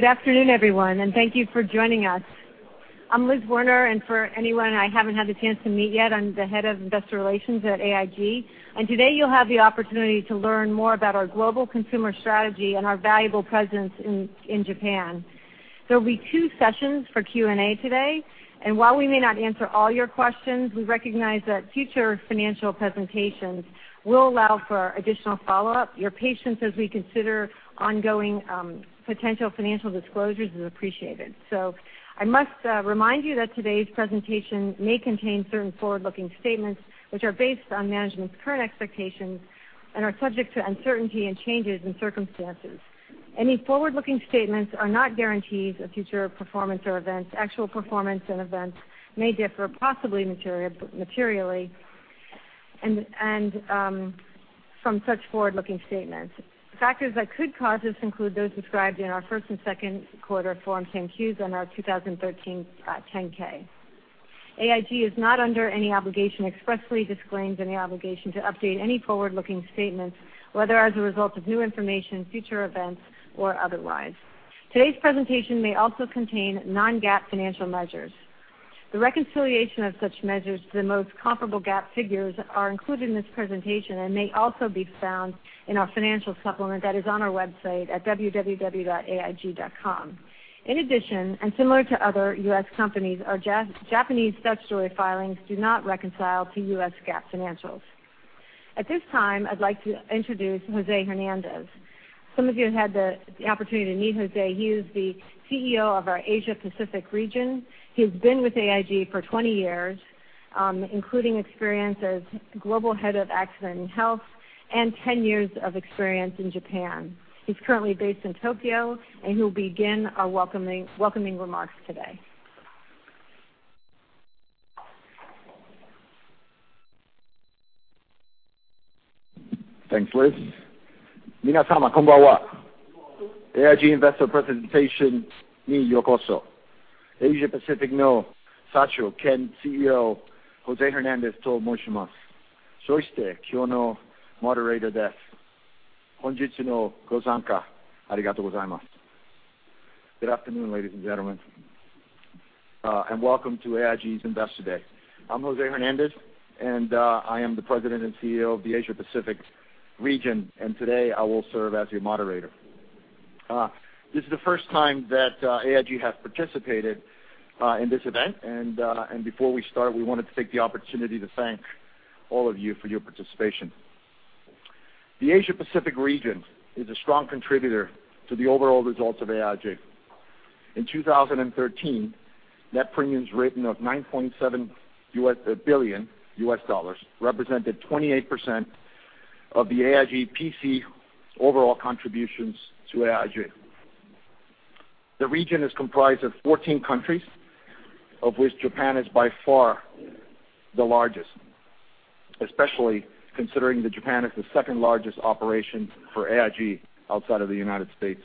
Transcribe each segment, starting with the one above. Good afternoon, everyone, and thank you for joining us. I'm Liz Werner, and for anyone I haven't had the chance to meet yet, I'm the Head of Investor Relations at AIG. Today you'll have the opportunity to learn more about our global consumer strategy and our valuable presence in Japan. There'll be two sessions for Q&A today. While we may not answer all your questions, we recognize that future financial presentations will allow for additional follow-up. Your patience as we consider ongoing potential financial disclosures is appreciated. I must remind you that today's presentation may contain certain forward-looking statements, which are based on management's current expectations and are subject to uncertainty and changes in circumstances. Any forward-looking statements are not guarantees of future performance or events. Actual performance and events may differ, possibly materially, from such forward-looking statements. Factors that could cause this include those described in our first and second quarter Form 10-Qs and our 2013 10-K. AIG is not under any obligation, expressly disclaims any obligation, to update any forward-looking statements, whether as a result of new information, future events, or otherwise. Today's presentation may also contain non-GAAP financial measures. The reconciliation of such measures to the most comparable GAAP figures are included in this presentation and may also be found in our financial supplement that is on our website at www.aig.com. In addition, similar to other U.S. companies, our Japanese statutory filings do not reconcile to U.S. GAAP financials. At this time, I'd like to introduce Jose Hernandez. Some of you have had the opportunity to meet Jose. He is the CEO of our Asia Pacific region. He has been with AIG for 20 years, including experience as Global Head of Accident & Health and 10 years of experience in Japan. He's currently based in Tokyo, and he'll begin our welcoming remarks today. Thanks, Liz. Good afternoon, ladies and gentlemen, and welcome to AIG's Investor Day. I'm Jose Hernandez, and I am the President and CEO of the Asia Pacific region, and today I will serve as your moderator. This is the first time that AIG has participated in this event. Before we start, we wanted to take the opportunity to thank all of you for your participation. The Asia Pacific region is a strong contributor to the overall results of AIG. In 2013, net premiums written of $9.7 billion represented 28% of the AIG P&C overall contributions to AIG. The region is comprised of 14 countries, of which Japan is by far the largest, especially considering that Japan is the second largest operation for AIG outside of the United States.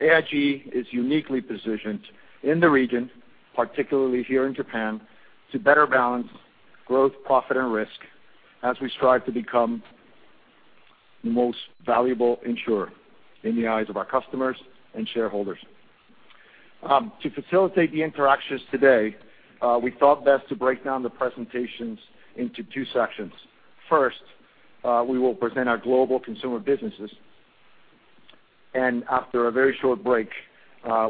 AIG is uniquely positioned in the region, particularly here in Japan, to better balance growth, profit, and risk as we strive to become the most valuable insurer in the eyes of our customers and shareholders. To facilitate the interactions today, we thought best to break down the presentations into two sections. First, we will present our global consumer businesses. After a very short break,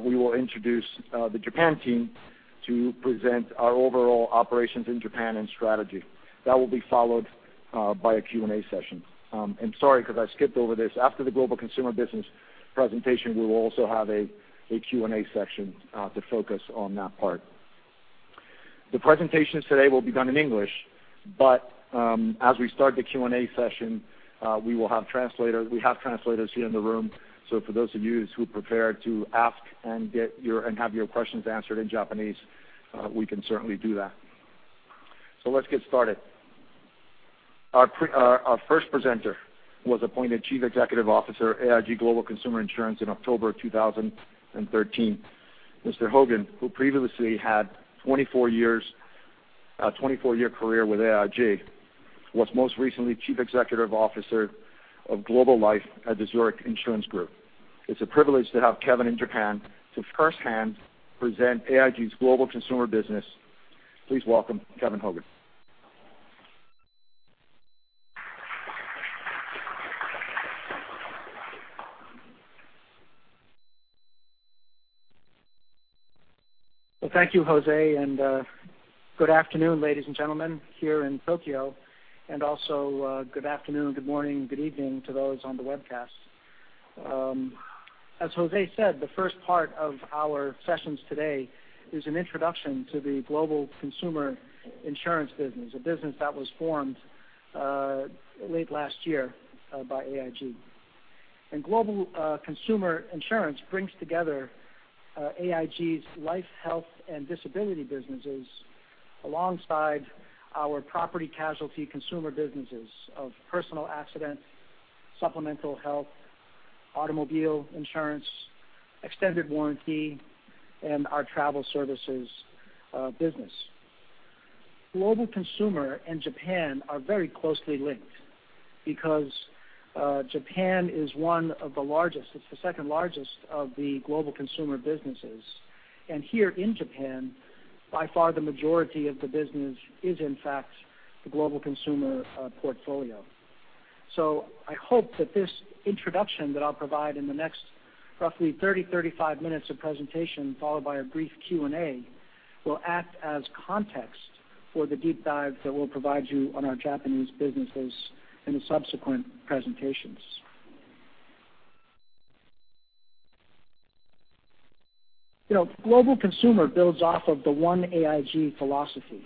we will introduce the Japan team to present our overall operations in Japan and strategy. That will be followed by a Q&A session. Sorry, because I skipped over this. After the global consumer business presentation, we will also have a Q&A session to focus on that part. The presentations today will be done in English, as we start the Q&A session, we have translators here in the room. For those of you who prefer to ask and have your questions answered in Japanese, we can certainly do that. Let's get started. Our first presenter was appointed Chief Executive Officer, AIG Global Consumer Insurance in October of 2013. Mr. Hogan, who previously had a 24-year career with AIG, was most recently Chief Executive Officer of Global Life at the Zurich Insurance Group. It's a privilege to have Kevin in Japan to firsthand present AIG's global consumer business. Please welcome Kevin Hogan. Thank you, Jose, good afternoon, ladies and gentlemen here in Tokyo, also good afternoon, good morning, good evening to those on the webcast. As Jose said, the first part of our sessions today is an introduction to the Global Consumer Insurance business, a business that was formed late last year by AIG. Global Consumer Insurance brings together AIG's life, health, and disability businesses alongside our property casualty consumer businesses of personal accident, supplemental health, automobile insurance, extended warranty, and our travel services business. Global consumer and Japan are very closely linked because Japan is one of the largest, it's the second largest of the global consumer businesses. Here in Japan, by far the majority of the business is in fact the global consumer portfolio. I hope that this introduction that I'll provide in the next roughly 30, 35 minutes of presentation, followed by a brief Q&A, will act as context for the deep dive that we'll provide you on our Japanese businesses in the subsequent presentations. Global consumer builds off of the One AIG philosophy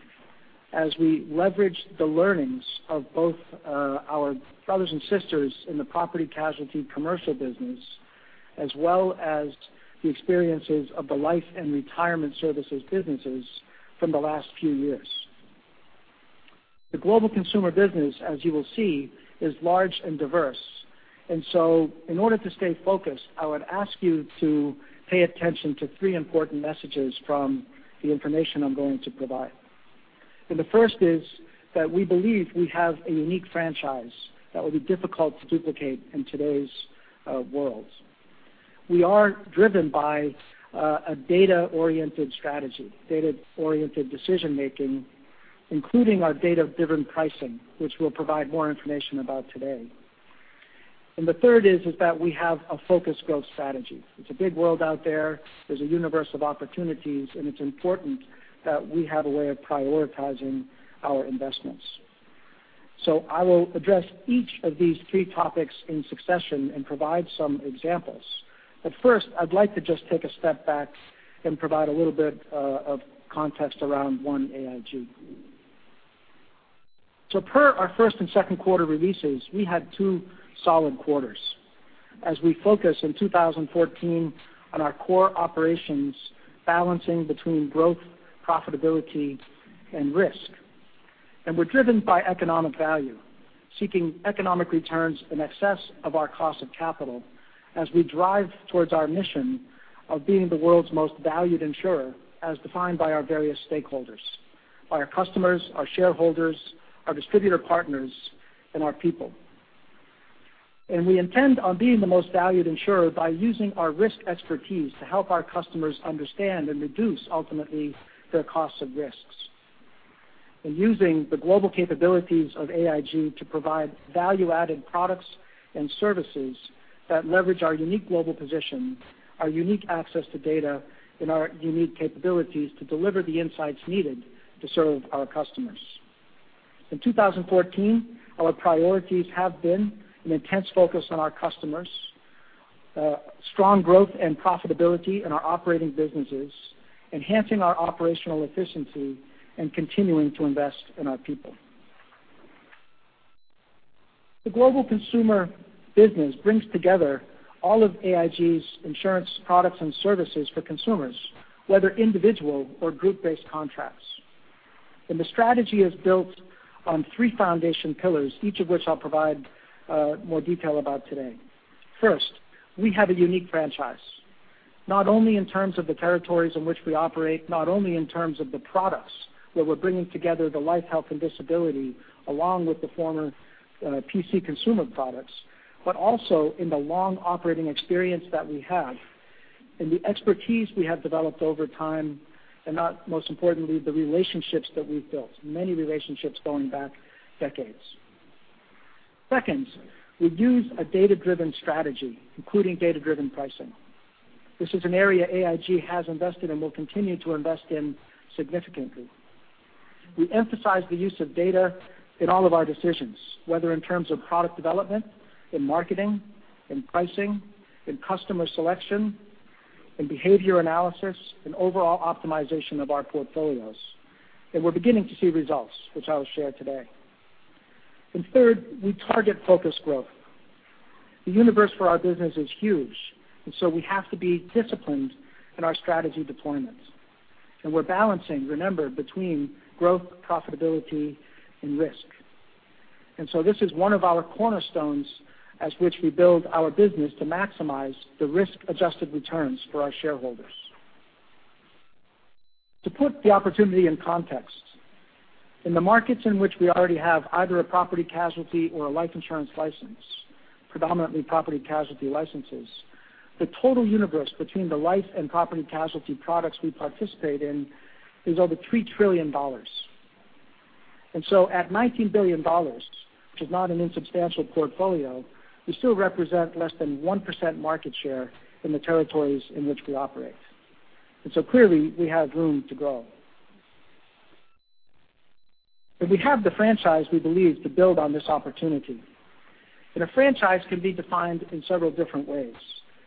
as we leverage the learnings of both our brothers and sisters in the property casualty commercial business, as well as the experiences of the life and retirement services businesses from the last few years. The global consumer business, as you will see, is large and diverse. In order to stay focused, I would ask you to pay attention to three important messages from the information I'm going to provide. The first is that we believe we have a unique franchise that will be difficult to duplicate in today's world. We are driven by a data-oriented strategy, data-oriented decision making, including our data-driven pricing, which we'll provide more information about today. The third is that we have a focused growth strategy. It's a big world out there. There's a universe of opportunities, and it's important that we have a way of prioritizing our investments. I will address each of these three topics in succession and provide some examples. First, I'd like to just take a step back and provide a little bit of context around One AIG. Per our first and second quarter releases, we had two solid quarters as we focus in 2014 on our core operations, balancing between growth, profitability and risk. We're driven by economic value, seeking economic returns in excess of our cost of capital as we drive towards our mission of being the world's most valued insurer, as defined by our various stakeholders, by our customers, our shareholders, our distributor partners, and our people. We intend on being the most valued insurer by using our risk expertise to help our customers understand and reduce ultimately their costs and risks. Using the global capabilities of AIG to provide value-added products and services that leverage our unique global position, our unique access to data, and our unique capabilities to deliver the insights needed to serve our customers. In 2014, our priorities have been an intense focus on our customers, strong growth and profitability in our operating businesses, enhancing our operational efficiency, and continuing to invest in our people. The global consumer business brings together all of AIG's insurance products and services for consumers, whether individual or group-based contracts. The strategy is built on three foundation pillars, each of which I'll provide more detail about today. First, we have a unique franchise, not only in terms of the territories in which we operate, not only in terms of the products, where we're bringing together the life, health, and disability, along with the former P&C consumer products, but also in the long operating experience that we have and the expertise we have developed over time, and now most importantly, the relationships that we've built, many relationships going back decades. Second, we use a data-driven strategy, including data-driven pricing. This is an area AIG has invested and will continue to invest in significantly. We emphasize the use of data in all of our decisions, whether in terms of product development, in marketing, in pricing, in customer selection, in behavior analysis, in overall optimization of our portfolios. We're beginning to see results, which I will share today. Third, we target focused growth. The universe for our business is huge, and so we have to be disciplined in our strategy deployments. We're balancing, remember, between growth, profitability and risk. This is one of our cornerstones as which we build our business to maximize the risk-adjusted returns for our shareholders. To put the opportunity in context, in the markets in which we already have either a property casualty or a life insurance license, predominantly property casualty licenses, the total universe between the life and property casualty products we participate in is over $3 trillion. At $19 billion, which is not an insubstantial portfolio, we still represent less than 1% market share in the territories in which we operate. Clearly, we have room to grow. We have the franchise we believe to build on this opportunity. A franchise can be defined in several different ways.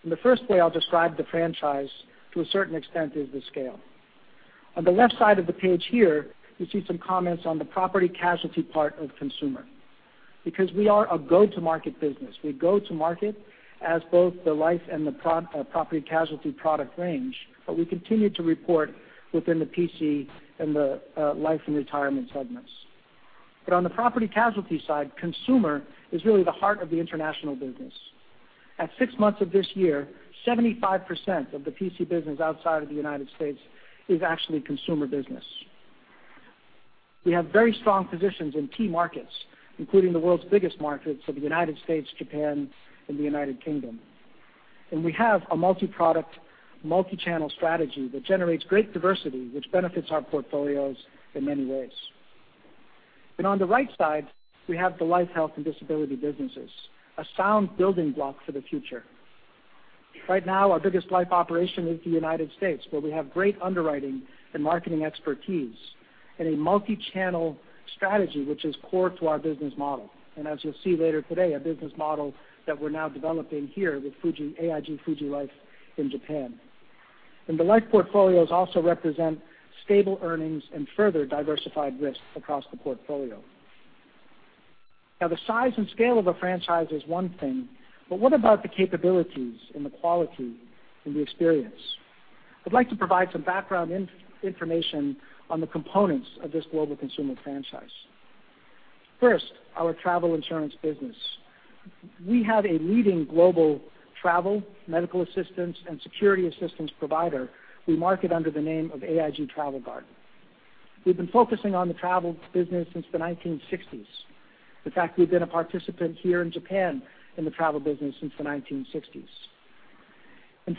The first way I'll describe the franchise to a certain extent is the scale. On the left side of the page here, you see some comments on the property casualty part of consumer. Because we are a go-to-market business, we go to market as both the life and the property casualty product range, but we continue to report within the PC and the Life & Retirement segments. On the property casualty side, consumer is really the heart of the international business. At 6 months of this year, 75% of the PC business outside of the U.S. is actually consumer business. We have very strong positions in key markets, including the world's biggest markets of the U.S., Japan, and the U.K. We have a multi-product, multi-channel strategy that generates great diversity, which benefits our portfolios in many ways. On the right side, we have the life, health, and disability businesses, a sound building block for the future. Right now, our biggest life operation is the U.S., where we have great underwriting and marketing expertise and a multi-channel strategy, which is core to our business model. As you'll see later today, a business model that we're now developing here with AIG Fuji Life in Japan. The life portfolios also represent stable earnings and further diversified risk across the portfolio. The size and scale of a franchise is one thing, but what about the capabilities and the quality and the experience? I'd like to provide some background information on the components of this global consumer franchise. First, our travel insurance business. We have a leading global travel, medical assistance, and security assistance provider we market under the name of AIG Travel Guard. We've been focusing on the travel business since the 1960s. In fact, we've been a participant here in Japan in the travel business since the 1960s.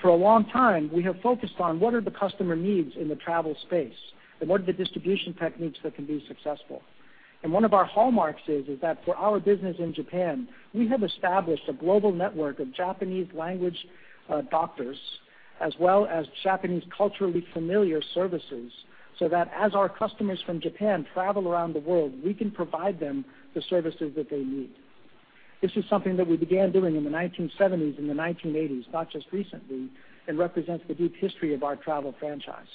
For a long time, we have focused on what are the customer needs in the travel space, and what are the distribution techniques that can be successful. One of our hallmarks is that for our business in Japan, we have established a global network of Japanese language doctors as well as Japanese culturally familiar services, so that as our customers from Japan travel around the world, we can provide them the services that they need. This is something that we began doing in the 1970s and the 1980s, not just recently, and represents the deep history of our travel franchise.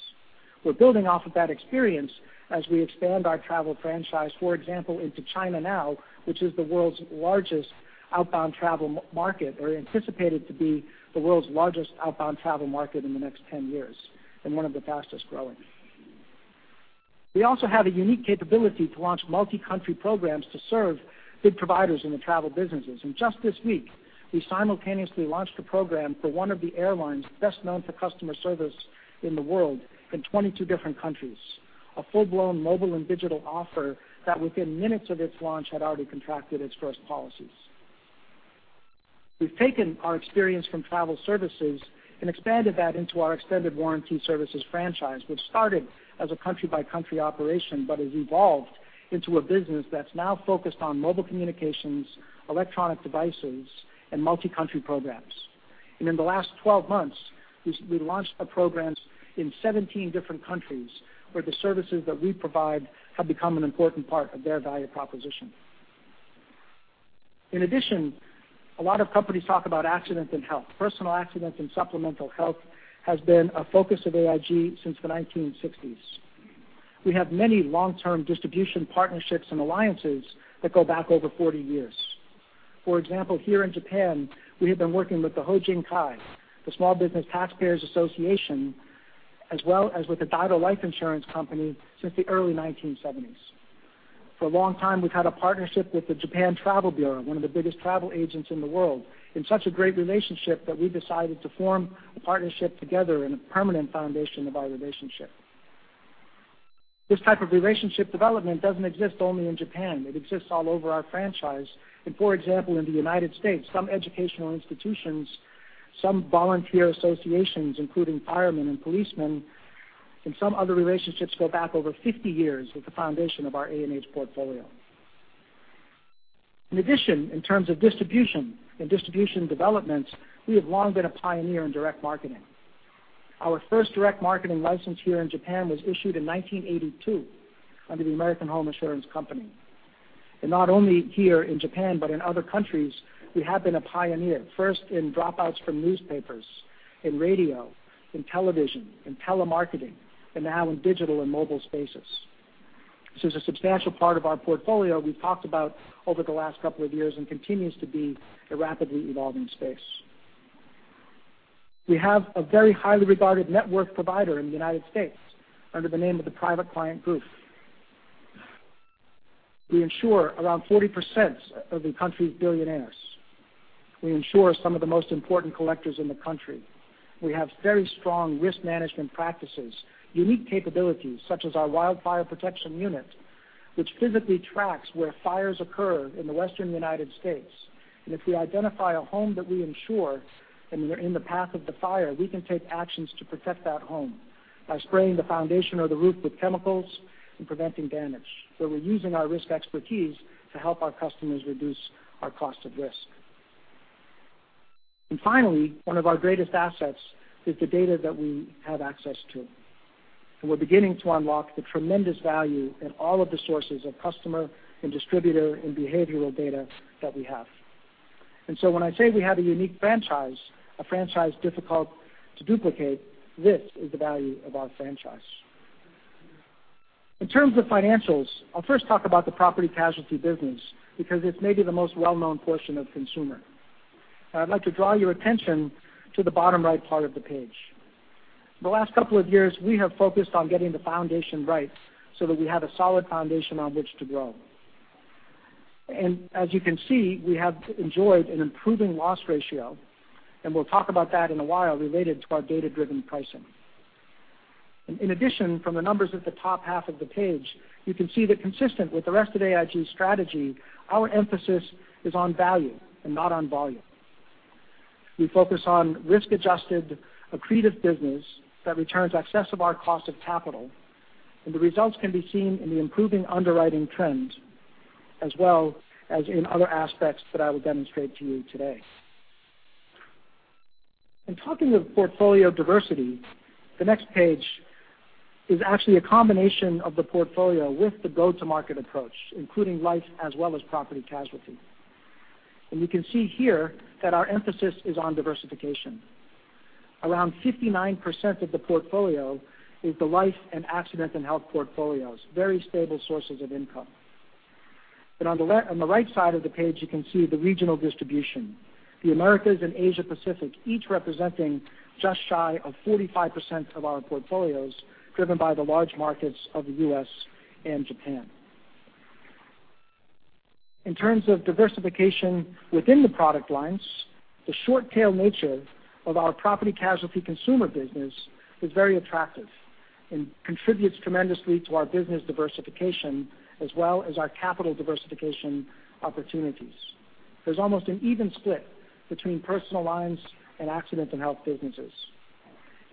We're building off of that experience as we expand our travel franchise, for example, into China now, which is the world's largest outbound travel market, or anticipated to be the world's largest outbound travel market in the next 10 years, and one of the fastest-growing. We also have a unique capability to launch multi-country programs to serve big providers in the travel businesses. Just this week, we simultaneously launched a program for one of the airlines best known for customer service in the world in 22 different countries, a full-blown mobile and digital offer that within minutes of its launch had already contracted its first policies. We've taken our experience from travel services and expanded that into our extended warranty services franchise, which started as a country-by-country operation but has evolved into a business that's now focused on mobile communications, electronic devices, and multi-country programs. In the last 12 months, we launched programs in 17 different countries where the services that we provide have become an important part of their value proposition. In addition, a lot of companies talk about accidents and health. Personal accidents and supplemental health has been a focus of AIG since the 1960s. We have many long-term distribution partnerships and alliances that go back over 40 years. For example, here in Japan, we have been working with the Hojinkai, the Small Business Taxpayers Association, as well as with the Daido Life Insurance Company since the early 1970s. For a long time, we've had a partnership with the Japan Travel Bureau, one of the biggest travel agents in the world, in such a great relationship that we decided to form a partnership together in a permanent foundation of our relationship. This type of relationship development doesn't exist only in Japan. It exists all over our franchise. For example, in the United States, some educational institutions, some volunteer associations, including firemen and policemen, and some other relationships go back over 50 years with the foundation of our A&H portfolio. In addition, in terms of distribution and distribution developments, we have long been a pioneer in direct marketing. Our first direct marketing license here in Japan was issued in 1982 under the American Home Assurance Company. Not only here in Japan, but in other countries, we have been a pioneer, first in dropouts from newspapers and radio, in television, in telemarketing, and now in digital and mobile spaces. This is a substantial part of our portfolio we've talked about over the last couple of years and continues to be a rapidly evolving space. We have a very highly regarded network provider in the United States under the name of the Private Client Group. We insure around 40% of the country's billionaires. We insure some of the most important collectors in the country. We have very strong risk management practices, unique capabilities such as our wildfire protection unit, which physically tracks where fires occur in the Western United States. If we identify a home that we insure and they're in the path of the fire, we can take actions to protect that home by spraying the foundation or the roof with chemicals and preventing damage, where we're using our risk expertise to help our customers reduce our cost of risk. Finally, one of our greatest assets is the data that we have access to. We're beginning to unlock the tremendous value in all of the sources of customer and distributor and behavioral data that we have. So when I say we have a unique franchise, a franchise difficult to duplicate, this is the value of our franchise. In terms of financials, I'll first talk about the property casualty business because it's maybe the most well-known portion of Consumer. I'd like to draw your attention to the bottom right part of the page. The last couple of years, we have focused on getting the foundation right so that we have a solid foundation on which to grow. As you can see, we have enjoyed an improving loss ratio, and we'll talk about that in a while related to our data-driven pricing. In addition, from the numbers at the top half of the page, you can see that consistent with the rest of AIG's strategy, our emphasis is on value and not on volume. We focus on risk-adjusted, accretive business that returns excess of our cost of capital, and the results can be seen in the improving underwriting trends as well as in other aspects that I will demonstrate to you today. In talking of portfolio diversity, the next page is actually a combination of the portfolio with the go-to-market approach, including life as well as property casualty. You can see here that our emphasis is on diversification. Around 59% of the portfolio is the life and accident and health portfolios, very stable sources of income. On the right side of the page, you can see the regional distribution, the Americas and Asia Pacific, each representing just shy of 45% of our portfolios, driven by the large markets of the U.S. and Japan. In terms of diversification within the product lines, the short tail nature of our property casualty consumer business is very attractive and contributes tremendously to our business diversification as well as our capital diversification opportunities. There's almost an even split between personal lines and accident and health businesses.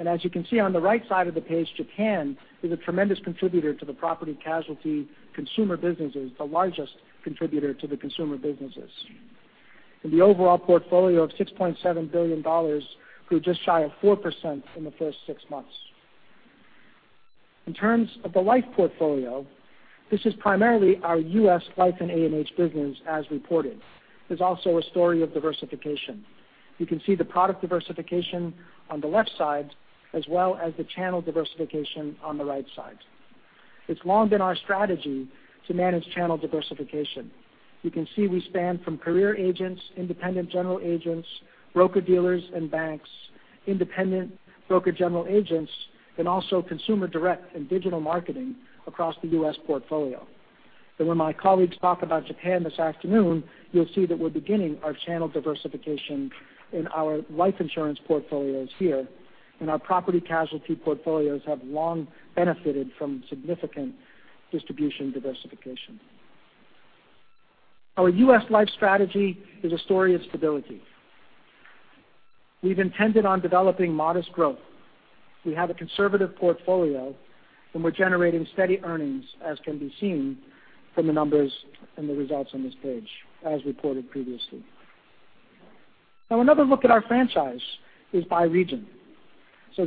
As you can see on the right side of the page, Japan is a tremendous contributor to the property casualty consumer businesses, the largest contributor to the consumer businesses. The overall portfolio of $6.7 billion grew just shy of 4% in the first six months. In terms of the life portfolio, this is primarily our U.S. life and A&H business as reported. There's also a story of diversification. You can see the product diversification on the left side as well as the channel diversification on the right side. It's long been our strategy to manage channel diversification. You can see we span from career agents, independent general agents, broker-dealers and banks, independent broker general agents, and also consumer direct and digital marketing across the U.S. portfolio. When my colleagues talk about Japan this afternoon, you'll see that we're beginning our channel diversification in our life insurance portfolios here, and our property casualty portfolios have long benefited from significant distribution diversification. Our U.S. life strategy is a story of stability. We've intended on developing modest growth. We have a conservative portfolio, and we're generating steady earnings, as can be seen from the numbers and the results on this page, as reported previously. Another look at our franchise is by region.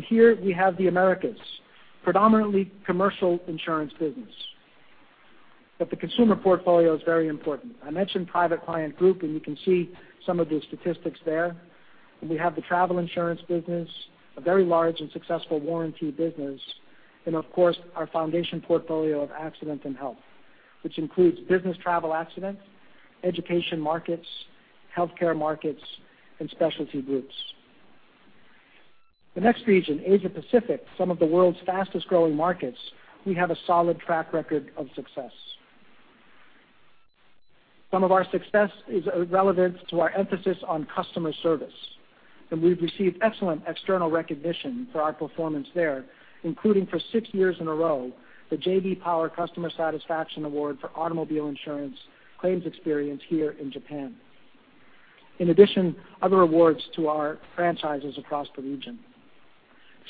Here we have the Americas, predominantly commercial insurance business. The consumer portfolio is very important. I mentioned Private Client Group, and you can see some of the statistics there. We have the travel insurance business, a very large and successful warranty business. Of course, our foundation portfolio of accident and health, which includes business travel accidents, education markets, healthcare markets, and specialty groups. The next region, Asia Pacific, some of the world's fastest-growing markets, we have a solid track record of success. Some of our success is relevant to our emphasis on customer service, we've received excellent external recognition for our performance there, including for six years in a row, the J.D. Power Customer Satisfaction Award for automobile insurance claims experience here in Japan. In addition, other awards to our franchises across the region.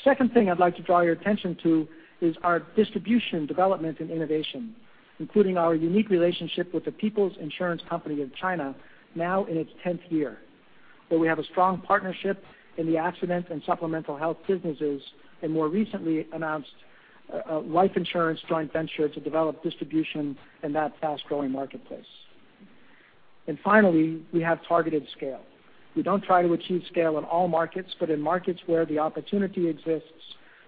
Second thing I'd like to draw your attention to is our distribution development and innovation, including our unique relationship with The People's Insurance Company of China, now in its 10th year, where we have a strong partnership in the accident and supplemental health businesses and more recently announced a life insurance joint venture to develop distribution in that fast-growing marketplace. Finally, we have targeted scale. We don't try to achieve scale in all markets, in markets where the opportunity exists,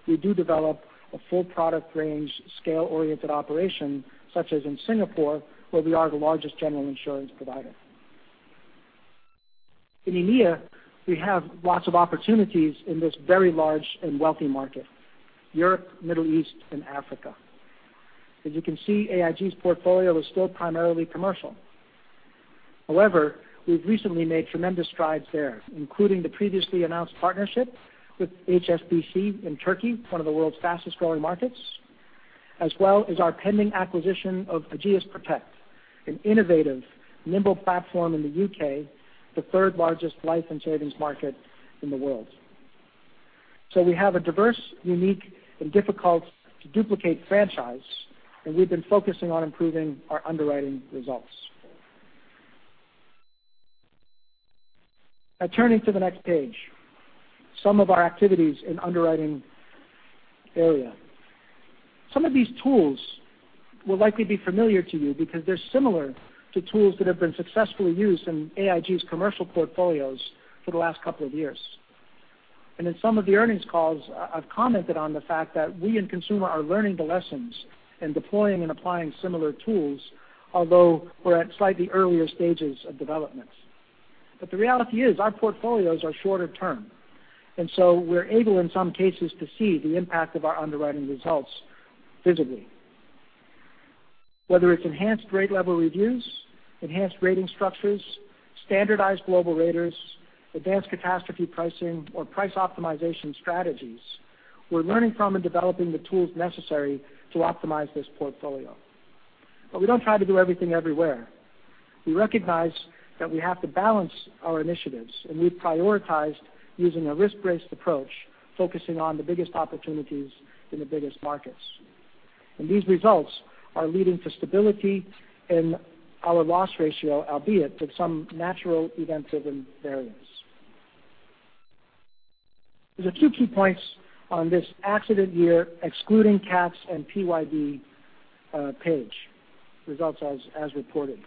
we do develop a full product range, scale-oriented operation, such as in Singapore, where we are the largest general insurance provider. In EMEA, we have lots of opportunities in this very large and wealthy market, Europe, Middle East, and Africa. As you can see, AIG's portfolio is still primarily commercial. However, we've recently made tremendous strides there, including the previously announced partnership with HSBC in Turkey, one of the world's fastest-growing markets, as well as our pending acquisition of Ageas Protect, an innovative, nimble platform in the U.K., the third largest life and savings market in the world. We have a diverse, unique, and difficult-to-duplicate franchise, we've been focusing on improving our underwriting results. Now turning to the next page, some of our activities in underwriting area. Some of these tools will likely be familiar to you because they're similar to tools that have been successfully used in AIG's commercial portfolios for the last couple of years. In some of the earnings calls, I've commented on the fact that we in consumer are learning the lessons and deploying and applying similar tools, although we're at slightly earlier stages of development. The reality is our portfolios are shorter term. We're able, in some cases, to see the impact of our underwriting results visibly. Whether it's enhanced rate level reviews, enhanced rating structures, standardized global raters, advanced catastrophe pricing, or price optimization strategies, we're learning from and developing the tools necessary to optimize this portfolio. We don't try to do everything everywhere. We recognize that we have to balance our initiatives, we've prioritized using a risk-based approach, focusing on the biggest opportunities in the biggest markets. These results are leading to stability in our loss ratio, albeit with some natural event-driven variance. There's a few key points on this accident year excluding cats and PYD page results as reported.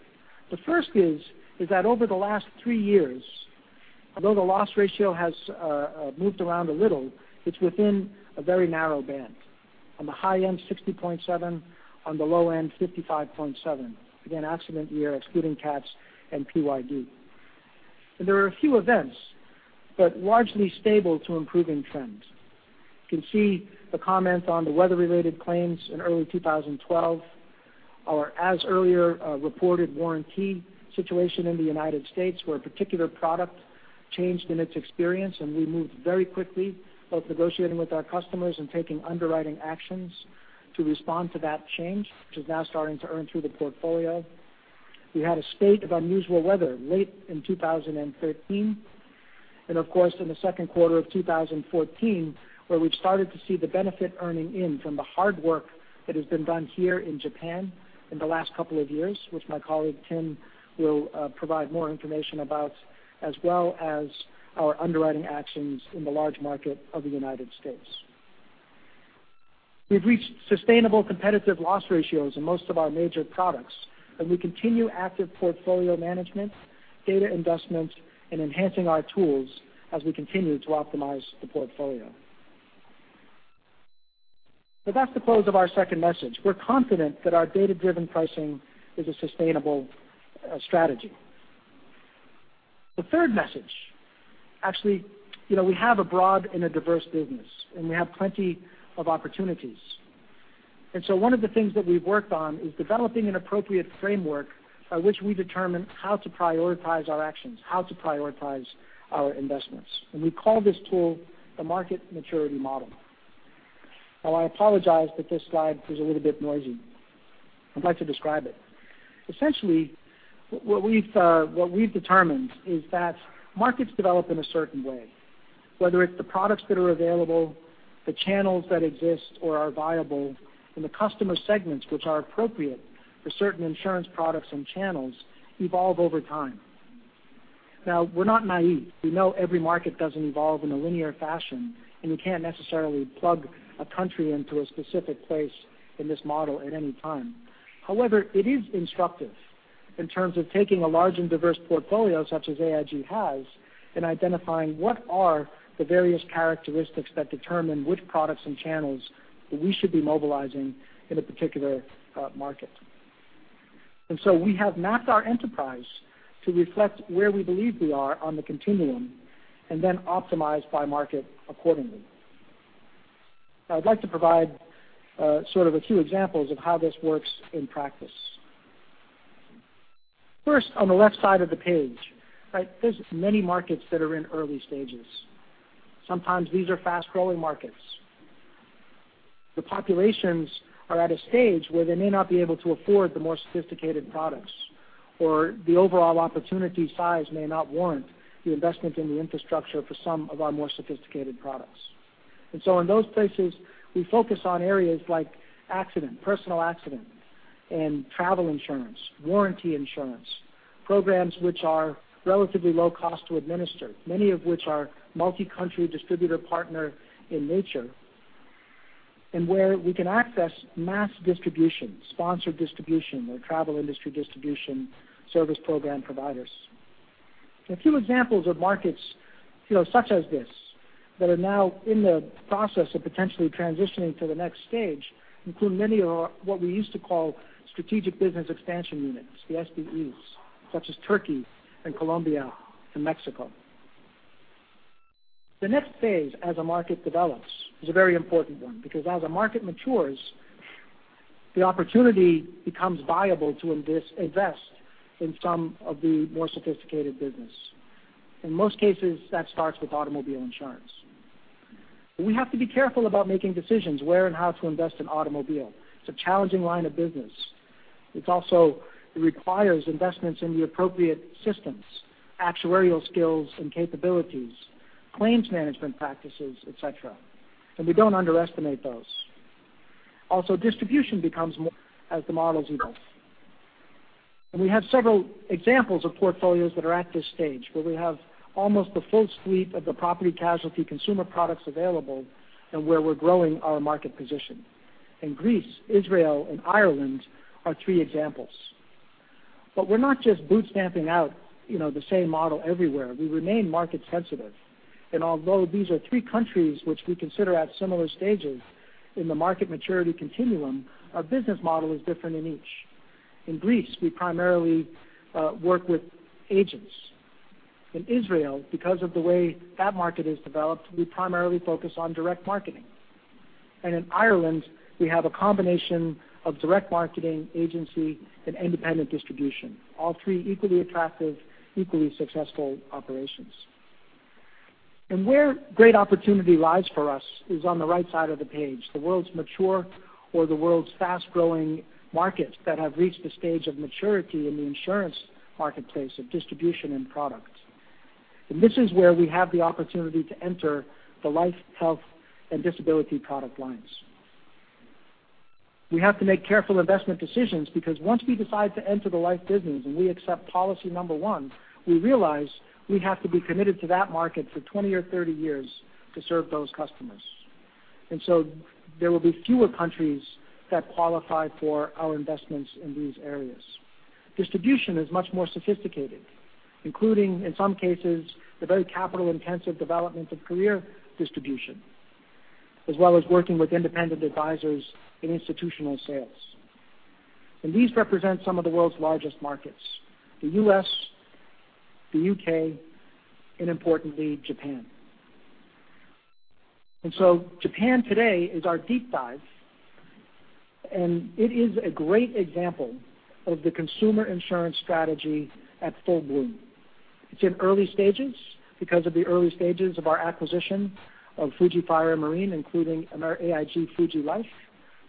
The first is that over the last three years, although the loss ratio has moved around a little, it's within a very narrow band. On the high end, 60.7%, on the low end, 55.7%. Again, accident year excluding cats and PYD. There are a few events, largely stable to improving trends. You can see the comment on the weather-related claims in early 2012, our as-earlier-reported warranty situation in the U.S. where a particular product changed in its experience, and we moved very quickly both negotiating with our customers and taking underwriting actions to respond to that change, which is now starting to earn through the portfolio. We had a spate of unusual weather late in 2013. Of course, in the second quarter of 2014, where we've started to see the benefit earning in from the hard work that has been done here in Japan in the last couple of years, which my colleague Tim will provide more information about, as well as our underwriting actions in the large market of the U.S. We've reached sustainable competitive loss ratios in most of our major products, and we continue active portfolio management, data investment, and enhancing our tools as we continue to optimize the portfolio. That's the close of our second message. We're confident that our data-driven pricing is a sustainable strategy. The third message, actually, we have a broad and a diverse business, and we have plenty of opportunities. So one of the things that we've worked on is developing an appropriate framework by which we determine how to prioritize our actions, how to prioritize our investments. We call this tool the market maturity model. Now, I apologize that this slide is a little bit noisy. I'd like to describe it. Essentially, what we've determined is that markets develop in a certain way, whether it's the products that are available, the channels that exist or are viable, and the customer segments which are appropriate for certain insurance products and channels evolve over time. Now, we're not naive. We know every market doesn't evolve in a linear fashion, and we can't necessarily plug a country into a specific place in this model at any time. However, it is instructive in terms of taking a large and diverse portfolio such as AIG has and identifying what are the various characteristics that determine which products and channels that we should be mobilizing in a particular market. So we have mapped our enterprise to reflect where we believe we are on the continuum and then optimize by market accordingly. Now I'd like to provide sort of a few examples of how this works in practice. First, on the left side of the page, there's many markets that are in early stages. Sometimes these are fast-growing markets. The populations are at a stage where they may not be able to afford the more sophisticated products, or the overall opportunity size may not warrant the investment in the infrastructure for some of our more sophisticated products. So in those places, we focus on areas like accident, personal accident, and travel insurance, warranty insurance, programs which are relatively low cost to administer, many of which are multi-country distributor partner in nature, and where we can access mass distribution, sponsored distribution, or travel industry distribution service program providers. There are few examples of markets such as this that are now in the process of potentially transitioning to the next stage, including many of our what we used to call strategic business expansion units, the SBEs, such as Turkey and Colombia and Mexico. The next phase as a market develops is a very important one because as a market matures, the opportunity becomes viable to invest in some of the more sophisticated business. In most cases, that starts with automobile insurance. We have to be careful about making decisions where and how to invest in automobile. It's a challenging line of business. It also requires investments in the appropriate systems, actuarial skills and capabilities, claims management practices, et cetera. We don't underestimate those. Also, distribution becomes more as the models evolve. We have several examples of portfolios that are at this stage, where we have almost the full suite of the property casualty consumer products available and where we're growing our market position. Greece, Israel, and Ireland are three examples. We're not just boot stamping out the same model everywhere. We remain market sensitive. Although these are three countries which we consider at similar stages in the market maturity continuum, our business model is different in each. In Greece, we primarily work with agents. In Israel, because of the way that market has developed, we primarily focus on direct marketing. In Ireland, we have a combination of direct marketing agency and independent distribution. All three equally attractive, equally successful operations. Where great opportunity lies for us is on the right side of the page, the world's mature or the world's fast-growing markets that have reached the stage of maturity in the insurance marketplace of distribution and product. This is where we have the opportunity to enter the life, health, and disability product lines. We have to make careful investment decisions because once we decide to enter the life business and we accept policy number 1, we realize we have to be committed to that market for 20 or 30 years to serve those customers. There will be fewer countries that qualify for our investments in these areas. Distribution is much more sophisticated, including, in some cases, the very capital-intensive development of career distribution, as well as working with independent advisors in institutional sales. These represent some of the world's largest markets, the U.S., the U.K., and importantly, Japan. Japan today is our deep dive, and it is a great example of the consumer insurance strategy at full bloom. It's in early stages because of the early stages of our acquisition of Fuji Fire and Marine, including AIG Fuji Life,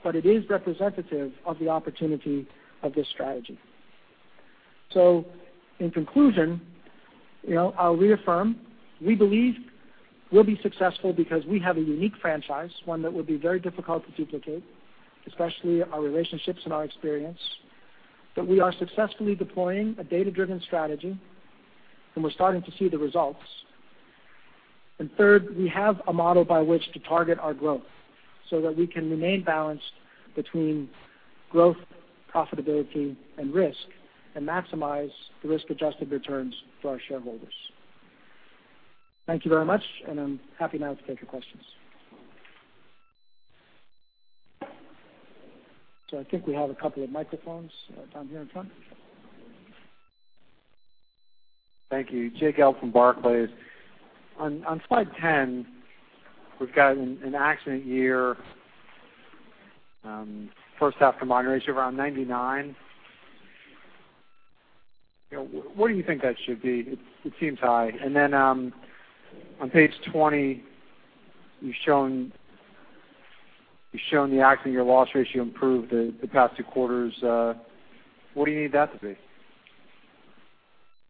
but it is representative of the opportunity of this strategy. In conclusion, I'll reaffirm, we believe we'll be successful because we have a unique franchise, one that will be very difficult to duplicate, especially our relationships and our experience, that we are successfully deploying a data-driven strategy, and we're starting to see the results. Third, we have a model by which to target our growth so that we can remain balanced between growth, profitability, and risk and maximize the risk-adjusted returns for our shareholders. Thank you very much, and I'm happy now to take your questions. I think we have a couple of microphones down here in front. Thank you. Jay Gelb from Barclays. On slide 10, we've got an accident year, first half combined ratio around 99. What do you think that should be? It seems high. On page 20, you've shown the accident year loss ratio improved the past two quarters. What do you need that to be?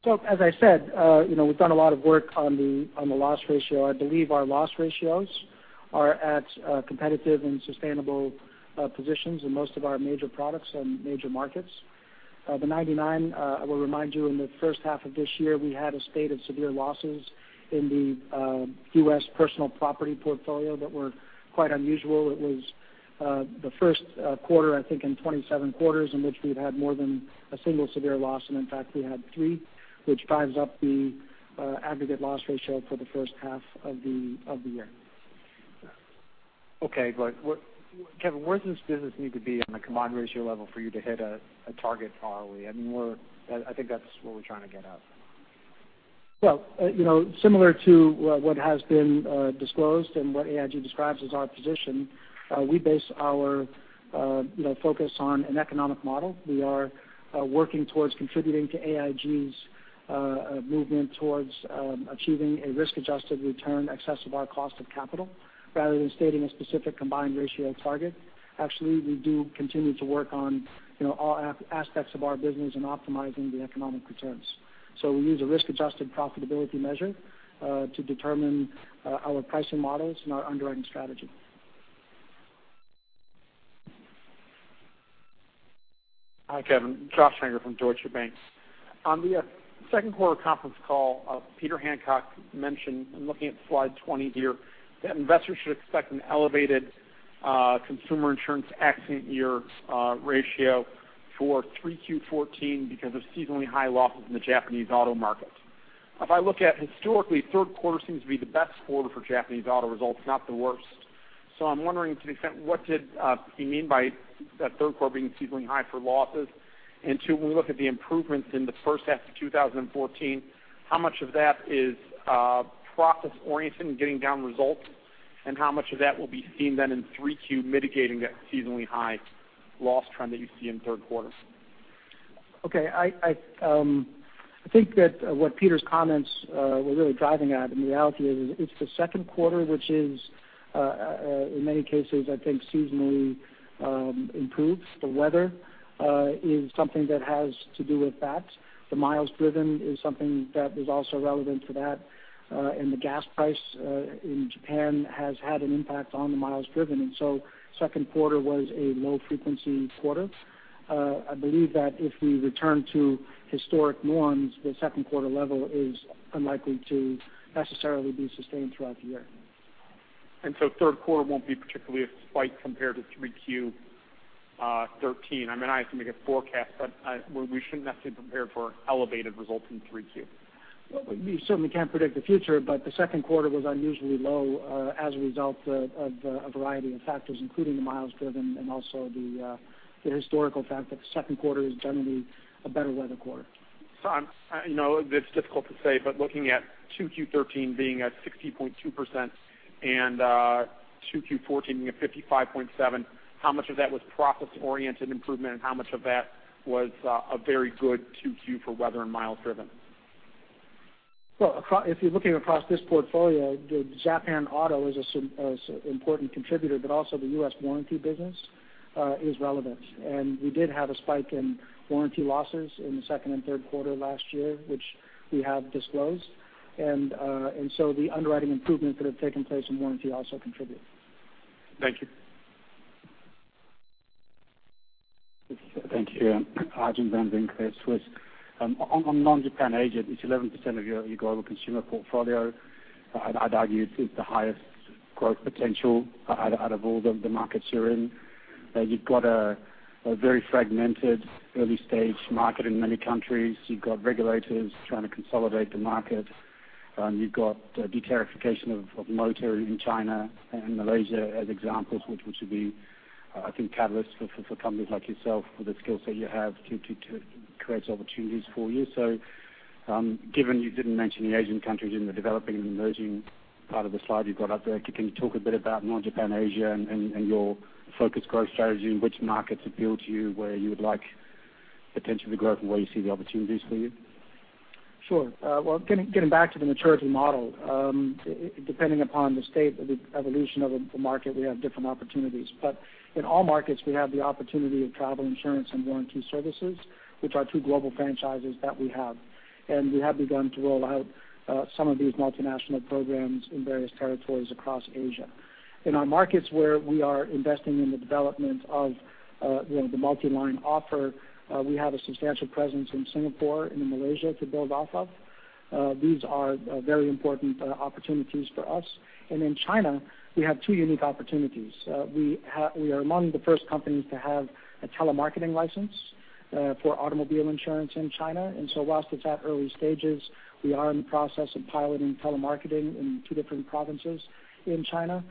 As I said, we've done a lot of work on the loss ratio. I believe our loss ratios are at competitive and sustainable positions in most of our major products and major markets. The 99, I will remind you, in the first half of this year, we had a spate of severe losses in the U.S. personal property portfolio that were quite unusual. It was the first quarter, I think, in 27 quarters in which we've had more than a single severe loss, and in fact, we had three, which drives up the aggregate loss ratio for the first half of the year. Okay. Kevin, where does this business need to be on the combined ratio level for you to hit a target far away? I think that's what we're trying to get at. Well, similar to what has been disclosed and what AIG describes as our position, we base our focus on an economic model. We are working towards contributing to AIG's movement towards achieving a risk-adjusted return excess of our cost of capital rather than stating a specific combined ratio target. Actually, we do continue to work on all aspects of our business and optimizing the economic returns. We use a risk-adjusted profitability measure to determine our pricing models and our underwriting strategy. Hi, Kevin. Josh Steiner from Deutsche Bank. On the second quarter conference call, Peter Hancock mentioned, I'm looking at slide 20 here, that investors should expect an elevated consumer insurance accident year ratio for 3Q14 because of seasonally high losses in the Japanese auto market. If I look at historically, third quarter seems to be the best quarter for Japanese auto results, not the worst. I'm wondering to the extent, what did he mean by that third quarter being seasonally high for losses? Two, when we look at the improvements in the first half of 2014, how much of that is process-oriented and getting down results? How much of that will be seen then in 3Q mitigating that seasonally high loss trend that you see in third quarters? Okay. I think that what Peter's comments were really driving at and the reality is it's the second quarter, which is, in many cases, I think seasonally improves. The weather is something that has to do with that. The miles driven is something that is also relevant to that. The gas price in Japan has had an impact on the miles driven. Second quarter was a low-frequency quarter. I believe that if we return to historic norms, the second quarter level is unlikely to necessarily be sustained throughout the year. Third quarter won't be particularly a spike compared to 3Q '13. I mean, I have to make a forecast, we shouldn't necessarily prepare for elevated results in 3Q. We certainly can't predict the future, but the second quarter was unusually low as a result of a variety of factors, including the miles driven and also the historical fact that the second quarter is generally a better weather quarter. I know it's difficult to say, but looking at 2Q13 being at 60.2% and 2Q14 being at 55.7%, how much of that was process-oriented improvement, and how much of that was a very good 2Q for weather and miles driven? If you're looking across this portfolio, the Japan auto is an important contributor, but also the U.S. warranty business is relevant. We did have a spike in warranty losses in the second and third quarter of last year, which we have disclosed. The underwriting improvements that have taken place in warranty also contribute. Thank you. Thank you. Ryan Tunis, Credit Suisse. On non-Japan Asia, it's 11% of your global consumer portfolio. I'd argue it's the highest growth potential out of all the markets you're in. You've got a very fragmented early stage market in many countries. You've got regulators trying to consolidate the market. You've got de-tariffication of motor in China and Malaysia as examples, which would be, I think, catalysts for companies like yourself with the skill set you have to create opportunities for you. Given you didn't mention the Asian countries in the developing and emerging part of the slide you've got up there, can you talk a bit about non-Japan Asia and your focus growth strategy and which markets appeal to you, where you would like potentially to grow, from where you see the opportunities for you? Sure. Getting back to the maturity model, depending upon the state of the evolution of the market, we have different opportunities. In all markets, we have the opportunity of travel insurance and warranty services, which are two global franchises that we have. We have begun to roll out some of these multinational programs in various territories across Asia. In our markets where we are investing in the development of the multi-line offer, we have a substantial presence in Singapore and in Malaysia to build off of. These are very important opportunities for us. In China, we have two unique opportunities. We are among the first companies to have a telemarketing license for automobile insurance in China. Whilst it's at early stages, we are in the process of piloting telemarketing in two different provinces in China.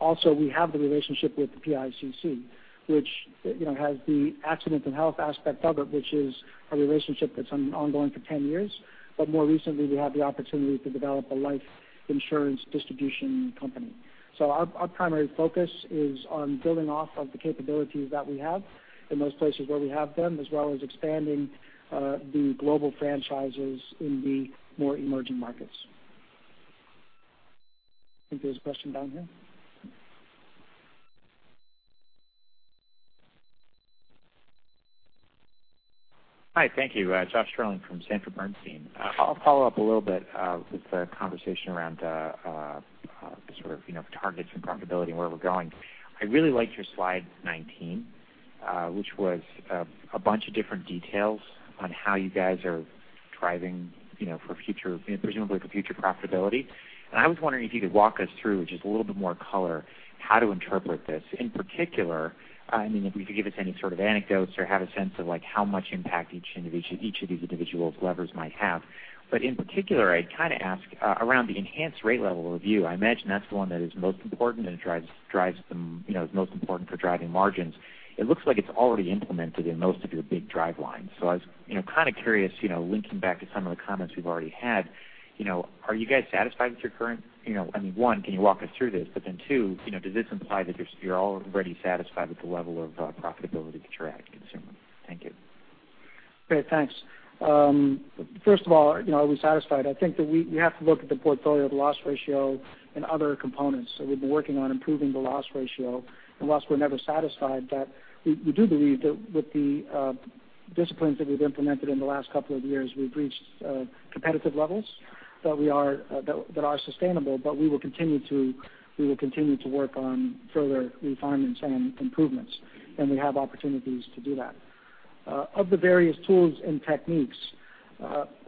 Also we have the relationship with the PICC, which has the accident and health aspect of it, which is a relationship that's ongoing for 10 years. More recently, we had the opportunity to develop a life insurance distribution company. Our primary focus is on building off of the capabilities that we have in those places where we have them, as well as expanding the global franchises in the more emerging markets. I think there's a question down here. Hi, thank you. Josh Sterling from Sanford Bernstein. I'll follow up a little bit with the conversation around the sort of targets and profitability and where we're going. I really liked your slide 19, which was a bunch of different details on how you guys are driving presumably for future profitability. I was wondering if you could walk us through just a little bit more color, how to interpret this. In particular, if you could give us any sort of anecdotes or have a sense of how much impact each of these individual levers might have. In particular, I'd ask around the enhanced rate level review, I imagine that's the one that is most important for driving margins. It looks like it's already implemented in most of your big drive lines. I was kind of curious, linking back to some of the comments we've already had, are you guys satisfied with your current, one, can you walk us through this, two, does this imply that you're already satisfied with the level of profitability that you're at currently? Thank you. Great. Thanks. First of all, are we satisfied? I think that we have to look at the portfolio of the loss ratio and other components. We've been working on improving the loss ratio. Whilst we're never satisfied, we do believe that with the disciplines that we've implemented in the last couple of years, we've reached competitive levels that are sustainable, we will continue to work on further refinements and improvements, and we have opportunities to do that. Of the various tools and techniques,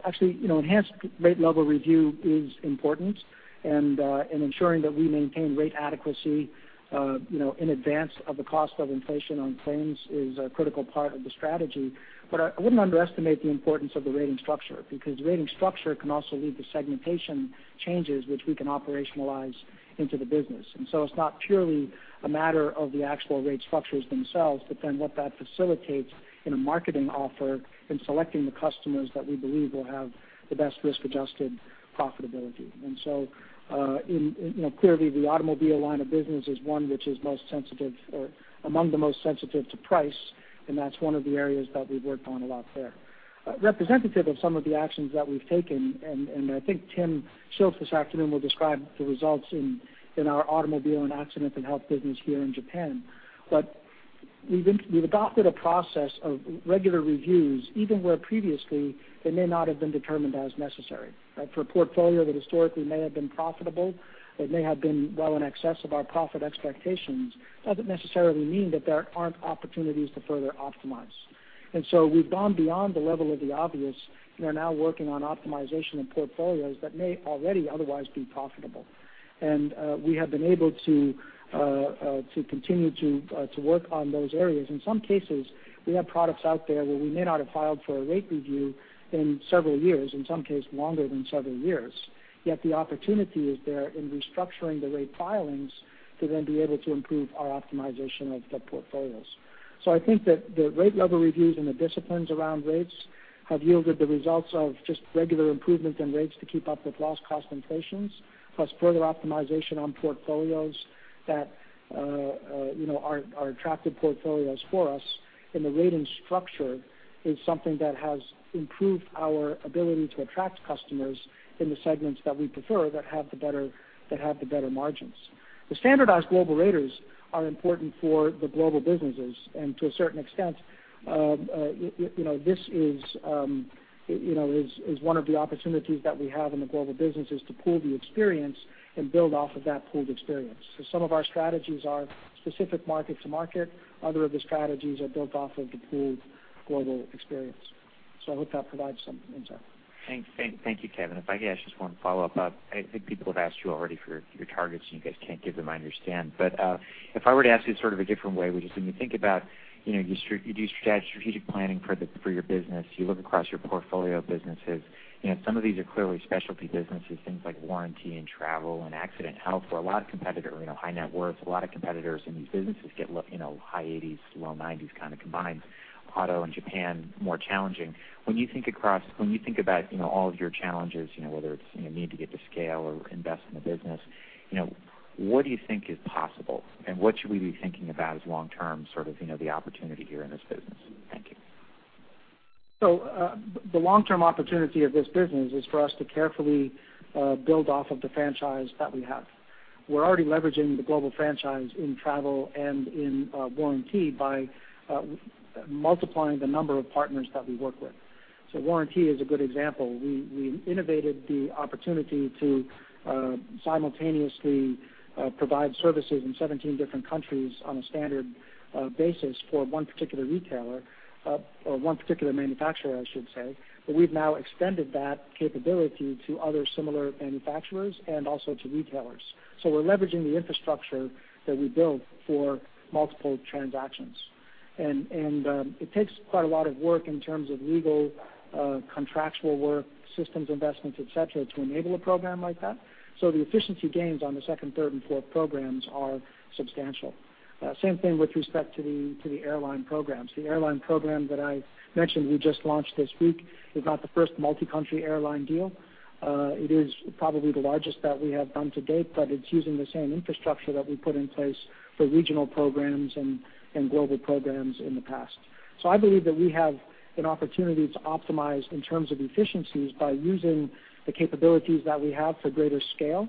actually, enhanced rate level review is important, and ensuring that we maintain rate adequacy in advance of the cost of inflation on claims is a critical part of the strategy. I wouldn't underestimate the importance of the rating structure because the rating structure can also lead to segmentation changes which we can operationalize into the business. It's not purely a matter of the actual rate structures themselves, what that facilitates in a marketing offer in selecting the customers that we believe will have the best risk-adjusted profitability. Clearly the automobile line of business is one which is most sensitive or among the most sensitive to price, and that's one of the areas that we've worked on a lot there. Representative of some of the actions that we've taken, and I think Tim Schultis this afternoon will describe the results in our automobile and A&H business here in Japan. We've adopted a process of regular reviews, even where previously they may not have been determined as necessary. For a portfolio that historically may have been profitable, it may have been well in excess of our profit expectations, doesn't necessarily mean that there aren't opportunities to further optimize. We've gone beyond the level of the obvious. We are now working on optimization of portfolios that may already otherwise be profitable. We have been able to continue to work on those areas. In some cases, we have products out there where we may not have filed for a rate review in several years, in some cases longer than several years. Yet the opportunity is there in restructuring the rate filings to then be able to improve our optimization of the portfolios. I think that the rate level reviews and the disciplines around rates have yielded the results of just regular improvements in rates to keep up with loss cost inflations, plus further optimization on portfolios that are attractive portfolios for us. The rating structure is something that has improved our ability to attract customers in the segments that we prefer that have the better margins. The standardized global raters are important for the global businesses. To a certain extent, this is one of the opportunities that we have in the global business, is to pool the experience and build off of that pooled experience. Some of our strategies are specific market to market. Other of the strategies are built off of the pooled global experience. I hope that provides some insight. Thank you, Kevin. If I could ask just one follow-up. I think people have asked you already for your targets, you guys can't give them, I understand. If I were to ask you sort of a different way, which is when you think about strategic planning for your business, you look across your portfolio of businesses. Some of these are clearly specialty businesses, things like warranty and travel and Accident & Health. For a lot of competitor, high 80s, low 90s kind of combines. Auto and Japan, more challenging. When you think about all of your challenges, whether it's need to get to scale or invest in the business, what do you think is possible? What should we be thinking about as long-term sort of the opportunity here in this business? Thank you. The long-term opportunity of this business is for us to carefully build off of the franchise that we have. We're already leveraging the global franchise in travel and in warranty by multiplying the number of partners that we work with. Warranty is a good example. We innovated the opportunity to simultaneously provide services in 17 different countries on a standard basis for one particular retailer, or one particular manufacturer, I should say. We've now extended that capability to other similar manufacturers and also to retailers. We're leveraging the infrastructure that we built for multiple transactions. It takes quite a lot of work in terms of legal, contractual work, systems investments, et cetera, to enable a program like that. The efficiency gains on the second, third, and fourth programs are substantial. Same thing with respect to the airline programs. The airline program that I mentioned we just launched this week is not the first multi-country airline deal. It is probably the largest that we have done to date, it's using the same infrastructure that we put in place for regional programs and global programs in the past. I believe that we have an opportunity to optimize in terms of efficiencies by using the capabilities that we have for greater scale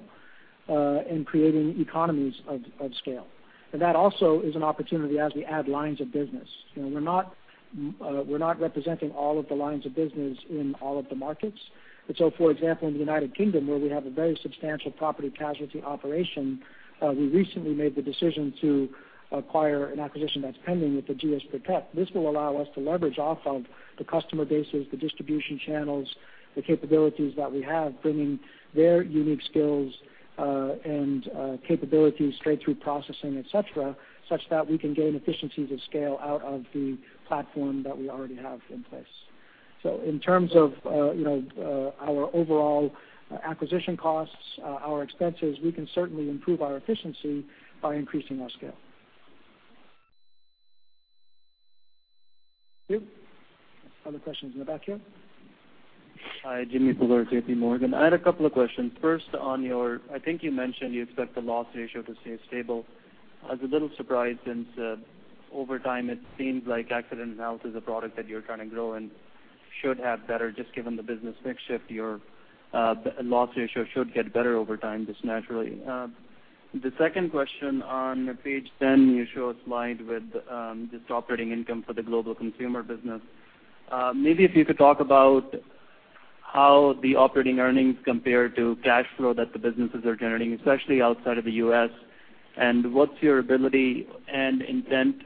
and creating economies of scale. That also is an opportunity as we add lines of business. We're not representing all of the lines of business in all of the markets. For example, in the United Kingdom, where we have a very substantial Property & Casualty operation, we recently made the decision to acquire an acquisition that's pending with the Ageas Protect. This will allow us to leverage off of the customer bases, the distribution channels, the capabilities that we have, bringing their unique skills and capabilities straight through processing, et cetera, such that we can gain efficiencies of scale out of the platform that we already have in place. In terms of our overall acquisition costs, our expenses, we can certainly improve our efficiency by increasing our scale. Other questions in the back here? Hi, Jimmy at J.P. Morgan. I had a couple of questions. First on your, I think you mentioned you expect the loss ratio to stay stable. I was a little surprised since over time it seems like Accident & Health is a product that you're trying to grow and should have better just given the business mix shift, your loss ratio should get better over time, just naturally. The second question on page 10, you show a slide with just operating income for the global consumer business. Maybe if you could talk about how the operating earnings compare to cash flow that the businesses are generating, especially outside of the U.S., and what's your ability and intent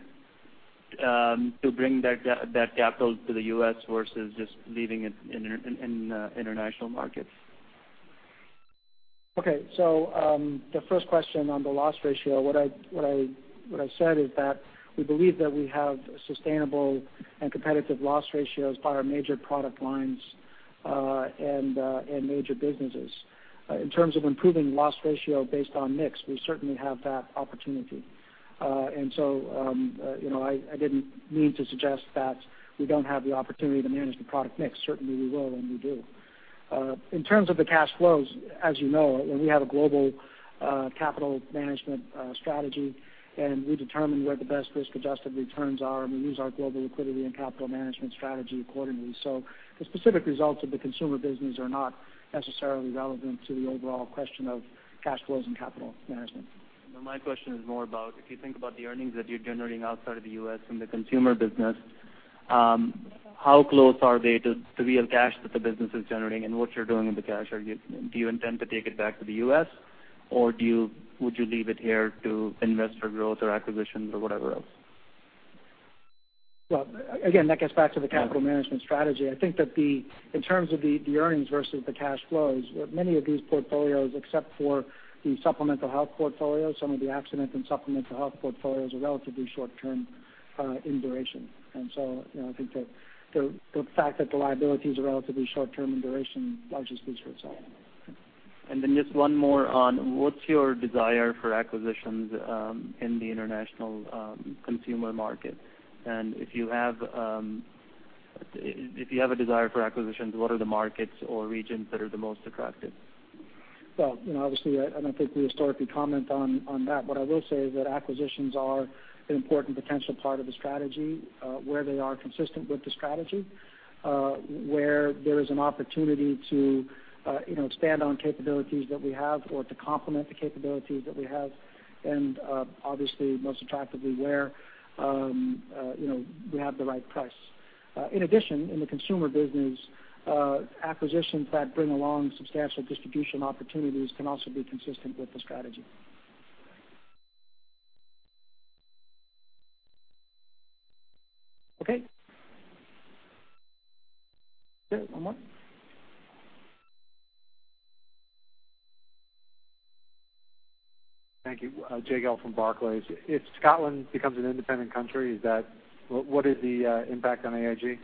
to bring that capital to the U.S. versus just leaving it in international markets? Okay. The first question on the loss ratio, what I said is that we believe that we have sustainable and competitive loss ratios by our major product lines and major businesses. In terms of improving loss ratio based on mix, we certainly have that opportunity. I didn't mean to suggest that we don't have the opportunity to manage the product mix. Certainly, we will and we do. In terms of the cash flows, as you know, we have a global capital management strategy, and we determine where the best risk-adjusted returns are, and we use our global liquidity and capital management strategy accordingly. The specific results of the consumer business are not necessarily relevant to the overall question of cash flows and capital management. No, my question is more about if you think about the earnings that you're generating outside of the U.S. in the consumer business, how close are they to real cash that the business is generating and what you're doing with the cash? Do you intend to take it back to the U.S.? Would you leave it here to invest for growth or acquisitions or whatever else? Well, again, that gets back to the capital management strategy. I think that in terms of the earnings versus the cash flows, many of these portfolios, except for the supplemental health portfolio, some of the accident and supplemental health portfolios are relatively short term in duration. So I think the fact that the liabilities are relatively short term in duration largely speaks for itself. Just one more on, what's your desire for acquisitions in the international consumer market? If you have a desire for acquisitions, what are the markets or regions that are the most attractive? Well, obviously, I don't think we historically comment on that. What I will say is that acquisitions are an important potential part of the strategy, where they are consistent with the strategy, where there is an opportunity to expand on capabilities that we have or to complement the capabilities that we have, obviously, most attractively, where we have the right price. In addition, in the consumer business, acquisitions that bring along substantial distribution opportunities can also be consistent with the strategy. Okay. One more. Thank you. Jay Gelb from Barclays. If Scotland becomes an independent country, what is the impact on AIG?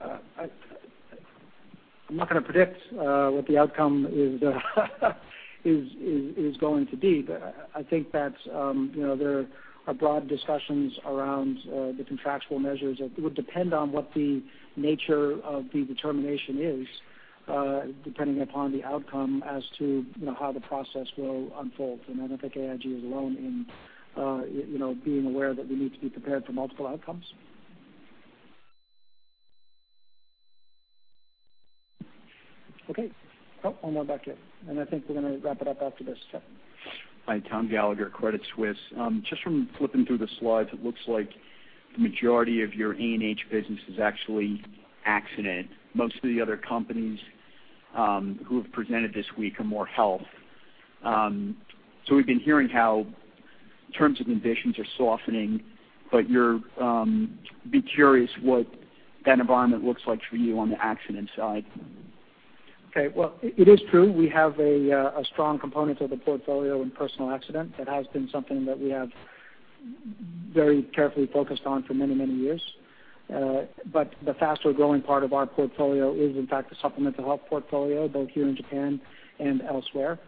I'm not going to predict what the outcome is going to be, I think that there are broad discussions around the contractual measures. It would depend on what the nature of the determination is, depending upon the outcome as to how the process will unfold. I don't think AIG is alone in being aware that we need to be prepared for multiple outcomes. Okay. Oh, one more back here. I think we're going to wrap it up after this. Hi, Thomas Gallagher, Credit Suisse. Just from flipping through the slides, it looks like the majority of your A&H business is actually accident. Most of the other companies who have presented this week are more health. We've been hearing how terms and conditions are softening, I'd be curious what that environment looks like for you on the accident side. Okay. Well, it is true, we have a strong component of the portfolio in personal accident. That has been something that we have very carefully focused on for many, many years. The faster-growing part of our portfolio is, in fact, the supplemental health portfolio, both here in Japan and elsewhere.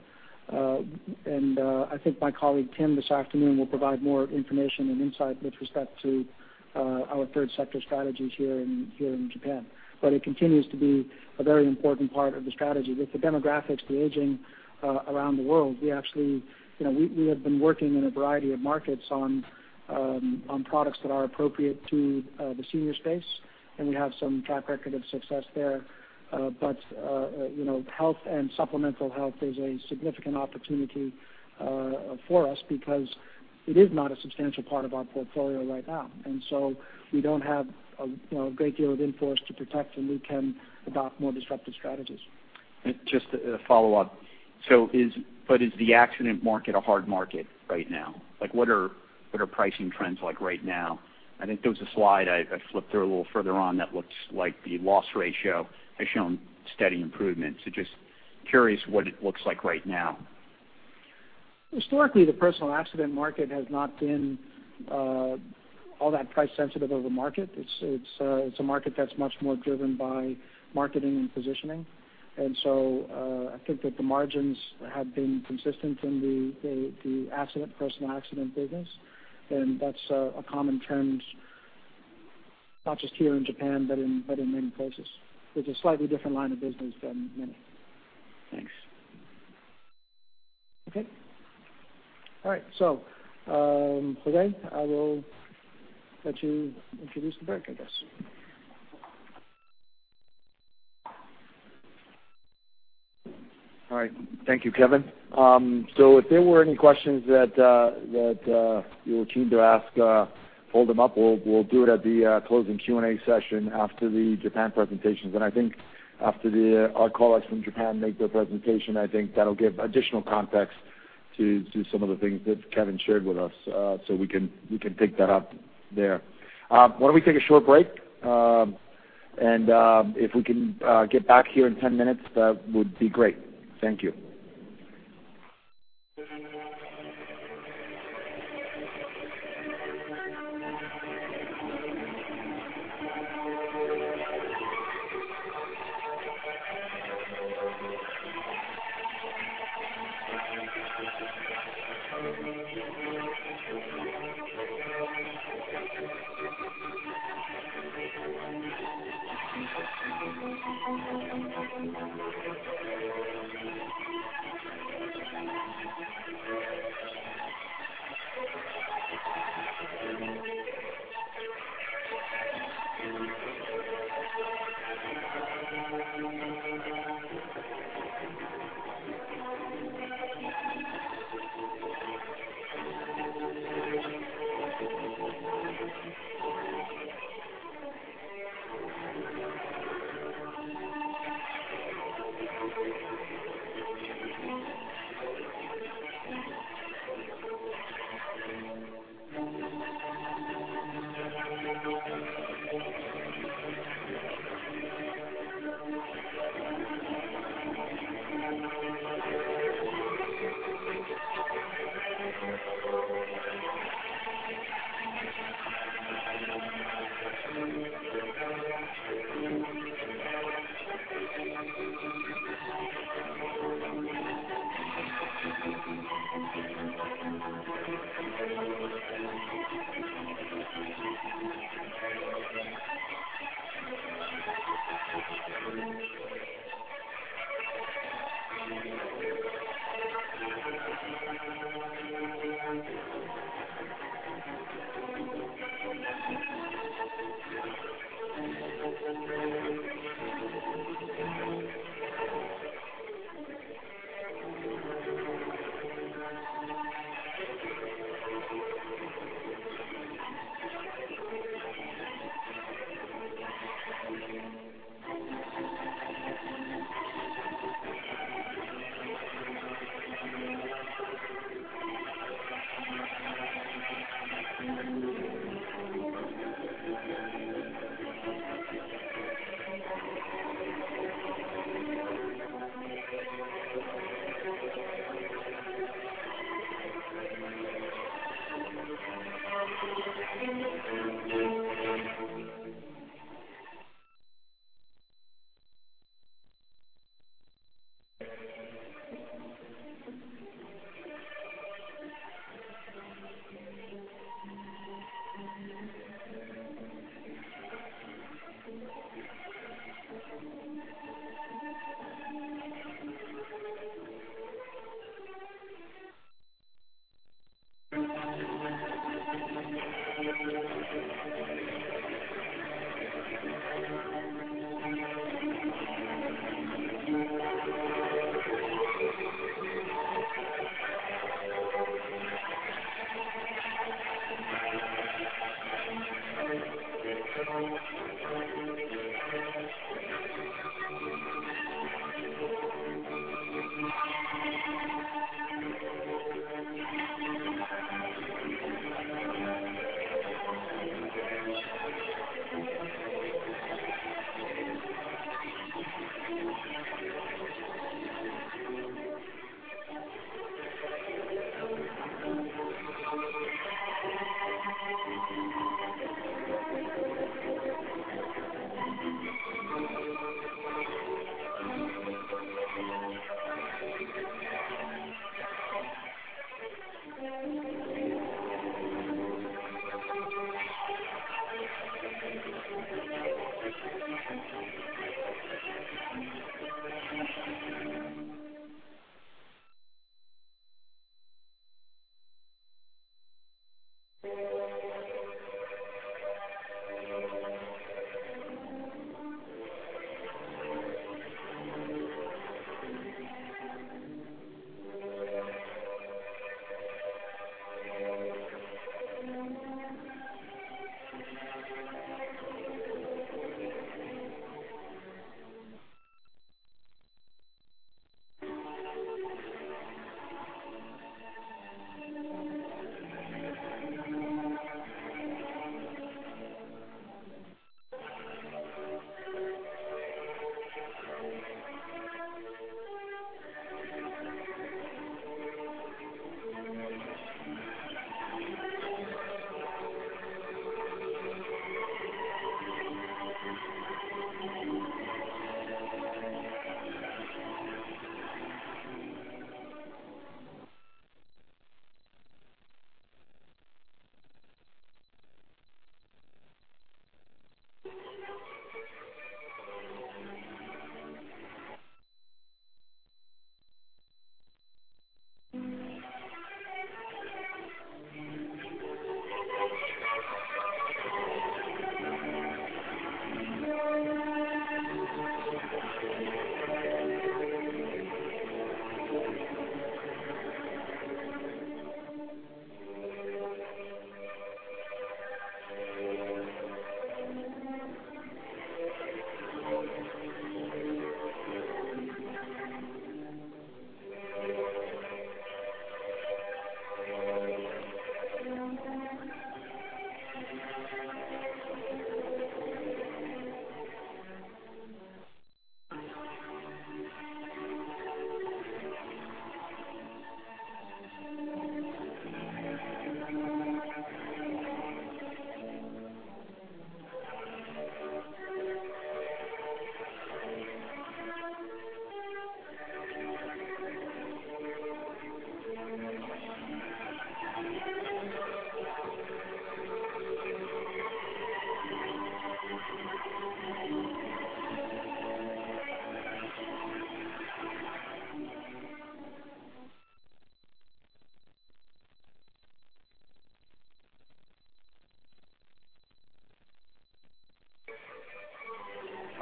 I think my colleague Tim this afternoon will provide more information and insight with respect to our third sector strategies here in Japan. It continues to be a very important part of the strategy. With the demographics, the aging around the world, we have been working in a variety of markets on products that are appropriate to the senior space, and we have some track record of success there. Health and supplemental health is a significant opportunity for us because it is not a substantial part of our portfolio right now. We don't have a great deal of in-force to protect, and we can adopt more disruptive strategies. Just a follow-up. Is the accident market a hard market right now? What are pricing trends like right now? I think there was a slide I flipped through a little further on that looks like the loss ratio has shown steady improvement. Just curious what it looks like right now. Historically, the personal accident market has not been all that price sensitive of a market. It's a market that's much more driven by marketing and positioning. I think that the margins have been consistent in the personal accident business, and that's a common trend, not just here in Japan, but in many places. It's a slightly different line of business than many. Thanks. Okay. All right. Today, I will let you introduce the break, I guess. All right. Thank you, Kevin. If there were any questions that you were keen to ask, hold them up. We'll do it at the closing Q&A session after the Japan presentations. I think after our colleagues from Japan make their presentation, I think that'll give additional context to some of the things that Kevin shared with us. We can pick that up there. Why don't we take a short break? If we can get back here in 10 minutes, that would be great. Thank you.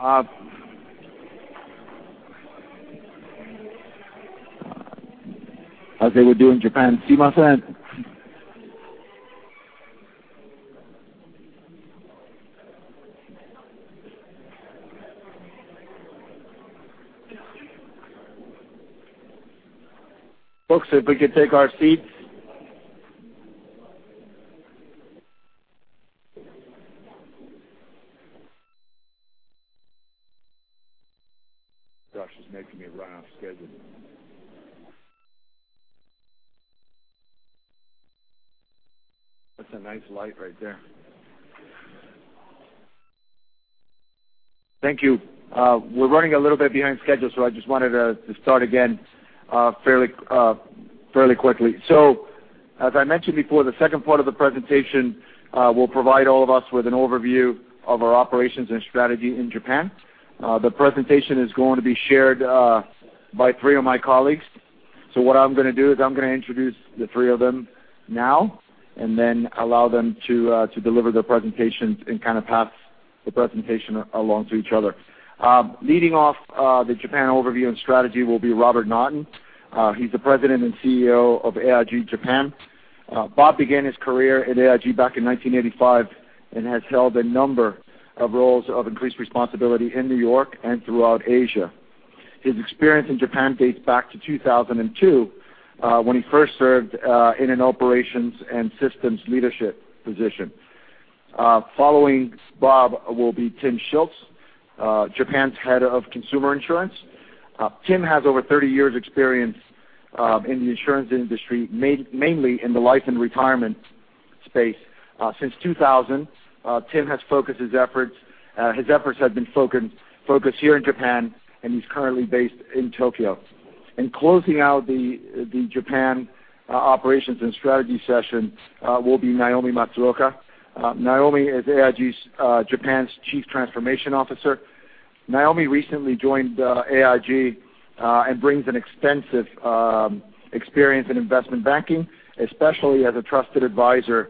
How's everything we're doing in Japan? See my friend? Folks, if we could take our seats. Gosh, it's making me run off schedule. That's a nice light right there. Thank you. We're running a little bit behind schedule, I just wanted to start again fairly quickly. As I mentioned before, the second part of the presentation will provide all of us with an overview of our operations and strategy in Japan. The presentation is going to be shared by three of my colleagues. What I'm going to do is I'm going to introduce the three of them now and then allow them to deliver their presentations and pass the presentation along to each other. Leading off the Japan overview and strategy will be Robert Noddin. He's the President and CEO of AIG Japan. Bob began his career at AIG back in 1985 and has held a number of roles of increased responsibility in New York and throughout Asia. His experience in Japan dates back to 2002, when he first served in an operations and systems leadership position. Following Bob will be Tim Schultis, Japan's Head of Consumer Insurance. Tim has over 30 years experience in the insurance industry, mainly in the life and retirement space. Since 2000, Tim has focused his efforts here in Japan, and he's currently based in Tokyo. Closing out the Japan operations and strategy session will be Naomi Matsuoka. Naomi is AIG Japan's Chief Transformation Officer. Naomi recently joined AIG and brings an extensive experience in investment banking, especially as a trusted advisor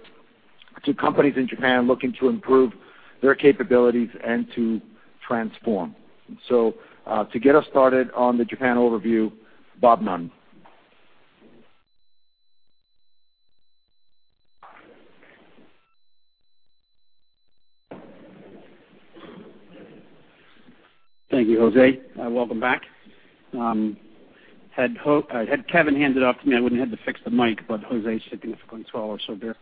to companies in Japan looking to improve their capabilities and to transform. To get us started on the Japan overview, Bob Noddin. Thank you, José. Welcome back. Had Kevin handed off to me, I wouldn't have had to fix the mic, but José's significantly taller, so bear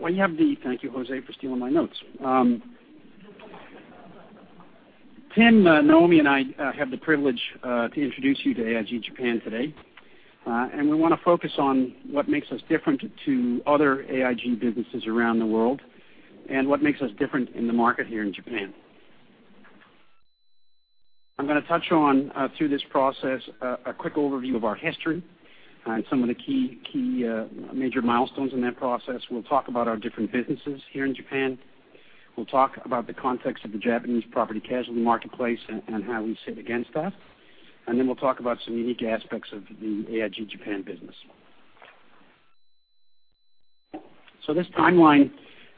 with me. Thank you, José, for stealing my notes. Tim, Naomi, and I have the privilege to introduce you to AIG Japan today. We want to focus on what makes us different to other AIG businesses around the world and what makes us different in the market here in Japan. I'm going to touch on, through this process, a quick overview of our history and some of the key major milestones in that process. We'll talk about our different businesses here in Japan. We'll talk about the context of the Japanese property casualty marketplace and how we sit against that. Then we'll talk about some unique aspects of the AIG Japan business. This timeline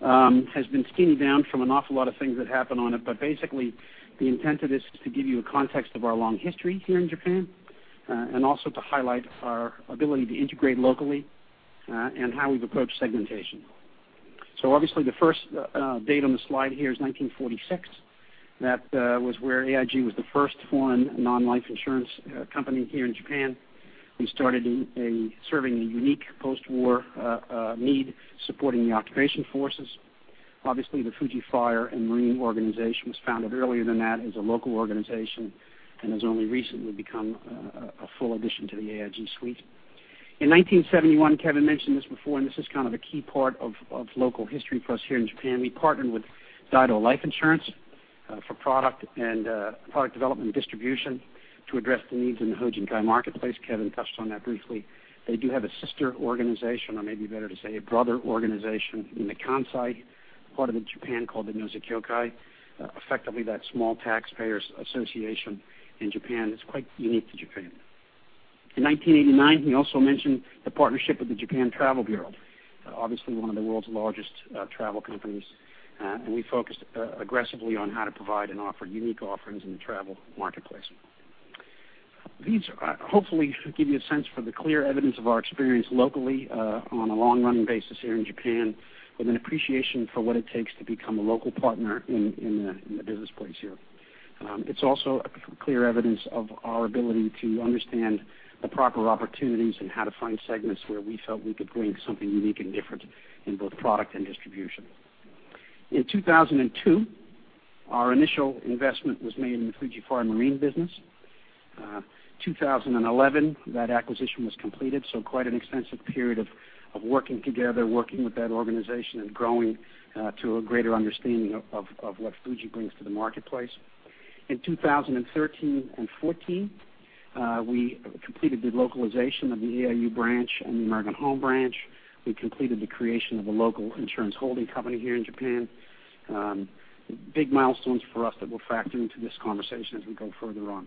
has been skinny down from an awful lot of things that happened on it. Basically, the intent of this is to give you a context of our long history here in Japan, and also to highlight our ability to integrate locally and how we've approached segmentation. Obviously, the first date on the slide here is 1946. That was where AIG was the first foreign non-life insurance company here in Japan. We started serving a unique post-war need supporting the occupation forces. Obviously, the Fuji Fire and Marine organization was founded earlier than that as a local organization and has only recently become a full addition to the AIG suite. In 1971, Kevin mentioned this before, and this is kind of a key part of local history for us here in Japan. We partnered with Daido Life Insurance for product development and distribution to address the needs in the Hojinkai marketplace. Kevin touched on that briefly. They do have a sister organization, or maybe better to say, a brother organization in the Kansai part of Japan called the Nozokyokai. Effectively, that small taxpayers' association in Japan is quite unique to Japan. In 1989, he also mentioned the partnership with the Japan Travel Bureau, obviously one of the world's largest travel companies, and we focused aggressively on how to provide and offer unique offerings in the travel marketplace. These hopefully should give you a sense for the clear evidence of our experience locally on a long-running basis here in Japan with an appreciation for what it takes to become a local partner in the business place here. It's also a clear evidence of our ability to understand the proper opportunities and how to find segments where we felt we could bring something unique and different in both product and distribution. In 2002, our initial investment was made in the Fuji Fire and Marine business. 2011, that acquisition was completed, quite an extensive period of working together, working with that organization, and growing to a greater understanding of what Fuji brings to the marketplace. In 2013 and 2014, we completed the localization of the AIU branch and the American Home branch. We completed the creation of a local insurance holding company here in Japan. Big milestones for us that we'll factor into this conversation as we go further on.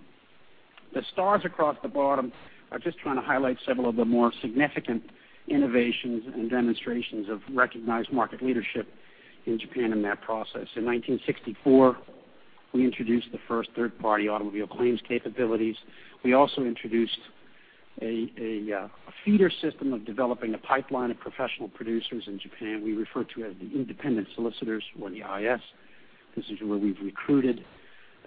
The stars across the bottom are just trying to highlight several of the more significant innovations and demonstrations of recognized market leadership in Japan in that process. In 1964, we introduced the first third-party automobile claims capabilities. We also introduced a feeder system of developing a pipeline of professional producers in Japan we refer to as the independent solicitors or the IS. This is where we've recruited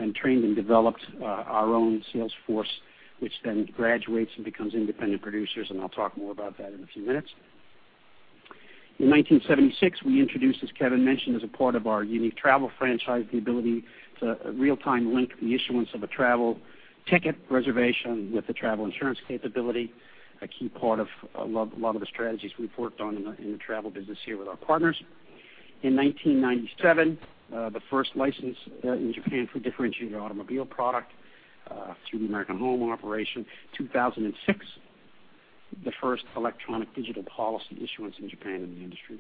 and trained and developed our own sales force, which then graduates and becomes independent producers, and I'll talk more about that in a few minutes. In 1976, we introduced, as Kevin mentioned, as a part of our unique travel franchise, the ability to real-time link the issuance of a travel ticket reservation with the travel insurance capability, a key part of a lot of the strategies we've worked on in the travel business here with our partners. In 1997, the first license in Japan for differentiated automobile product through the American Home operation. In 2006, the first electronic digital policy issuance in Japan in the industry.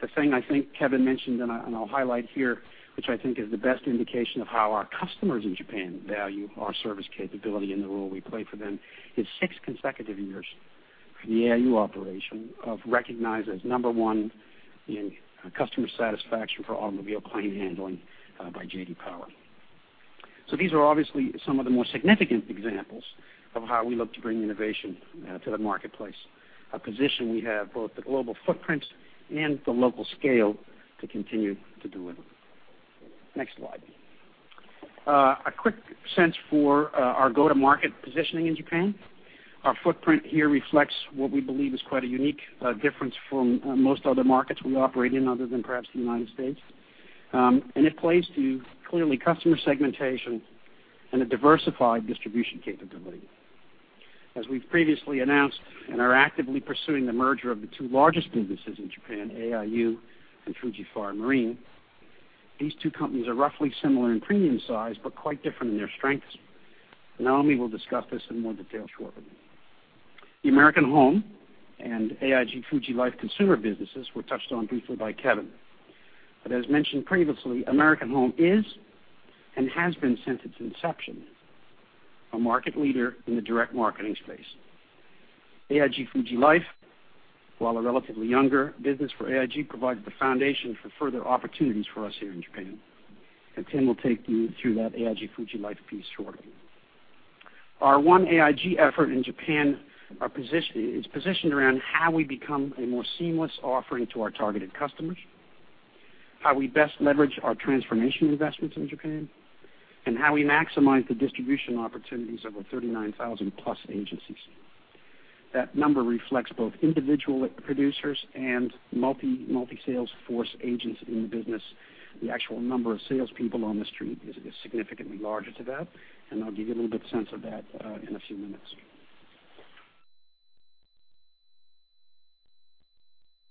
The thing I think Kevin mentioned, and I'll highlight here, which I think is the best indication of how our customers in Japan value our service capability and the role we play for them, is six consecutive years for the AIU operation of recognized as number one in customer satisfaction for automobile claim handling by J.D. Power. These are obviously some of the more significant examples of how we look to bring innovation to the marketplace, a position we have both the global footprint and the local scale to continue to do it. Next slide. A quick sense for our go-to-market positioning in Japan. Our footprint here reflects what we believe is quite a unique difference from most other markets we operate in, other than perhaps the U.S. It plays to clearly customer segmentation and a diversified distribution capability. As we've previously announced and are actively pursuing the merger of the two largest businesses in Japan, AIU and Fuji Fire and Marine. These two companies are roughly similar in premium size, but quite different in their strengths. Naomi will discuss this in more detail shortly. The American Home and AIG Fuji Life consumer businesses were touched on briefly by Kevin. As mentioned previously, American Home is and has been since its inception, a market leader in the direct marketing space. AIG Fuji Life, while a relatively younger business for AIG, provides the foundation for further opportunities for us here in Japan. Tim will take you through that AIG Fuji Life piece shortly. Our One AIG effort in Japan is positioned around how we become a more seamless offering to our targeted customers, how we best leverage our transformation investments in Japan, and how we maximize the distribution opportunities of our 39,000+ agencies. That number reflects both individual producers and multi-sales force agents in the business. The actual number of salespeople on the street is significantly larger to that, I'll give you a little bit of sense of that in a few minutes.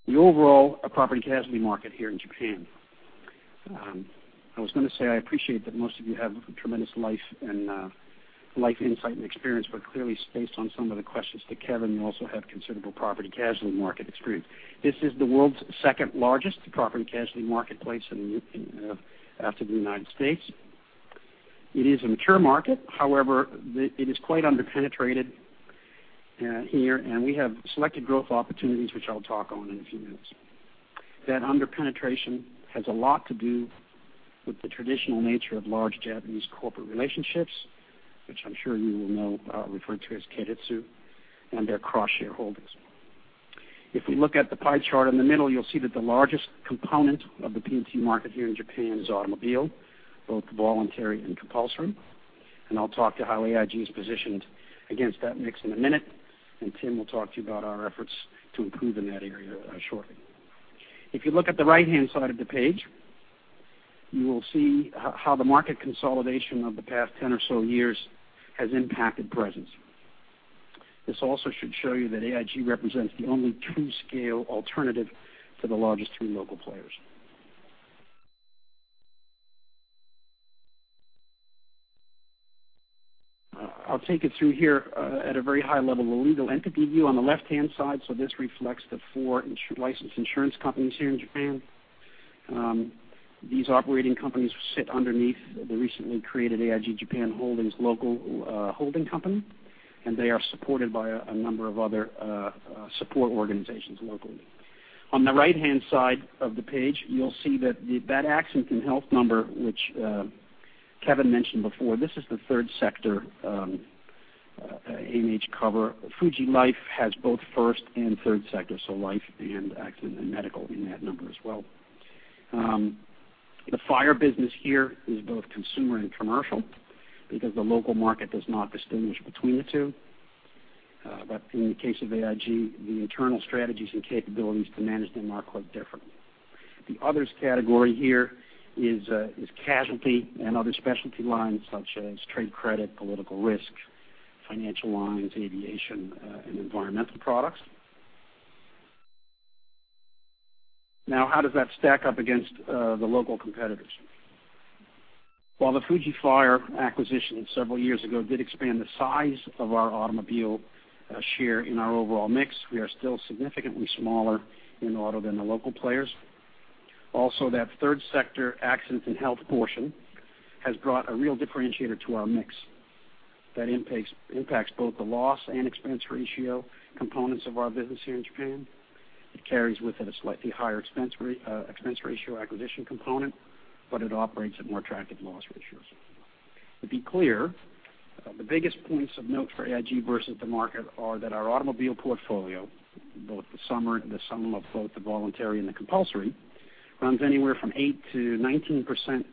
The overall property casualty market here in Japan. I was going to say I appreciate that most of you have tremendous life insight and experience, clearly based on some of the questions to Kevin, you also have considerable property casualty market experience. This is the world's second-largest property casualty marketplace after the U.S. It is a mature market. However, it is quite under-penetrated here, we have selected growth opportunities, which I'll talk on in a few minutes. That under-penetration has a lot to do with the traditional nature of large Japanese corporate relationships, which I'm sure you will know are referred to as keiretsu, and their cross-shareholdings. If we look at the pie chart in the middle, you'll see that the largest component of the P&C market here in Japan is automobile, both voluntary and compulsory. I'll talk to how AIG is positioned against that mix in a minute, and Tim will talk to you about our efforts to improve in that area shortly. If you look at the right-hand side of the page, you will see how the market consolidation of the past 10 or so years has impacted presence. This also should show you that AIG represents the only true scale alternative to the largest three local players. I'll take you through here at a very high level, the legal entity view on the left-hand side. This reflects the four licensed insurance companies here in Japan. These operating companies sit underneath the recently created AIG Japan Holdings local holding company, and they are supported by a number of other support organizations locally. On the right-hand side of the page, you'll see that accident and health number, which Kevin mentioned before. This is the third sector A&H cover. Fuji Life has both first and third sector, so life and accident and medical in that number as well. The fire business here is both consumer and commercial because the local market does not distinguish between the two. In the case of AIG, the internal strategies and capabilities to manage them are quite different. The others category here is casualty and other specialty lines such as trade credit, political risk, financial lines, aviation, and environmental products. How does that stack up against the local competitors? While the Fuji Fire acquisition several years ago did expand the size of our automobile share in our overall mix, we are still significantly smaller in auto than the local players. Also, that third sector accidents and health portion has brought a real differentiator to our mix that impacts both the loss and expense ratio components of our business here in Japan. It carries with it a slightly higher expense ratio acquisition component, but it operates at more attractive loss ratios. To be clear, the biggest points of note for AIG versus the market are that our automobile portfolio, the sum of both the voluntary and the compulsory, runs anywhere from 8%-19%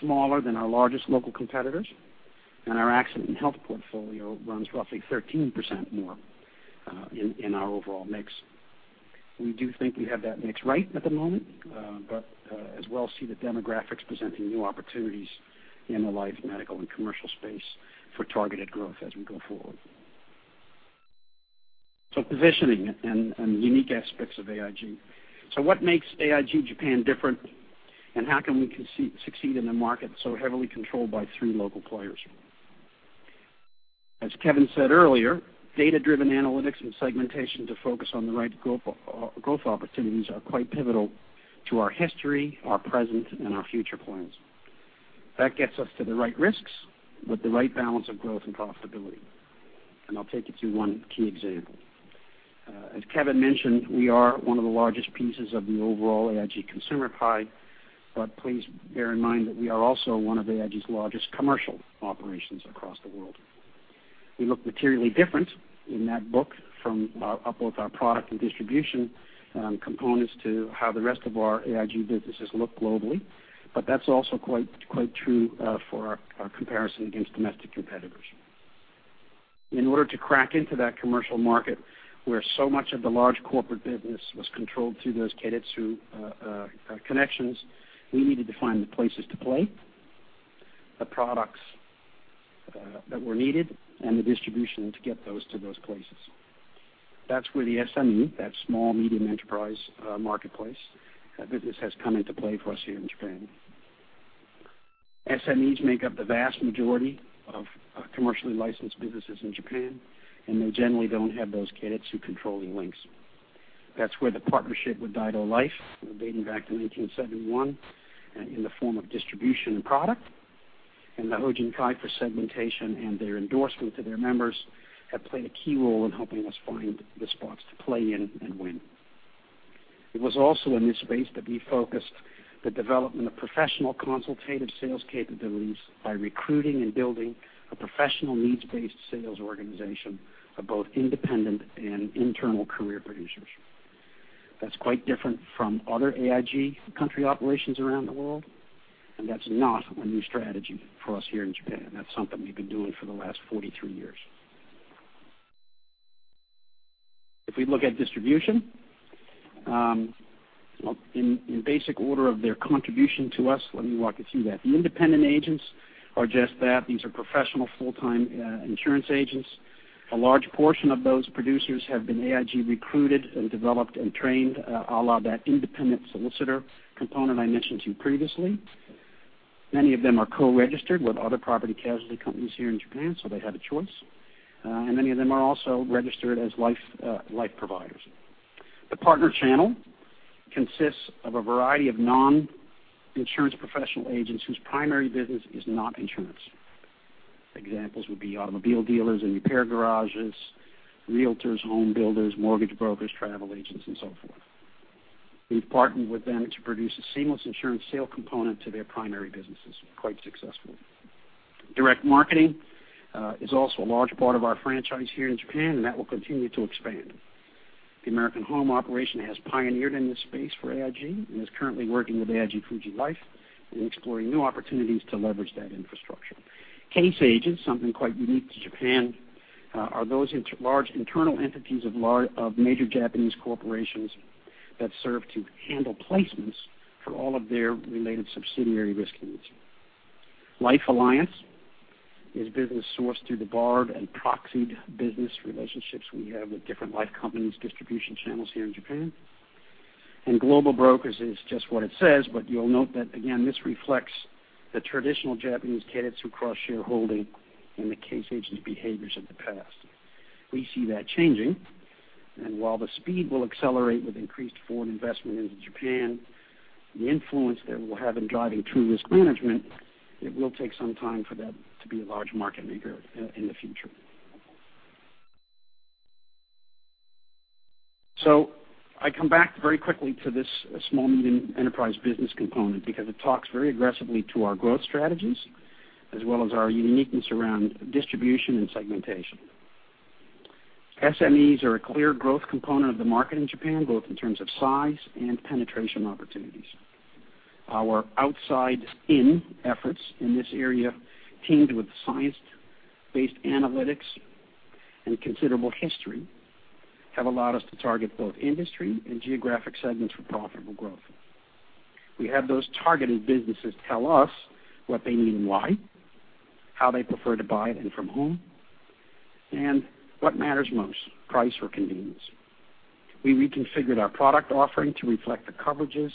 smaller than our largest local competitors. Our accident and health portfolio runs roughly 13% more in our overall mix. We do think we have that mix right at the moment, but as we'll see the demographics presenting new opportunities in the life, medical, and commercial space for targeted growth as we go forward. Positioning and unique aspects of AIG. What makes AIG Japan different, and how can we succeed in the market so heavily controlled by three local players? As Kevin said earlier, data-driven analytics and segmentation to focus on the right growth opportunities are quite pivotal to our history, our present, and our future plans. That gets us to the right risks with the right balance of growth and profitability. I'll take you through one key example. As Kevin mentioned, we are one of the largest pieces of the overall AIG consumer pie, but please bear in mind that we are also one of AIG's largest commercial operations across the world. We look materially different in that book from both our product and distribution components to how the rest of our AIG businesses look globally, but that's also quite true for our comparison against domestic competitors. In order to crack into that commercial market, where so much of the large corporate business was controlled through those keiretsu connections, we needed to find the places to play, the products that were needed, and the distribution to get those to those places. That's where the SME, that small medium enterprise marketplace business, has come into play for us here in Japan. SMEs make up the vast majority of commercially licensed businesses in Japan, and they generally don't have those keiretsu controlling links. That's where the partnership with Daido Life, dating back to 1971, in the form of distribution and product, and the Hojinkai for segmentation and their endorsement to their members have played a key role in helping us find the spots to play in and win. It was also in this space that we focused the development of professional consultative sales capabilities by recruiting and building a professional needs-based sales organization of both independent and internal career producers. That's quite different from other AIG country operations around the world, and that's not a new strategy for us here in Japan. That's something we've been doing for the last 43 years. If we look at distribution, in basic order of their contribution to us, let me walk you through that. The independent agents are just that. These are professional, full-time insurance agents. A large portion of those producers have been AIG recruited and developed and trained a la that independent solicitor component I mentioned to you previously. Many of them are co-registered with other property casualty companies here in Japan, so they have a choice. Many of them are also registered as life providers. The partner channel consists of a variety of non-insurance professional agents whose primary business is not insurance. Examples would be automobile dealers and repair garages, realtors, home builders, mortgage brokers, travel agents, and so forth. We've partnered with them to produce a seamless insurance sale component to their primary businesses, quite successfully. Direct marketing is also a large part of our franchise here in Japan, and that will continue to expand. The American Home operation has pioneered in this space for AIG and is currently working with AIG Fuji Life in exploring new opportunities to leverage that infrastructure. Case agents, something quite unique to Japan, are those large internal entities of major Japanese corporations that serve to handle placements for all of their related subsidiary risk needs. Life alliance is business sourced through the barred and proxied business relationships we have with different life companies' distribution channels here in Japan. Global brokers is just what it says, but you'll note that again, this reflects the traditional Japanese keiretsu cross-shareholding and the case agent behaviors of the past. We see that changing, while the speed will accelerate with increased foreign investment into Japan, the influence that we'll have in driving true risk management, it will take some time for that to be a large market maker in the future. I come back very quickly to this small, medium enterprise business component because it talks very aggressively to our growth strategies as well as our uniqueness around distribution and segmentation. SMEs are a clear growth component of the market in Japan, both in terms of size and penetration opportunities. Our outside-in efforts in this area, teamed with science-based analytics and considerable history, have allowed us to target both industry and geographic segments for profitable growth. We have those targeted businesses tell us what they need and why, how they prefer to buy and from whom, and what matters most, price or convenience. We reconfigured our product offering to reflect the coverages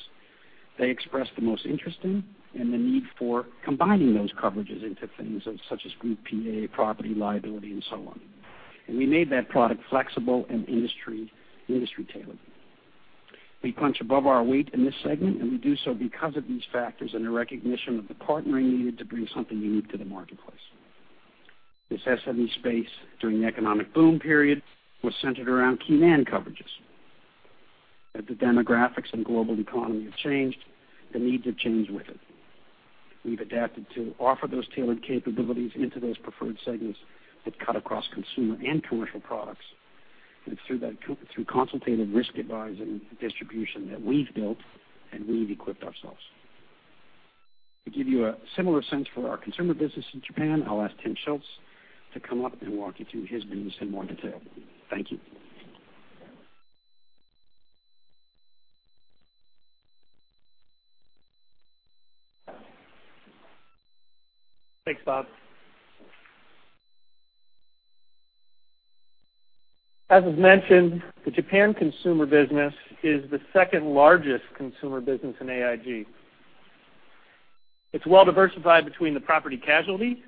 they expressed the most interest in and the need for combining those coverages into things such as group PA, property liability, and so on. We made that product flexible and industry-tailored. We punch above our weight in this segment, and we do so because of these factors and the recognition of the partnering needed to bring something unique to the marketplace. This SME space during the economic boom period was centered around key man coverages. As the demographics and global economy have changed, the needs have changed with it. We've adapted to offer those tailored capabilities into those preferred segments that cut across consumer and commercial products, it's through consultative risk advising and distribution that we've built and we've equipped ourselves. To give you a similar sense for our consumer business in Japan, I will ask Tim Schultis to come up and walk you through his business in more detail. Thank you. Thanks, Bob. As was mentioned, the Japan consumer business is the second largest consumer business in AIG. It is well-diversified between the property casualty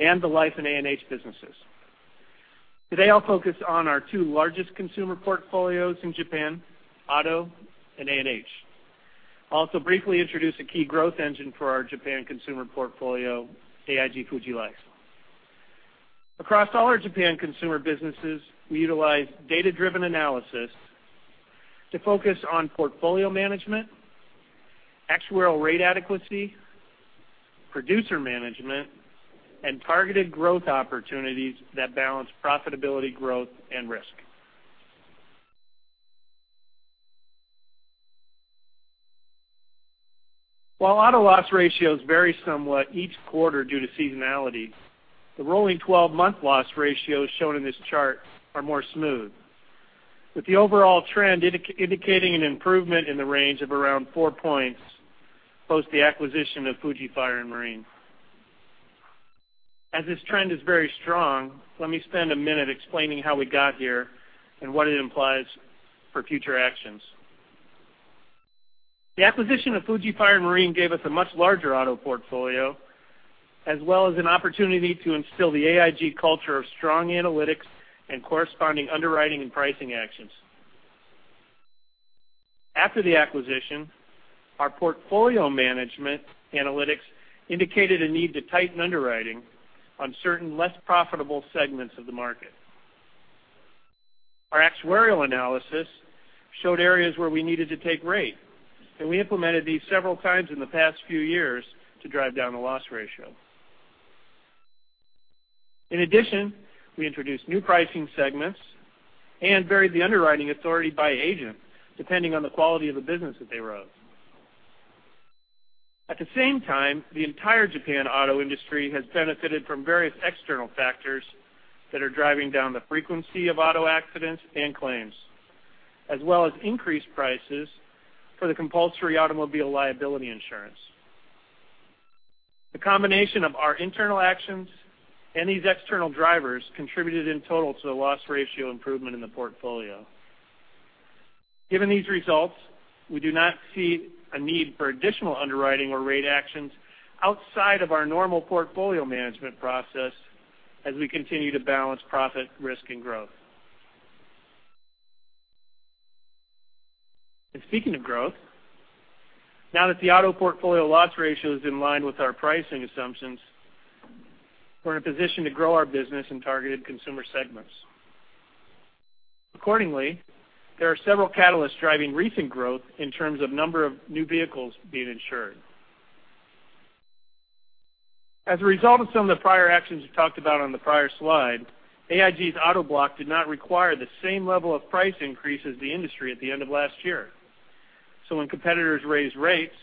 and the life and A&H businesses. Today, I will focus on our two largest consumer portfolios in Japan, auto and A&H. I will also briefly introduce a key growth engine for our Japan consumer portfolio, AIG Fuji Life. Across all our Japan consumer businesses, we utilize data-driven analysis to focus on portfolio management, actuarial rate adequacy, producer management, and targeted growth opportunities that balance profitability growth and risk. While auto loss ratios vary somewhat each quarter due to seasonality, the rolling 12-month loss ratios shown in this chart are more smooth, with the overall trend indicating an improvement in the range of around four points post the acquisition of Fuji Fire and Marine. This trend is very strong, let me spend a minute explaining how we got here and what it implies for future actions. The acquisition of Fuji Fire and Marine gave us a much larger auto portfolio, as well as an opportunity to instill the AIG culture of strong analytics and corresponding underwriting and pricing actions. After the acquisition, our portfolio management analytics indicated a need to tighten underwriting on certain less profitable segments of the market. Our actuarial analysis showed areas where we needed to take rate, and we implemented these several times in the past few years to drive down the loss ratio. In addition, we introduced new pricing segments and varied the underwriting authority by agent, depending on the quality of the business that they wrote. At the same time, the entire Japan auto industry has benefited from various external factors that are driving down the frequency of auto accidents and claims, as well as increased prices for the compulsory automobile liability insurance. The combination of our internal actions and these external drivers contributed in total to the loss ratio improvement in the portfolio. Given these results, we do not see a need for additional underwriting or rate actions outside of our normal portfolio management process as we continue to balance profit, risk, and growth. Speaking of growth, now that the auto portfolio loss ratio is in line with our pricing assumptions, we are in a position to grow our business in targeted consumer segments. Accordingly, there are several catalysts driving recent growth in terms of number of new vehicles being insured. As a result of some of the prior actions we talked about on the prior slide, AIG's auto block did not require the same level of price increase as the industry at the end of last year. When competitors raised rates,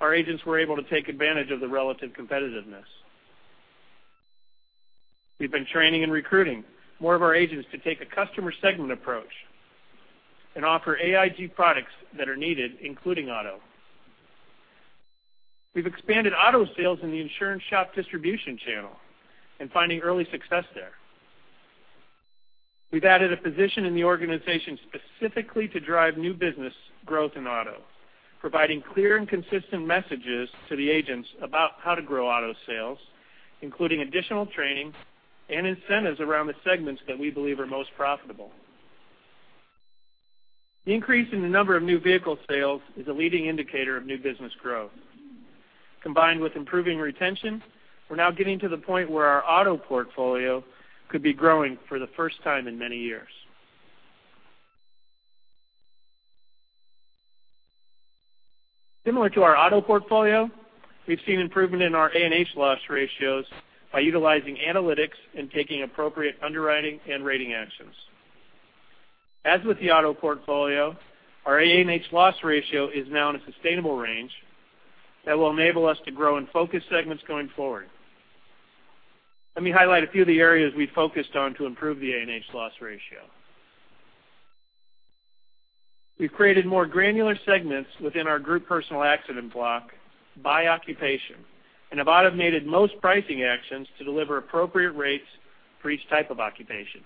our agents were able to take advantage of the relative competitiveness. We've been training and recruiting more of our agents to take a customer segment approach and offer AIG products that are needed, including auto. We've expanded auto sales in the insurance shop distribution channel and finding early success there. We've added a position in the organization specifically to drive new business growth in auto, providing clear and consistent messages to the agents about how to grow auto sales, including additional training and incentives around the segments that we believe are most profitable. The increase in the number of new vehicle sales is a leading indicator of new business growth. Combined with improving retention, we're now getting to the point where our auto portfolio could be growing for the first time in many years. Similar to our auto portfolio, we've seen improvement in our A&H loss ratios by utilizing analytics and taking appropriate underwriting and rating actions. As with the auto portfolio, our A&H loss ratio is now in a sustainable range that will enable us to grow in focus segments going forward. Let me highlight a few of the areas we've focused on to improve the A&H loss ratio. We've created more granular segments within our group personal accident block by occupation and have automated most pricing actions to deliver appropriate rates for each type of occupation.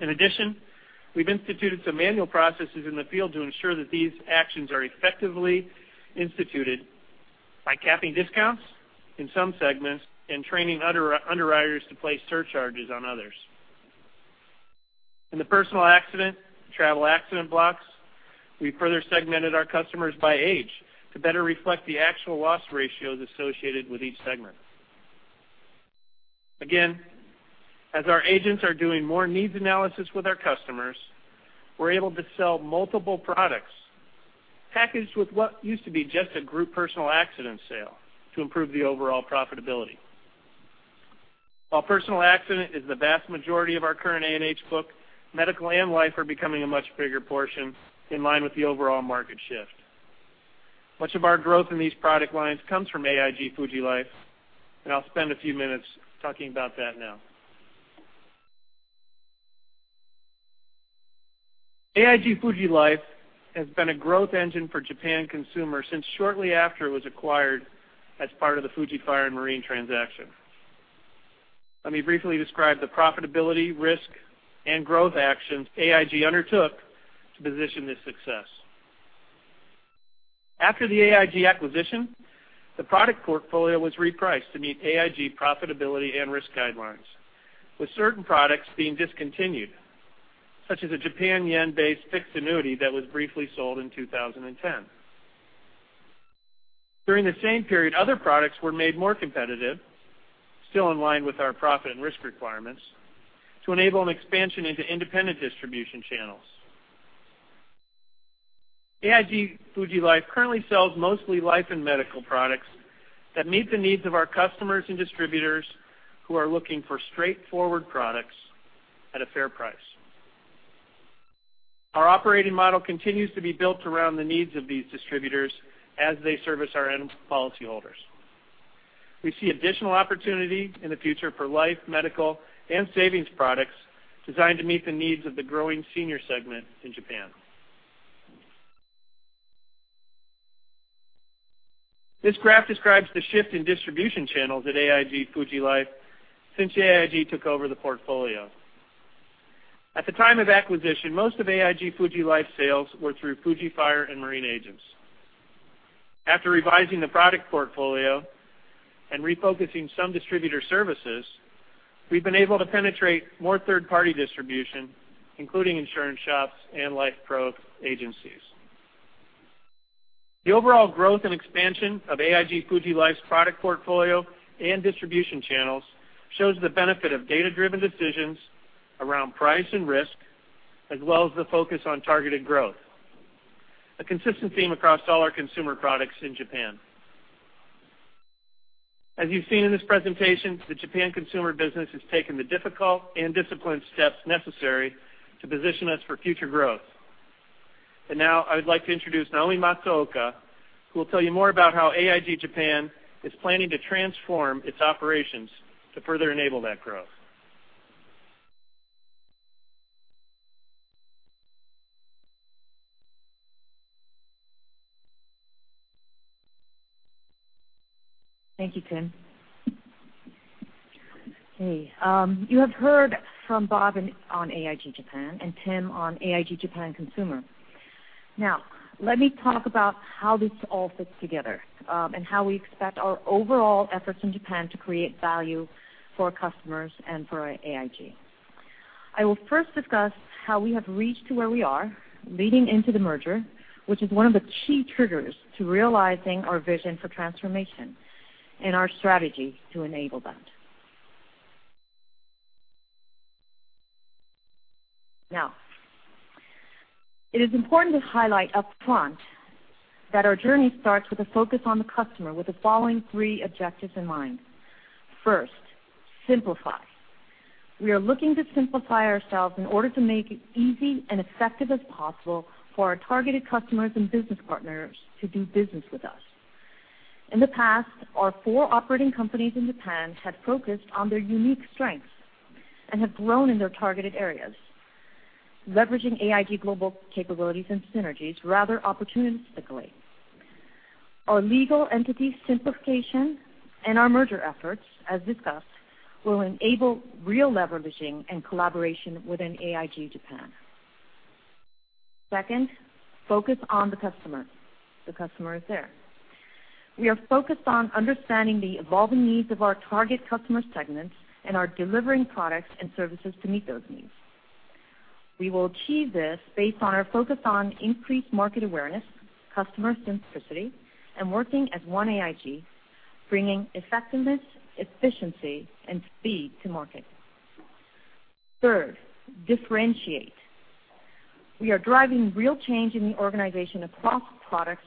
In addition, we've instituted some manual processes in the field to ensure that these actions are effectively instituted by capping discounts in some segments and training underwriters to place surcharges on others. In the personal accident, travel accident blocks, we further segmented our customers by age to better reflect the actual loss ratios associated with each segment. Again, as our agents are doing more needs analysis with our customers, we're able to sell multiple products packaged with what used to be just a group personal accident sale to improve the overall profitability. While personal accident is the vast majority of our current A&H book, medical and life are becoming a much bigger portion in line with the overall market shift. Much of our growth in these product lines comes from AIG Fuji Life, and I'll spend a few minutes talking about that now. AIG Fuji Life has been a growth engine for Japan Consumer since shortly after it was acquired as part of the Fuji Fire and Marine transaction. Let me briefly describe the profitability, risk, and growth actions AIG undertook to position this success. After the AIG acquisition, the product portfolio was repriced to meet AIG profitability and risk guidelines, with certain products being discontinued, such as a Japan Yen-based fixed annuity that was briefly sold in 2010. During the same period, other products were made more competitive, still in line with our profit and risk requirements, to enable an expansion into independent distribution channels. AIG Fuji Life currently sells mostly life and medical products that meet the needs of our customers and distributors who are looking for straightforward products at a fair price. Our operating model continues to be built around the needs of these distributors as they service our end policyholders. We see additional opportunity in the future for life, medical, and savings products designed to meet the needs of the growing senior segment in Japan. This graph describes the shift in distribution channels at AIG Fuji Life since AIG took over the portfolio. At the time of acquisition, most of AIG Fuji Life's sales were through Fuji Fire and Marine agents. After revising the product portfolio and refocusing some distributor services, we've been able to penetrate more third-party distribution, including insurance shops and life pro agencies. The overall growth and expansion of AIG Fuji Life's product portfolio and distribution channels shows the benefit of data-driven decisions around price and risk, as well as the focus on targeted growth, a consistent theme across all our consumer products in Japan. As you've seen in this presentation, the Japan Consumer business has taken the difficult and disciplined steps necessary to position us for future growth. Now I would like to introduce Naomi Matsuoka, who will tell you more about how AIG Japan is planning to transform its operations to further enable that growth. Thank you, Tim. Okay. You have heard from Bob on AIG Japan and Tim on AIG Japan Consumer. Let me talk about how this all fits together, and how we expect our overall efforts in Japan to create value for our customers and for AIG. I will first discuss how we have reached to where we are leading into the merger, which is one of the key triggers to realizing our vision for transformation and our strategy to enable that. It is important to highlight upfront that our journey starts with a focus on the customer with the following three objectives in mind. First, simplify. We are looking to simplify ourselves in order to make it easy and effective as possible for our targeted customers and business partners to do business with us. In the past, our four operating companies in Japan have focused on their unique strengths and have grown in their targeted areas, leveraging AIG global capabilities and synergies rather opportunistically. Our legal entity simplification and our merger efforts, as discussed, will enable real leveraging and collaboration within AIG Japan. Second, focus on the customer. The customer is there. We are focused on understanding the evolving needs of our target customer segments and are delivering products and services to meet those needs. We will achieve this based on our focus on increased market awareness, customer simplicity, and working as One AIG, bringing effectiveness, efficiency, and speed to market. Third, differentiate. We are driving real change in the organization across products,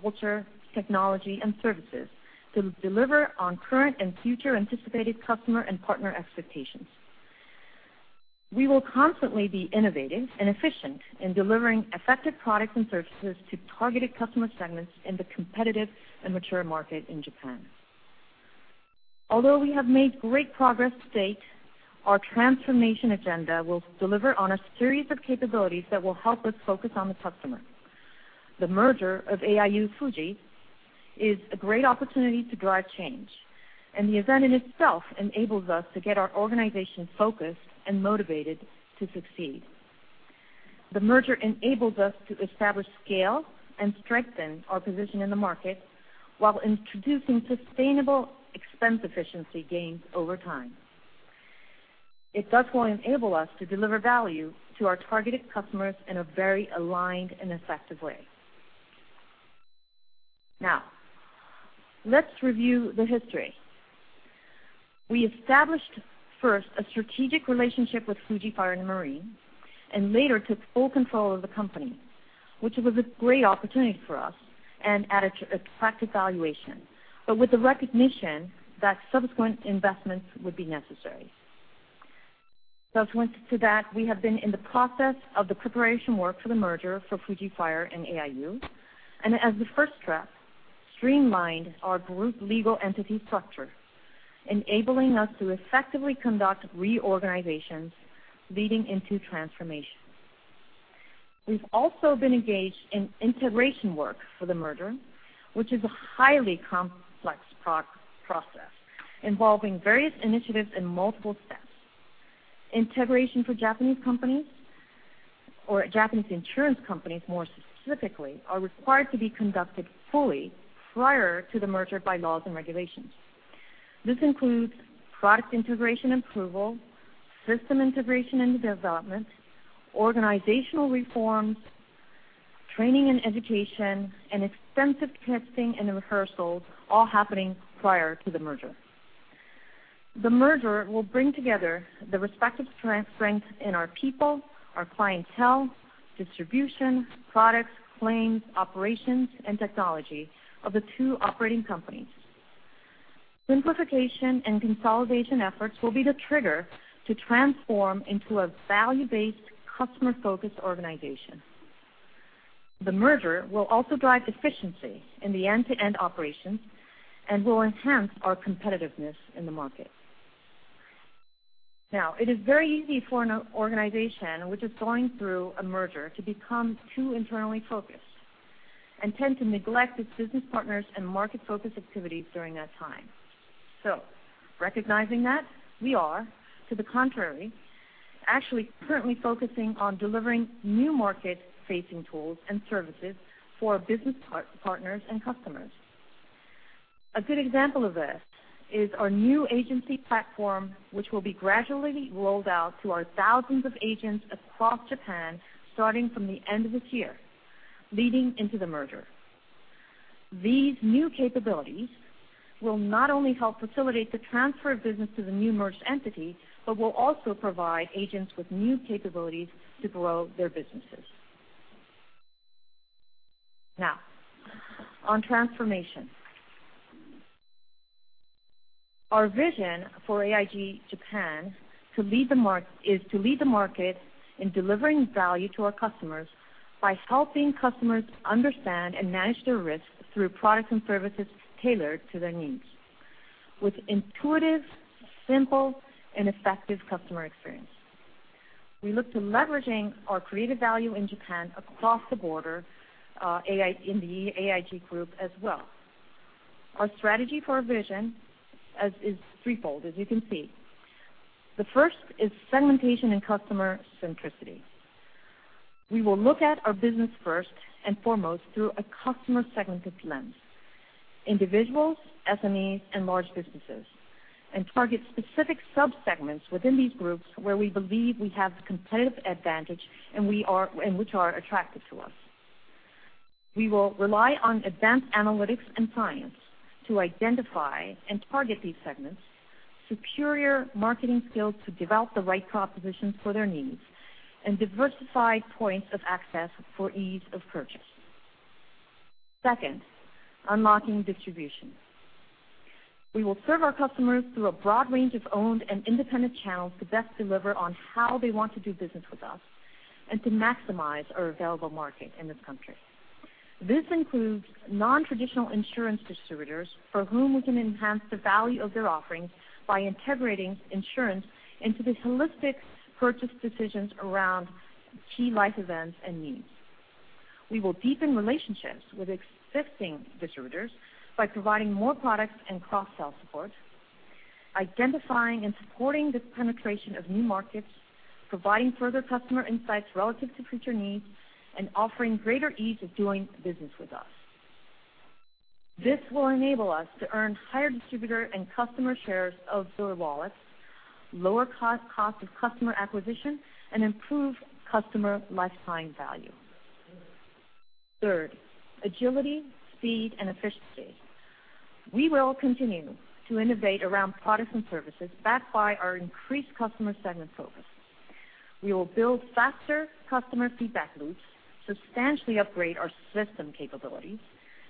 culture, technology, and services to deliver on current and future anticipated customer and partner expectations. We will constantly be innovative and efficient in delivering effective products and services to targeted customer segments in the competitive and mature market in Japan. Although we have made great progress to date, our transformation agenda will deliver on a series of capabilities that will help us focus on the customer. The merger of AIU Fuji is a great opportunity to drive change. The event in itself enables us to get our organization focused and motivated to succeed. The merger enables us to establish scale and strengthen our position in the market while introducing sustainable expense efficiency gains over time. It thus will enable us to deliver value to our targeted customers in a very aligned and effective way. Let's review the history. We established first a strategic relationship with Fuji Fire and Marine Insurance. Later took full control of the company, which was a great opportunity for us and at an attractive valuation, but with the recognition that subsequent investments would be necessary. Subsequent to that, we have been in the process of the preparation work for the merger for Fuji Fire and Marine Insurance and AIU Insurance Company. As the first step, streamlined our group legal entity structure, enabling us to effectively conduct reorganizations leading into transformation. We've also been engaged in integration work for the merger, which is a highly complex process involving various initiatives and multiple steps. Integration for Japanese companies, or Japanese insurance companies more specifically, are required to be conducted fully prior to the merger by laws and regulations. This includes product integration approval, system integration into development, organizational reforms, training and education, and extensive testing and rehearsals all happening prior to the merger. The merger will bring together the respective strengths in our people, our clientele, distribution, products, claims, operations, and technology of the two operating companies. Simplification and consolidation efforts will be the trigger to transform into a value-based, customer-focused organization. The merger will also drive efficiency in the end-to-end operations and will enhance our competitiveness in the market. It is very easy for an organization which is going through a merger to become too internally focused and tend to neglect its business partners and market-focused activities during that time. Recognizing that, we are, to the contrary, actually currently focusing on delivering new market-facing tools and services for our business partners and customers. A good example of this is our new agency platform, which will be gradually rolled out to our thousands of agents across Japan starting from the end of this year, leading into the merger. These new capabilities will not only help facilitate the transfer of business to the new merged entity, but will also provide agents with new capabilities to grow their businesses. On transformation. Our vision for AIG Japan is to lead the market in delivering value to our customers by helping customers understand and manage their risks through products and services tailored to their needs with intuitive, simple, and effective customer experience. We look to leveraging our created value in Japan across the border in the AIG group as well. Our strategy for our vision is threefold, as you can see. The first is segmentation and customer centricity. We will look at our business first and foremost through a customer segmentive lens, individuals, SMEs, and large businesses, and target specific sub-segments within these groups where we believe we have competitive advantage and which are attractive to us. We will rely on advanced analytics and science to identify and target these segments, superior marketing skills to develop the right propositions for their needs, and diversified points of access for ease of purchase. Second, unlocking distribution. We will serve our customers through a broad range of owned and independent channels to best deliver on how they want to do business with us and to maximize our available market in this country. This includes non-traditional insurance distributors for whom we can enhance the value of their offerings by integrating insurance into the holistic purchase decisions around key life events and needs. We will deepen relationships with existing distributors by providing more products and cross-sell support, identifying and supporting the penetration of new markets, providing further customer insights relative to future needs, and offering greater ease of doing business with us. This will enable us to earn higher distributor and customer shares of their wallets, lower cost of customer acquisition, and improve customer lifetime value. Third, agility, speed, and efficiency. We will continue to innovate around products and services backed by our increased customer segment focus. We will build faster customer feedback loops, substantially upgrade our system capabilities,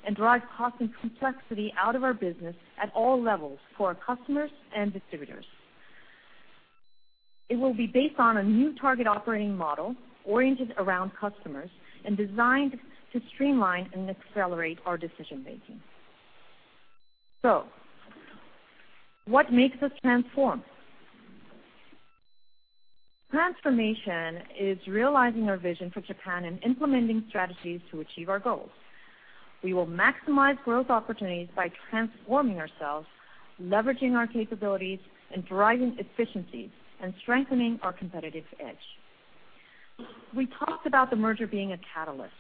and drive cost and complexity out of our business at all levels for our customers and distributors. It will be based on a new target operating model oriented around customers and designed to streamline and accelerate our decision-making. What makes us transform? Transformation is realizing our vision for Japan and implementing strategies to achieve our goals. We will maximize growth opportunities by transforming ourselves, leveraging our capabilities, and driving efficiencies and strengthening our competitive edge. We talked about the merger being a catalyst.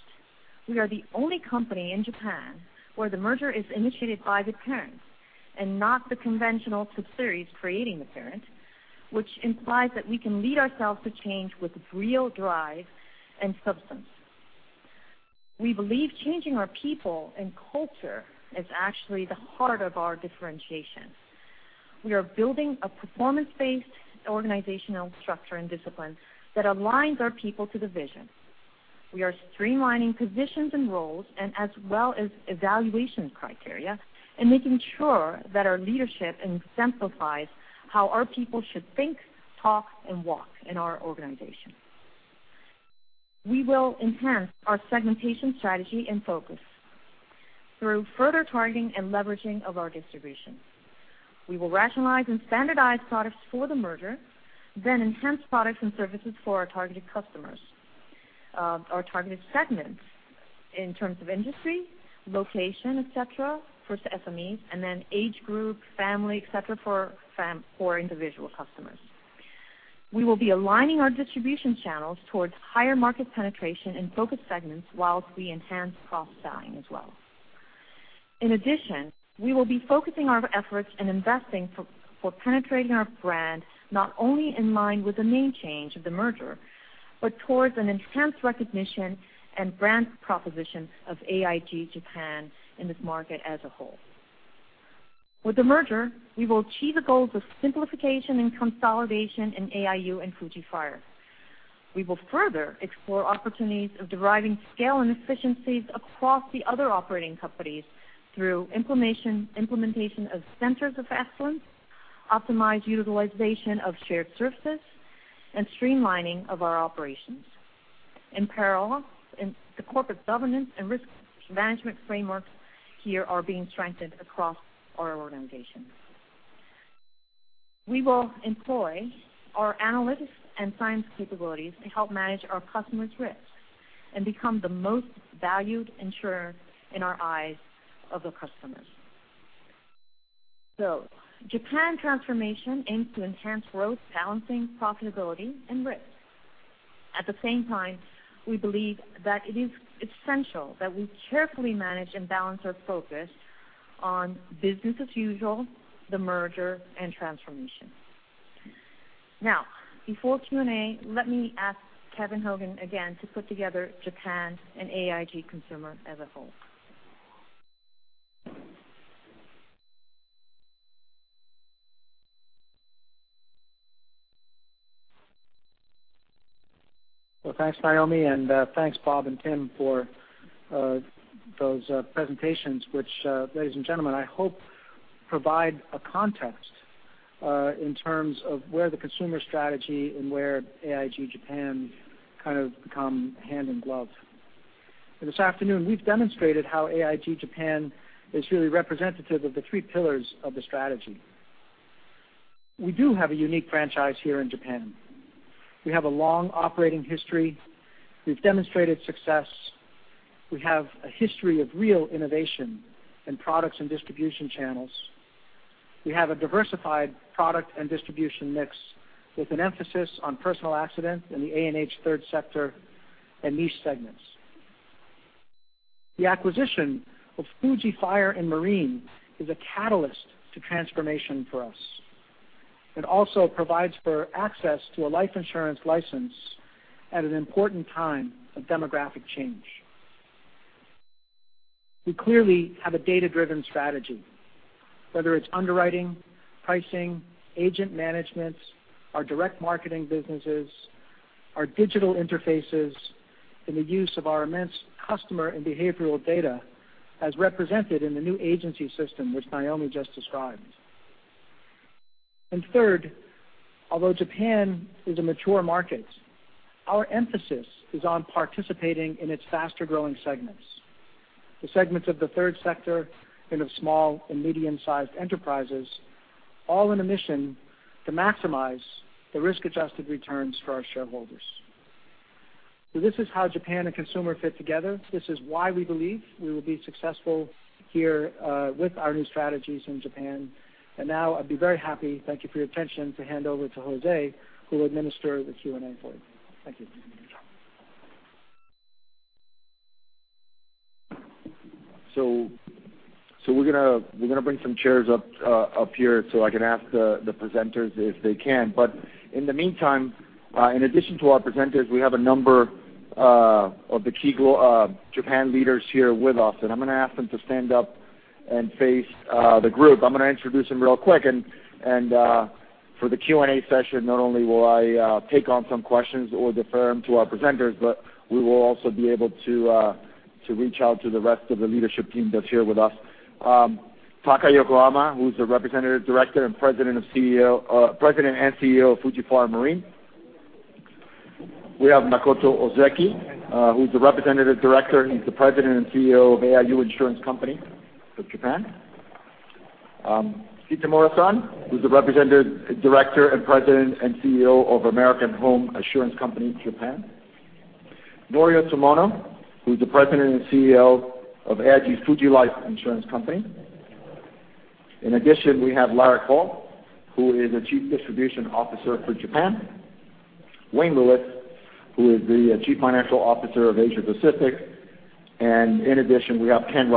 We are the only company in Japan where the merger is initiated by the parent, and not the conventional subsidiaries creating the parent, which implies that we can lead ourselves to change with real drive and substance. We believe changing our people and culture is actually the heart of our differentiation. We are building a performance-based organizational structure and discipline that aligns our people to the vision. We are streamlining positions and roles, and as well as evaluation criteria, and making sure that our leadership exemplifies how our people should think, talk, and walk in our organization. We will enhance our segmentation strategy and focus through further targeting and leveraging of our distribution. We will rationalize and standardize products for the merger, enhance products and services for our targeted customers, our targeted segments in terms of industry, location, et cetera, first to SMEs, and then age group, family, et cetera, for individual customers. We will be aligning our distribution channels towards higher market penetration and focus segments while we enhance cross-selling as well. In addition, we will be focusing our efforts on investing for penetrating our brand, not only in line with the name change of the merger, but towards an enhanced recognition and brand proposition of AIG Japan in this market as a whole. With the merger, we will achieve the goals of simplification and consolidation in AIU and Fuji Fire. We will further explore opportunities of deriving scale and efficiencies across the other operating companies through implementation of centers of excellence, optimize utilization of shared services, and streamlining of our operations. In parallel, the corporate governance and risk management frameworks here are being strengthened across our organization. We will employ our analytics and science capabilities to help manage our customers' risks and become the most valued insurer in our eyes of the customers. Japan transformation aims to enhance growth, balancing profitability and risk. At the same time, we believe that it is essential that we carefully manage and balance our focus on business as usual, the merger, and transformation. Before Q&A, let me ask Kevin Hogan again to put together Japan and AIG Consumer as a whole. Well, thanks, Naomi, and thanks, Bob and Tim, for those presentations, which, ladies and gentlemen, I hope provide a context in terms of where the consumer strategy and where AIG Japan kind of become hand in glove. This afternoon, we've demonstrated how AIG Japan is really representative of the three pillars of the strategy. We do have a unique franchise here in Japan. We have a long operating history. We've demonstrated success. We have a history of real innovation in products and distribution channels. We have a diversified product and distribution mix with an emphasis on personal accident in the A&H/third sector and niche segments. The acquisition of Fuji Fire and Marine is a catalyst to transformation for us. It also provides for access to a life insurance license at an important time of demographic change. We clearly have a data-driven strategy, whether it's underwriting, pricing, agent management, our direct marketing businesses, our digital interfaces, and the use of our immense customer and behavioral data as represented in the new agency system, which Naomi just described. Third, although Japan is a mature market, our emphasis is on participating in its faster-growing segments, the segments of the third sector and of small and medium-sized enterprises, all in a mission to maximize the risk-adjusted returns for our shareholders. This is how Japan and consumer fit together. This is why we believe we will be successful here with our new strategies in Japan. Now I'd be very happy, thank you for your attention, to hand over to Jose, who will administer the Q&A for you. Thank you. We're going to bring some chairs up here so I can ask the presenters if they can. In the meantime, in addition to our presenters, we have a number of the key Japan leaders here with us, and I'm going to ask them to stand up and face the group. I'm going to introduce them real quick. For the Q&A session, not only will I take on some questions or defer them to our presenters, but we will also be able to reach out to the rest of the leadership team that's here with us. Taka Yokohama, who's the Representative Director and President and CEO of Fuji Fire and Marine. We have Makoto Ozeki, who's the Representative Director. He's the President and CEO of AIU Insurance Company of Japan. Kitamura-san, who's the Representative Director and President and CEO of American Home Assurance Company in Japan. Norio Tomono, who's the president and CEO of AIG Fuji Life Insurance Company. In addition, we have Larik Hall, who is the chief distribution officer for Japan. Wayne Lewis, who is the chief financial officer of Asia Pacific, and in addition, we have Ken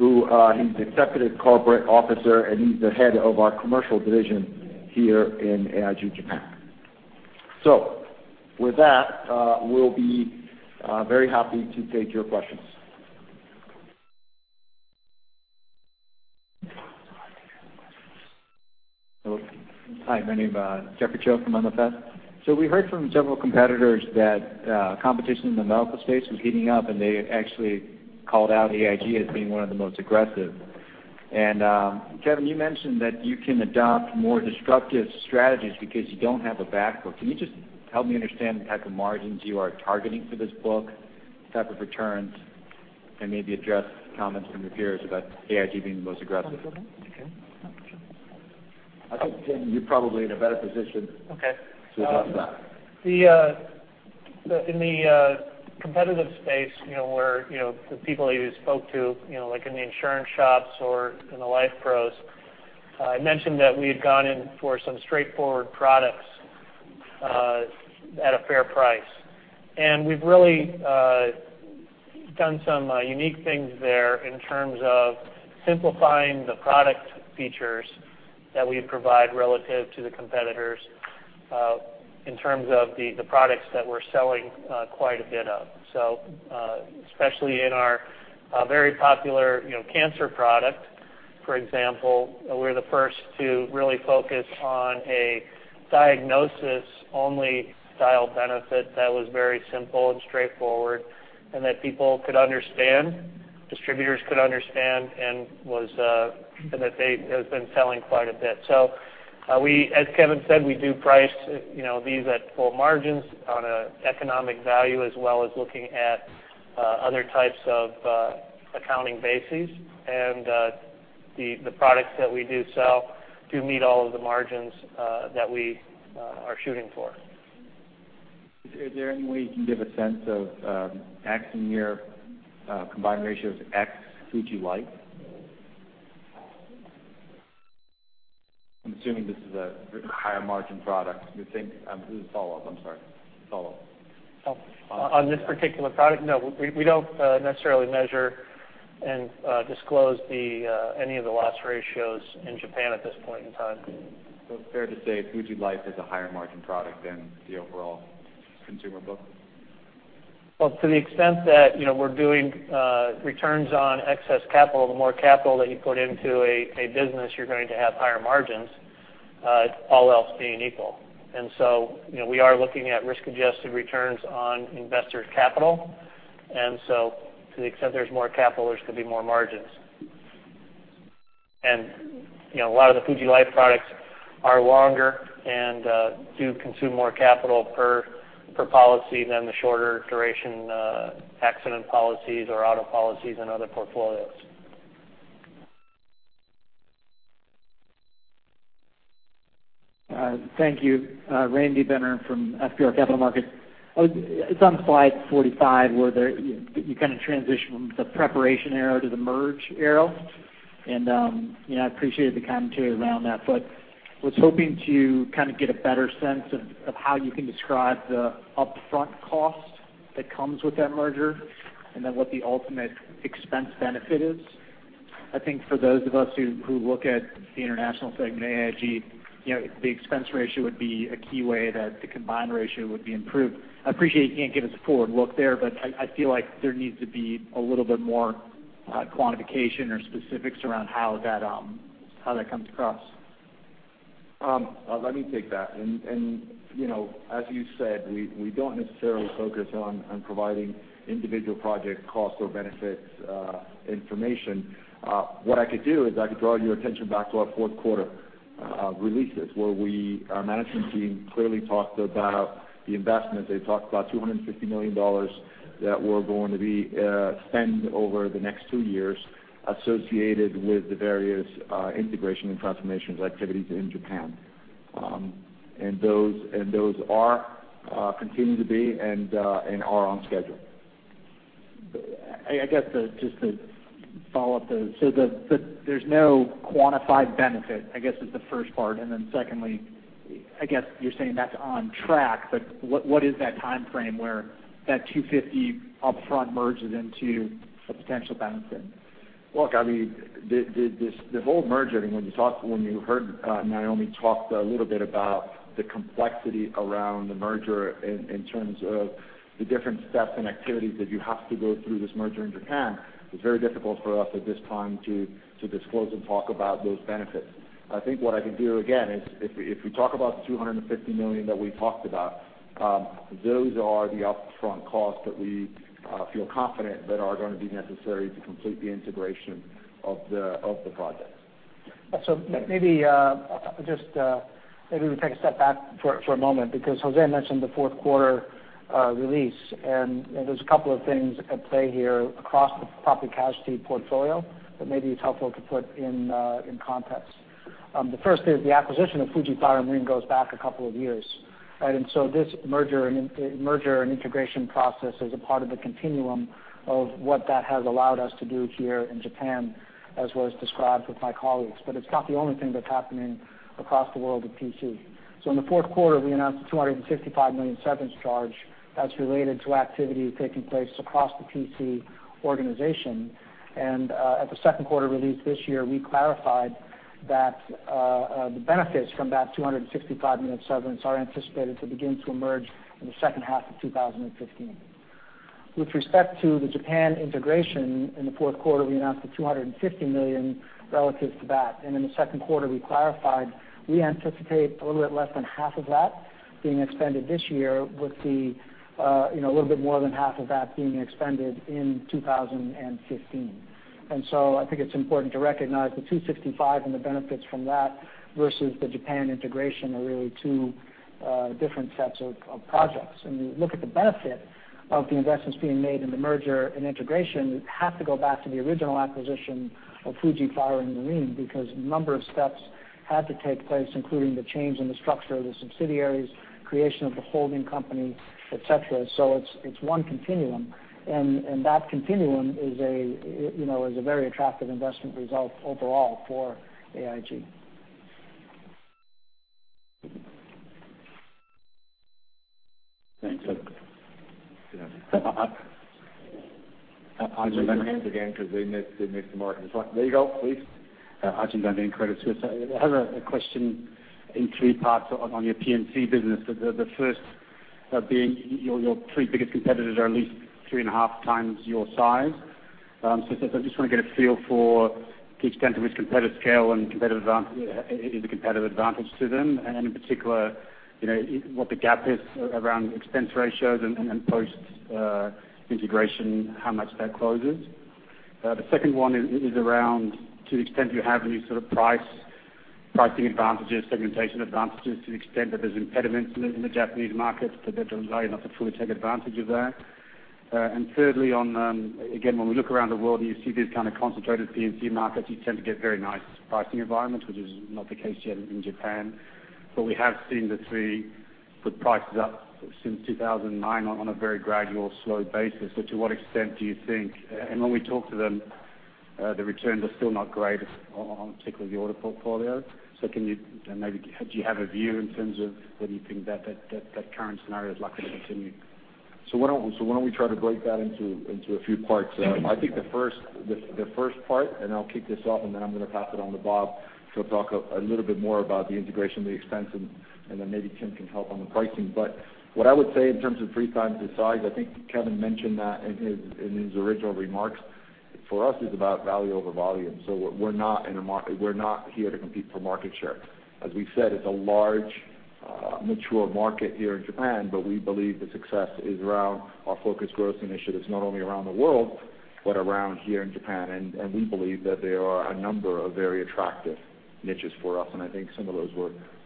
Reilly, he's executive corporate officer, and he's the head of our Commercial Division here in AIG Japan. With that, we'll be very happy to take your questions. Hi, my name is Jeffrey Cho from. We heard from several competitors that competition in the medical space was heating up, and they actually called out AIG as being one of the most aggressive. Kevin, you mentioned that you can adopt more disruptive strategies because you don't have a back book. Can you just help me understand the type of margins you are targeting for this book, the type of returns, and maybe address comments from your peers about AIG being the most aggressive? I think, Ken, you're probably in a better position. Okay to address that. In the competitive space, the people you spoke to, like in the insurance shops or in the life pros, mentioned that we had gone in for some straightforward products at a fair price. We've really done some unique things there in terms of simplifying the product features that we provide relative to the competitors, in terms of the products that we're selling quite a bit of. Especially in our very popular cancer product, for example, we're the first to really focus on a diagnosis-only style benefit that was very simple and straightforward and that people could understand, distributors could understand, and that they have been selling quite a bit. As Kevin said, we do price these at full margins on economic value, as well as looking at other types of accounting bases. The products that we do sell do meet all of the margins that we are shooting for. Is there any way you can give a sense of X in your combined ratio is X Fuji Life? I'm assuming this is a higher margin product. This is a follow-up, I'm sorry. Follow-up. On this particular product, no. We don't necessarily measure and disclose any of the loss ratios in Japan at this point in time. It's fair to say Fuji Life is a higher margin product than the overall consumer book? To the extent that we're doing returns on excess capital, the more capital that you put into a business, you're going to have higher margins, all else being equal. We are looking at risk-adjusted returns on investors' capital, to the extent there's more capital, there's going to be more margins. A lot of the Fuji Life products are longer and do consume more capital per policy than the shorter duration accident policies or auto policies and other portfolios. Thank you. Randy Benner from FBR Capital Markets. It's on slide 45, where you kind of transition from the preparation arrow to the merge arrow. I appreciated the commentary around that, but was hoping to kind of get a better sense of how you can describe the upfront cost that comes with that merger, and then what the ultimate expense benefit is. I think for those of us who look at the international segment at AIG, the expense ratio would be a key way that the combined ratio would be improved. I appreciate you can't give us a forward look there, but I feel like there needs to be a little bit more quantification or specifics around how that comes across. Let me take that. As you said, we don't necessarily focus on providing individual project cost or benefit information. What I could do is I could draw your attention back to our fourth quarter releases, where our management team clearly talked about the investment. They talked about $250 million that we're going to spend over the next two years associated with the various integration and transformation activities in Japan. Those are continuing to be and are on schedule. Just to follow up, there's no quantified benefit, I guess is the first part. Secondly, I guess you're saying that's on track, but what is that timeframe where that $250 upfront merges into a potential benefit? Look, the whole merger, when you heard Naomi talk a little bit about the complexity around the merger in terms of the different steps and activities that you have to go through this merger in Japan, it's very difficult for us at this time to disclose and talk about those benefits. I think what I can do, again, is if we talk about the $250 million that we talked about, those are the upfront costs that we feel confident that are going to be necessary to complete the integration of the projects. Maybe we take a step back for a moment because Jose mentioned the fourth quarter release, and there's a couple of things at play here across the property casualty portfolio that maybe it's helpful to put in context. The first is the acquisition of Fuji Fire and Marine goes back a couple of years. Right. This merger and integration process is a part of the continuum of what that has allowed us to do here in Japan, as was described with my colleagues. But it's not the only thing that's happening across the world at PC. In the fourth quarter, we announced a $265 million severance charge that's related to activities taking place across the PC organization. At the second quarter release this year, we clarified that the benefits from that $265 million severance are anticipated to begin to emerge in the second half of 2015. With respect to the Japan integration, in the fourth quarter, we announced a $250 million relative to that. In the second quarter, we clarified we anticipate a little bit less than half of that being expended this year with a little bit more than half of that being expended in 2015. I think it's important to recognize the 265 and the benefits from that versus the Japan integration are really two different sets of projects. You look at the benefit of the investments being made in the merger and integration, you have to go back to the original acquisition of Fuji Fire and Marine, because a number of steps had to take place, including the change in the structure of the subsidiaries, creation of the holding company, et cetera. It's one continuum, and that continuum is a very attractive investment result overall for AIG. Thanks. Good. Ajit Brendan again, because they missed the mark. There you go. Please. Ajit Brendan, Credit Suisse. I have a question in three parts on your P&C business. The first being your three biggest competitors are at least three and a half times your size. I just want to get a feel for the extent to which competitive scale and is a competitive advantage to them, and in particular, what the gap is around expense ratios and post integration, how much that closes. The second one is around to the extent you have any sort of pricing advantages, segmentation advantages, to the extent that there's impediments in the Japanese market that you're likely not to fully take advantage of that. Thirdly, again, when we look around the world and you see these kind of concentrated P&C markets, you tend to get very nice pricing environments, which is not the case yet in Japan. We have seen the three put prices up since 2009 on a very gradual, slow basis. To what extent do you think, and when we talk to them, the returns are still not great on particularly the auto portfolio. Maybe do you have a view in terms of whether you think that current scenario is likely to continue? Why don't we try to break that into a few parts? I think the first part, I'll kick this off, and then I'm going to pass it on to Bob to talk a little bit more about the integration, the expense, and then maybe Tim can help on the pricing. What I would say in terms of three times the size, I think Kevin mentioned that in his original remarks. For us, it's about value over volume. We're not here to compete for market share. As we've said, it's a large, mature market here in Japan, we believe the success is around our focused growth initiative. It's not only around the world, but around here in Japan. We believe that there are a number of very attractive niches for us, and I think some of those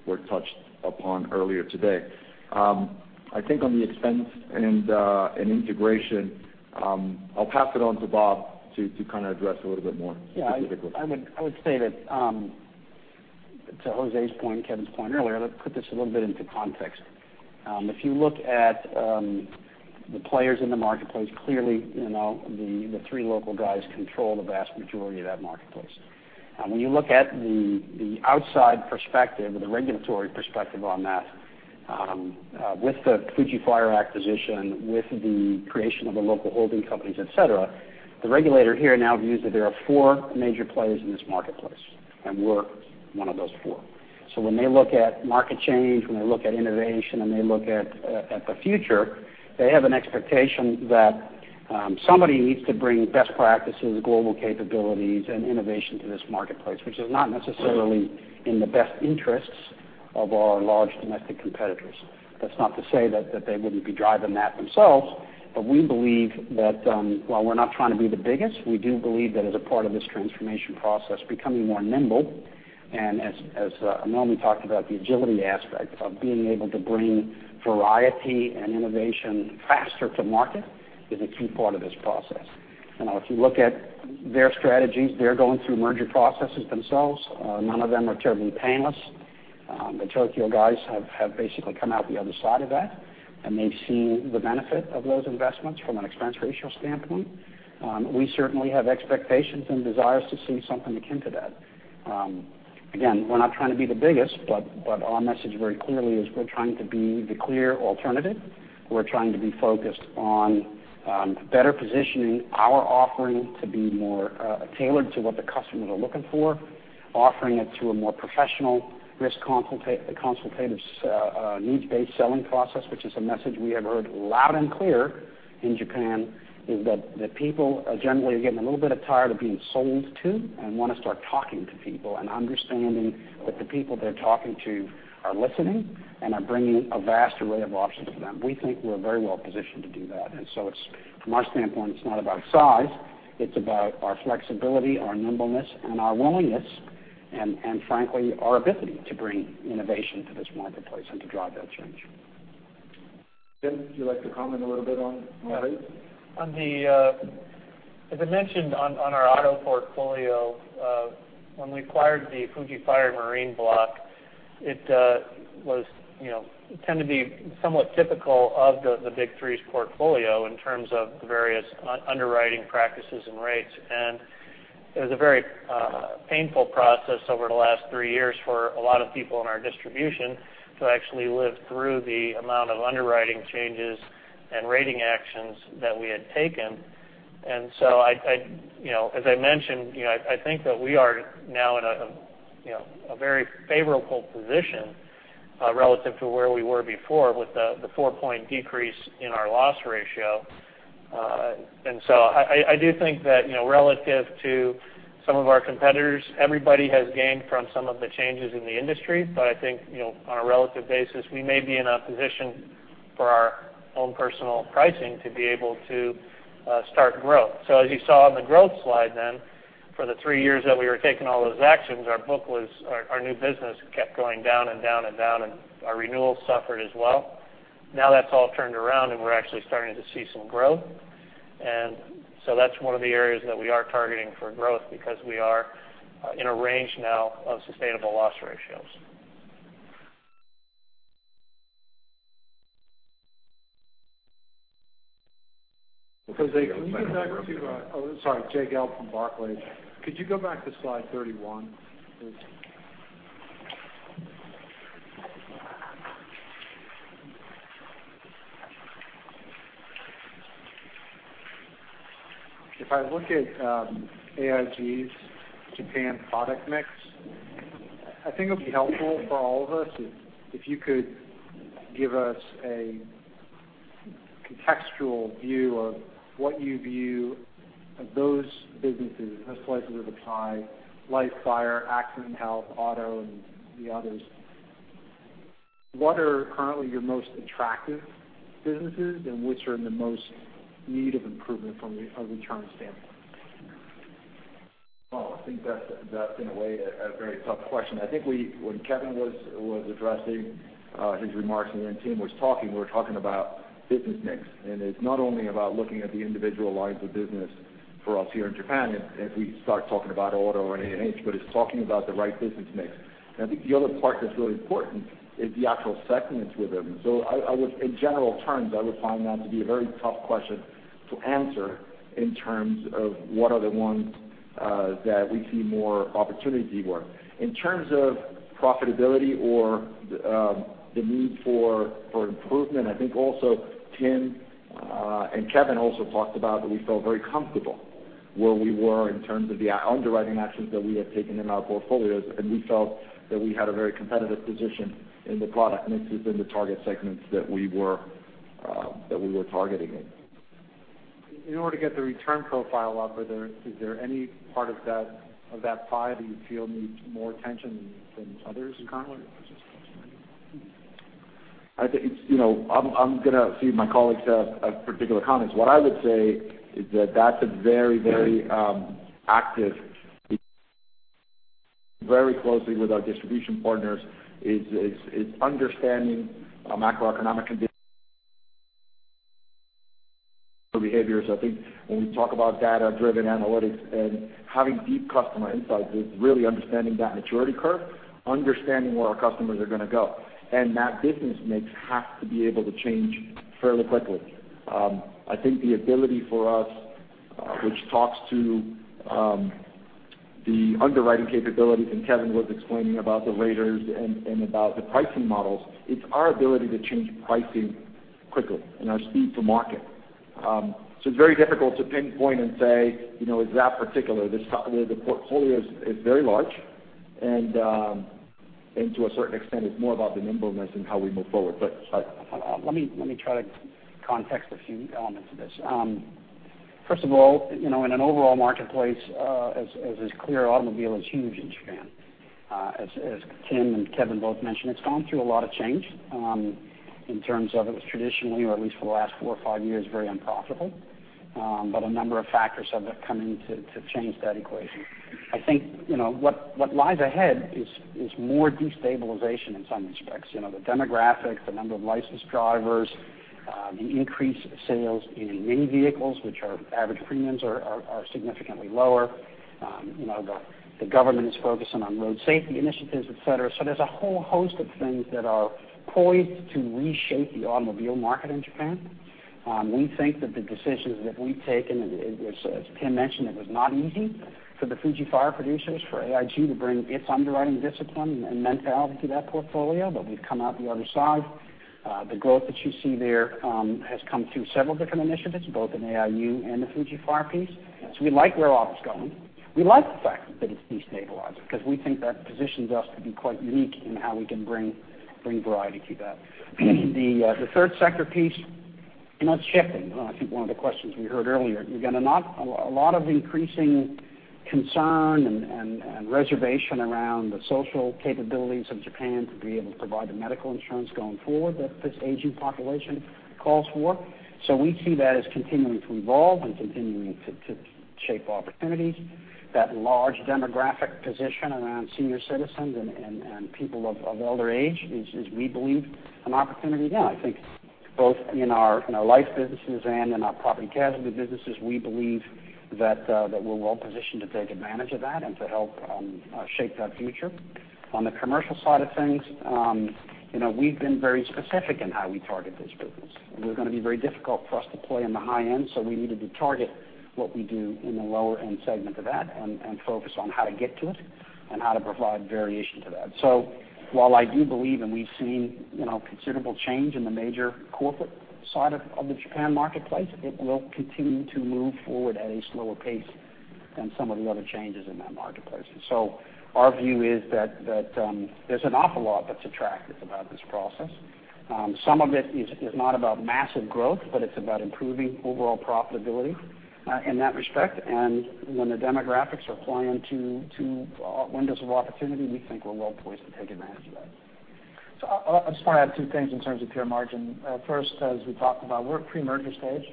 were touched upon earlier today. I think on the expense and integration, I'll pass it on to Bob to kind of address a little bit more the specifics. I would say that to Jose's point and Kevin's point earlier, let's put this a little bit into context. If you look at the players in the marketplace, clearly, the three local guys control the vast majority of that marketplace. When you look at the outside perspective or the regulatory perspective on that, with the Fuji Fire acquisition, with the creation of the local holding companies, et cetera, the regulator here now views that there are four major players in this marketplace, and we're one of those four. When they look at market change, when they look at innovation, and they look at the future, they have an expectation that somebody needs to bring best practices, global capabilities, and innovation to this marketplace, which is not necessarily in the best interests of our large domestic competitors. That's not to say that they wouldn't be driving that themselves. We believe that while we're not trying to be the biggest, we do believe that as a part of this transformation process, becoming more nimble, and as Naomi talked about, the agility aspect of being able to bring variety and innovation faster to market is a key part of this process. If you look at their strategies, they're going through merger processes themselves. None of them are terribly painless. The Tokio guys have basically come out the other side of that, and they've seen the benefit of those investments from an expense ratio standpoint. We certainly have expectations and desires to see something akin to that. Again, we're not trying to be the biggest, our message very clearly is we're trying to be the clear alternative. We're trying to be focused on better positioning our offering to be more tailored to what the customers are looking for, offering it through a more professional risk consultative needs-based selling process, which is a message we have heard loud and clear in Japan, is that people are generally getting a little bit tired of being sold to and want to start talking to people and understanding that the people they're talking to are listening and are bringing a vast array of options to them. We think we're very well positioned to do that. From our standpoint, it's not about size. It's about our flexibility, our nimbleness, and our willingness, and frankly, our ability to bring innovation to this marketplace and to drive that change. Tim, would you like to comment a little bit on rates? As I mentioned, on our auto portfolio, when we acquired the Fuji Fire and Marine block, it tended to be somewhat typical of the big three's portfolio in terms of the various underwriting practices and rates. It was a very painful process over the last 3 years for a lot of people in our distribution to actually live through the amount of underwriting changes and rating actions that we had taken. As I mentioned, I think that we are now in a very favorable position relative to where we were before with the 4-point decrease in our loss ratio. I do think that relative to some of our competitors, everybody has gained from some of the changes in the industry. I think, on a relative basis, we may be in a position for our own personal pricing to be able to start growth. As you saw on the growth slide then, for the 3 years that we were taking all those actions, our new business kept going down and down. Our renewals suffered as well. Now that's all turned around, and we're actually starting to see some growth. That's one of the areas that we are targeting for growth because we are in a range now of sustainable loss ratios. Jose, could you go back to slide 31, please? If I look at AIG Japan's product mix, I think it would be helpful for all of us if you could give us a contextual view of what you view of those businesses, the slices of the pie, life, fire, accident, health, auto, and the others. What are currently your most attractive businesses, and which are in the most need of improvement from a return standpoint? Well, I think that's in a way, a very tough question. I think when Kevin was addressing his remarks and the team was talking, we were talking about business mix. It's not only about looking at the individual lines of business for us here in Japan as we start talking about auto and A&H, but it's talking about the right business mix. I think the other part that's really important is the actual segments within. In general terms, I would find that to be a very tough question to answer in terms of what are the ones that we see more opportunity for. In terms of profitability or the need for improvement, I think also Tim and Kevin also talked about that we felt very comfortable where we were in terms of the underwriting actions that we had taken in our portfolios, we felt that we had a very competitive position in the product, this is in the target segments that we were targeting in. In order to get the return profile up, is there any part of that pie that you feel needs more attention than others currently? I'm going to see if my colleagues have particular comments. What I would say is that that's a very active very closely with our distribution partners is understanding macroeconomic conditions. Behaviors, I think when we talk about data-driven analytics and having deep customer insights is really understanding that maturity curve, understanding where our customers are going to go. That business mix has to be able to change fairly quickly. I think the ability for us, which talks to the underwriting capabilities, and Kevin was explaining about the raters and about the pricing models, it's our ability to change pricing quickly and our speed to market. It's very difficult to pinpoint and say, it's that particular. The portfolio is very large, and to a certain extent, it's more about the nimbleness and how we move forward. Sorry. Let me try to context a few elements of this. First of all, in an overall marketplace, as is clear, automobile is huge in Japan. As Tim and Kevin both mentioned, it's gone through a lot of change in terms of it was traditionally, or at least for the last four or five years, very unprofitable. A number of factors have come in to change that equation. I think what lies ahead is more destabilization in some respects. The demographics, the number of licensed drivers, the increased sales in mini vehicles, which are average premiums are significantly lower. The government is focusing on road safety initiatives, et cetera. There's a whole host of things that are poised to reshape the automobile market in Japan. We think that the decisions that we've taken, as Tim mentioned, it was not easy for the Fuji Fire producers, for AIG to bring its underwriting discipline and mentality to that portfolio, but we've come out the other side. The growth that you see there has come through several different initiatives, both in AIU and the Fuji Fire piece. We like where auto's going. We like the fact that it's destabilized because we think that positions us to be quite unique in how we can bring variety to that. The third sector piece, and that's shifting. I think one of the questions we heard earlier. You've got a lot of increasing concern and reservation around the social capabilities of Japan to be able to provide the medical insurance going forward that this aging population calls for. We see that as continuing to evolve and continuing to shape opportunities. That large demographic position around senior citizens and people of older age is, we believe, an opportunity there. Both in our life businesses and in our property casualty businesses, we believe that we're well-positioned to take advantage of that and to help shape that future. On the commercial side of things, we've been very specific in how we target this business. We're going to be very difficult for us to play in the high end, so we needed to target what we do in the lower-end segment of that and focus on how to get to it and how to provide variation to that. While I do believe, and we've seen considerable change in the major corporate side of the Japan marketplace, it will continue to move forward at a slower pace than some of the other changes in that marketplace. Our view is that there's an awful lot that's attractive about this process. Some of it is not about massive growth, but it's about improving overall profitability, in that respect. When the demographics are playing to windows of opportunity, we think we're well-poised to take advantage of that. I just want to add two things in terms of pure margin. First, as we talked about, we're pre-merger stage.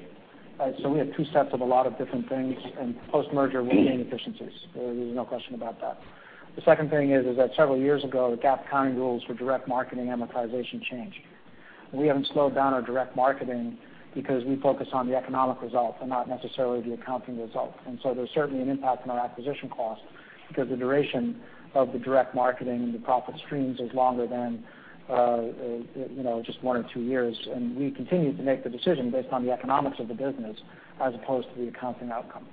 We have two sets of a lot of different things, and post-merger, we'll gain efficiencies. There's no question about that. The second thing is that several years ago, the GAAP accounting rules for direct marketing amortization changed. We haven't slowed down our direct marketing because we focus on the economic results and not necessarily the accounting results. There's certainly an impact on our acquisition cost because the duration of the direct marketing and the profit streams is longer than just one or two years. We continue to make the decision based on the economics of the business as opposed to the accounting outcome.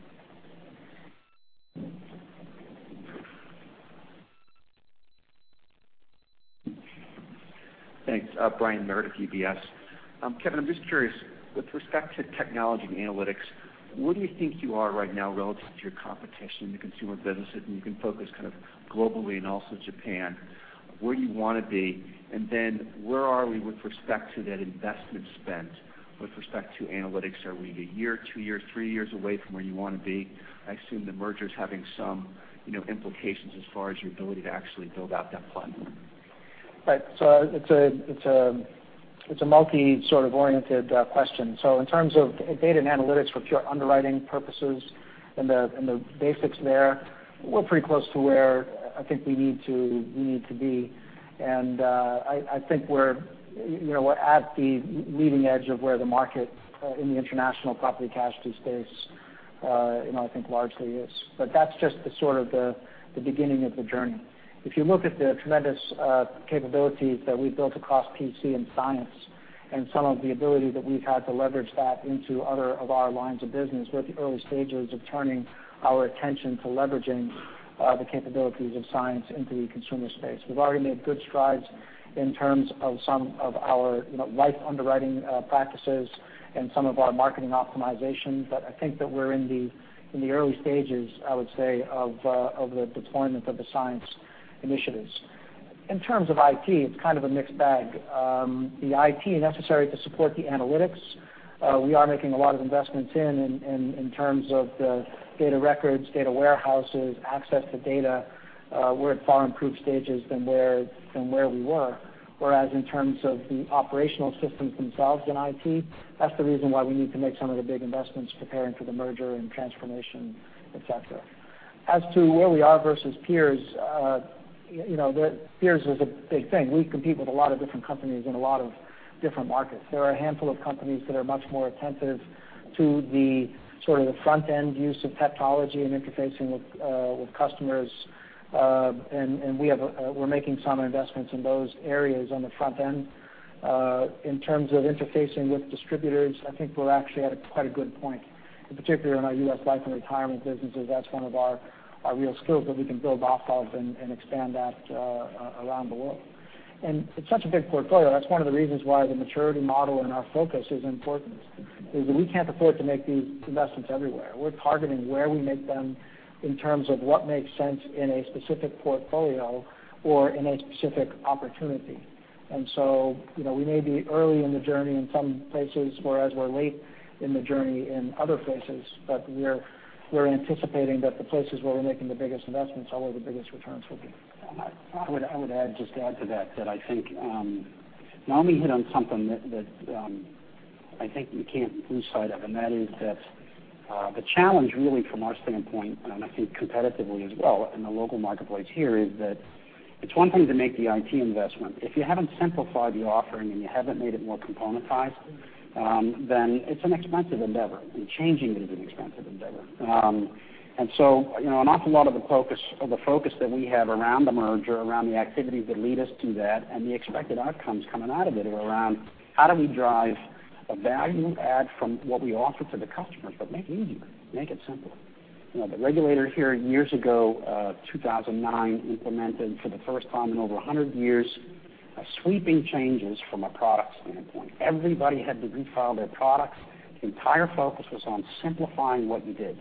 Thanks. Brian Meredith of UBS. Kevin, I am just curious, with respect to technology and analytics, where do you think you are right now relative to your competition in the consumer businesses? You can focus kind of globally and also Japan. Where do you want to be? Where are we with respect to that investment spend with respect to analytics? Are we a year, two years, three years away from where you want to be? I assume the merger is having some implications as far as your ability to actually build out that plan. Right. It is a multi sort of oriented question. In terms of data and analytics for pure underwriting purposes and the basics there, we are pretty close to where I think we need to be. I think we are at the leading edge of where the market in the international property casualty space I think largely is. That is just the sort of the beginning of the journey. If you look at the tremendous capabilities that we have built across PC and science and some of the ability that we have had to leverage that into other of our lines of business, we are at the early stages of turning our attention to leveraging the capabilities of science into the consumer space. We have already made good strides in terms of some of our life underwriting practices and some of our marketing optimization. I think that we are in the early stages, I would say, of the deployment of the science initiatives. In terms of IT, it is kind of a mixed bag. The IT necessary to support the analytics we are making a lot of investments in terms of the data records, data warehouses, access to data. We are at far improved stages than where we were. Whereas in terms of the operational systems themselves in IT, that is the reason why we need to make some of the big investments preparing for the merger and transformation, et cetera. As to where we are versus peers is a big thing. We compete with a lot of different companies in a lot of different markets. There are a handful of companies that are much more attentive to the sort of the front-end use of technology and interfacing with customers. We are making some investments in those areas on the front end. In terms of interfacing with distributors, I think we are actually at a quite good point, in particular in our U.S. life and retirement businesses. That is one of our real skills that we can build off of and expand that around the world. It is such a big portfolio. That is one of the reasons why the maturity model and our focus is important, is that we cannot afford to make these investments everywhere. We are targeting where we make them in terms of what makes sense in a specific portfolio or in a specific opportunity. We may be early in the journey in some places, whereas we are late in the journey in other places. We are anticipating that the places where we are making the biggest investments are where the biggest returns will be. I would just add to that I think Naomi hit on something that I think we can't lose sight of, and that is that the challenge really from our standpoint, and I think competitively as well in the local marketplace here, is that it's one thing to make the IT investment. If you haven't simplified the offering and you haven't made it more componentized, then it's an expensive endeavor, and changing it is an expensive endeavor. An awful lot of the focus that we have around the merger, around the activities that lead us to that, and the expected outcomes coming out of it are around how do we drive a value add from what we offer to the customers, but make it easier, make it simpler. The regulator here years ago, 2009, implemented for the first time in over 100 years, sweeping changes from a product standpoint. Everybody had to refile their products. The entire focus was on simplifying what you did,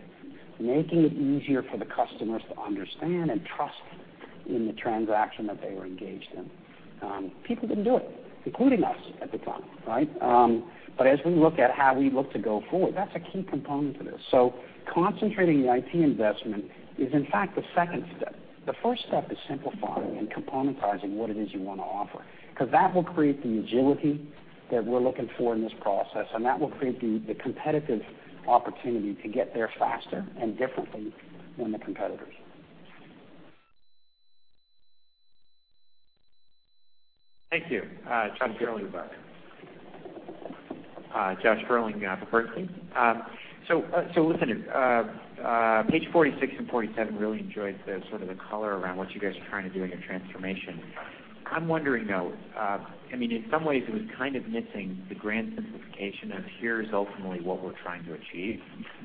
making it easier for the customers to understand and trust in the transaction that they were engaged in. People didn't do it, including us at the time, right? As we look at how we look to go forward, that's a key component to this. Concentrating the IT investment is in fact the second step. The first step is simplifying and componentizing what it is you want to offer, because that will create the agility that we're looking for in this process, and that will create the competitive opportunity to get there faster and differently than the competitors. Thank you. Josh Sterling, Bernstein. Listen, page 46 and 47, really enjoyed the sort of the color around what you guys are trying to do in your transformation. I'm wondering, though, I mean, in some ways it was kind of missing the grand simplification of here's ultimately what we're trying to achieve,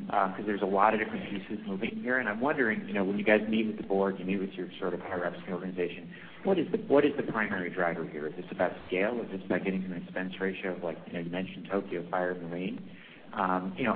because there's a lot of different pieces moving here. I'm wondering, when you guys meet with the board, you meet with your sort of higher-ups in the organization, what is the primary driver here? Is this about scale? Is this about getting to an expense ratio of, like you mentioned, Tokio Marine?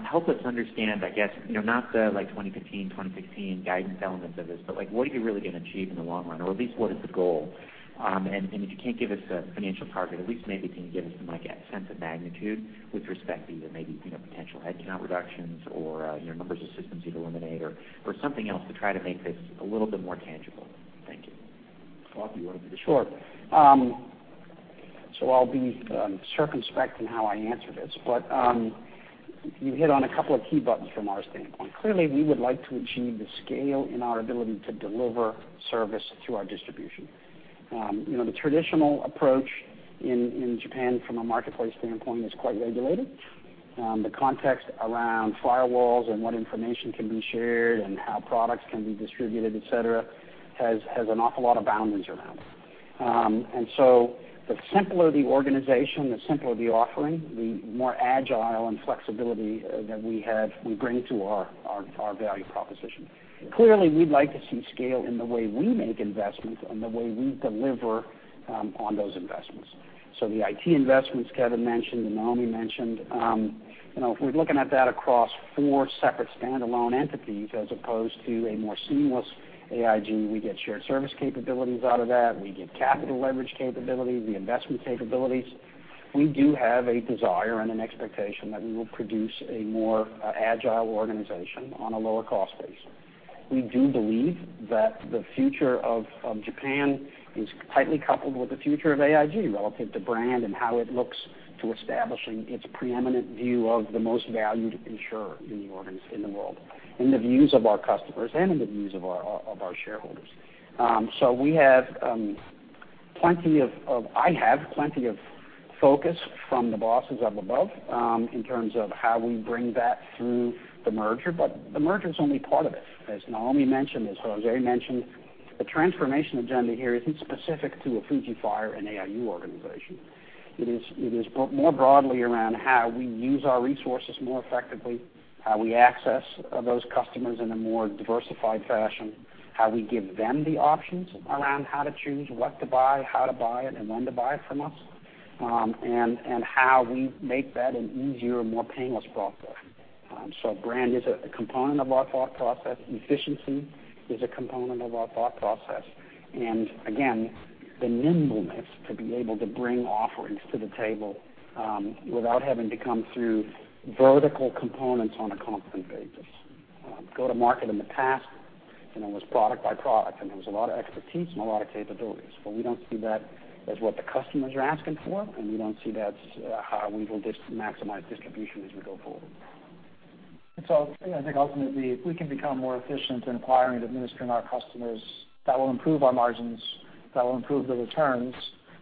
Help us understand, I guess, not the 2015, 2016 guidance elements of this, but what are you really going to achieve in the long run? Or at least what is the goal? If you can't give us a financial target, at least maybe can you give us like a sense of magnitude with respect to either maybe potential headcount reductions or numbers of systems you'd eliminate or something else to try to make this a little bit more tangible. Thank you. Scott, do you want to do this? Sure. I'll be circumspect in how I answer this, but you hit on a couple of key buttons from our standpoint. Clearly, we would like to achieve the scale in our ability to deliver service through our distribution. The traditional approach in Japan from a marketplace standpoint is quite regulated. The context around firewalls and what information can be shared and how products can be distributed, et cetera, has an awful lot of boundaries around it. The simpler the organization, the simpler the offering, the more agile and flexibility that we bring to our value proposition. Clearly, we'd like to see scale in the way we make investments and the way we deliver on those investments. The IT investments Kevin mentioned and Naomi mentioned, if we're looking at that across four separate standalone entities as opposed to a more seamless AIG, we get shared service capabilities out of that, we get capital leverage capabilities, the investment capabilities. We do have a desire and an expectation that we will produce a more agile organization on a lower cost base. We do believe that the future of Japan is tightly coupled with the future of AIG relative to brand and how it looks to establishing its preeminent view of the most valued insurer in the world, in the views of our customers and in the views of our shareholders. I have plenty of focus from the bosses up above in terms of how we bring that through the merger, but the merger's only part of it. As Naomi mentioned, as Jose mentioned, the transformation agenda here isn't specific to a Fuji Fire and AIU organization. It is more broadly around how we use our resources more effectively, how we access those customers in a more diversified fashion, how we give them the options around how to choose what to buy, how to buy it, and when to buy from us, and how we make that an easier, more painless process. Brand is a component of our thought process. Efficiency is a component of our thought process. Again, the nimbleness to be able to bring offerings to the table without having to come through vertical components on a constant basis. Go to market in the past, and it was product by product, and there was a lot of expertise and a lot of capabilities. We don't see that as what the customers are asking for, and we don't see that's how we will maximize distribution as we go forward. I think ultimately, if we can become more efficient in acquiring and administering our customers, that will improve our margins, that will improve the returns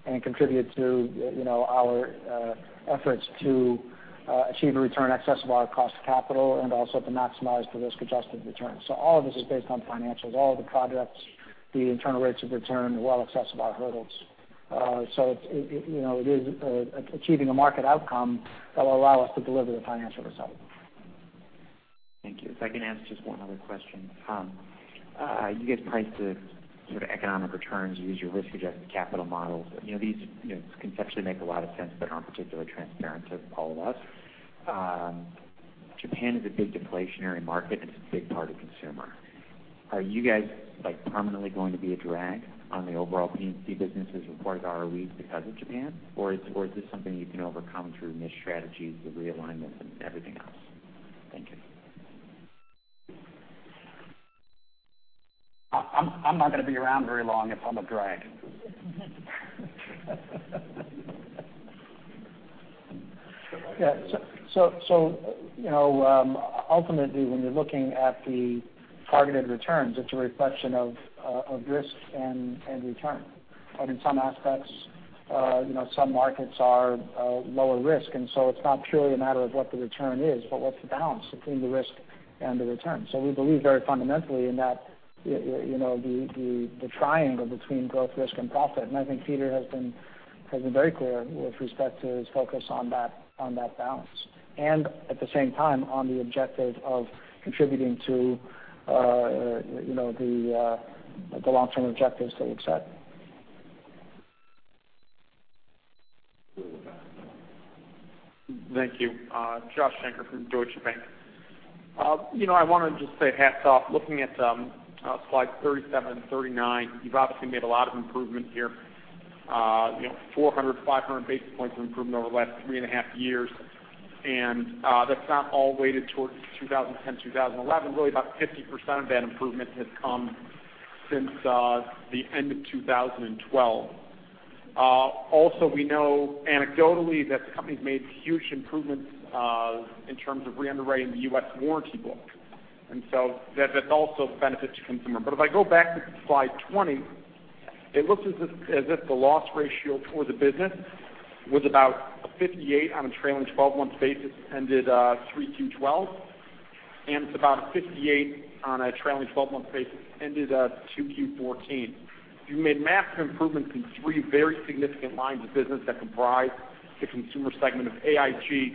and contribute to our efforts to achieve a return in excess of our cost of capital and also to maximize the risk-adjusted returns. All of this is based on financials. All of the projects, the internal rates of return are well in excess of our hurdles. It is achieving a market outcome that will allow us to deliver the financial result. Thank you. If I can ask just one other question. You guys price the sort of economic returns, you use your risk-adjusted capital models. These conceptually make a lot of sense, but aren't particularly transparent to all of us. Japan is a big deflationary market, and it's a big part of consumer. Are you guys permanently going to be a drag on the overall P&C businesses as part of ROE because of Japan? Is this something you can overcome through niche strategies, the realignment, and everything else? Thank you. I'm not going to be around very long if I'm a drag. Ultimately, when you're looking at the targeted returns, it's a reflection of risk and return. In some aspects, some markets are lower risk, it's not purely a matter of what the return is, but what's the balance between the risk and the return. We believe very fundamentally in the triangle between growth, risk, and profit, and I think Peter has been very clear with respect to his focus on that balance, and at the same time, on the objective of contributing to the long-term objectives that we've set. Thank you. Josh Shanker from Deutsche Bank. I want to just say hats off looking at slides 37 and 39. You've obviously made a lot of improvement here. 400, 500 basis points of improvement over the last three and a half years. That's not all weighted towards 2010, 2011. Really about 50% of that improvement has come since the end of 2012. We know anecdotally that the company's made huge improvements in terms of re-underwriting the U.S. warranty book. That's also a benefit to consumer. If I go back to slide 20, it looks as if the loss ratio for the business was about 58 on a trailing 12-month basis ended 3Q12, and it's about 58 on a trailing 12-month basis ended at 2Q14. You've made massive improvements in three very significant lines of business that comprise the consumer segment of AIG,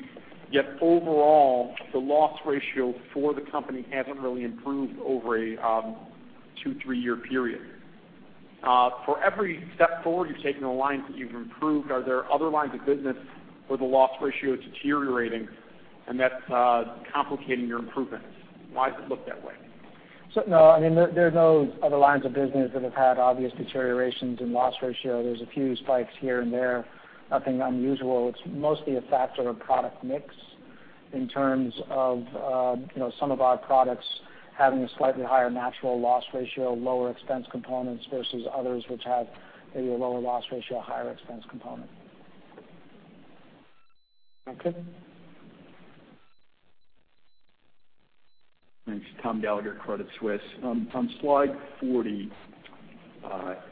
yet overall, the loss ratio for the company hasn't really improved over a two, three-year period. For every step forward you've taken a line that you've improved. Are there other lines of business where the loss ratio is deteriorating and that's complicating your improvements? Why does it look that way? No, there are no other lines of business that have had obvious deteriorations in loss ratio. There's a few spikes here and there. Nothing unusual. It's mostly a factor of product mix in terms of some of our products having a slightly higher natural loss ratio, lower expense components, versus others which have maybe a lower loss ratio, a higher expense component. Okay. Thanks. Tom Gallagher, Credit Suisse. On slide 40,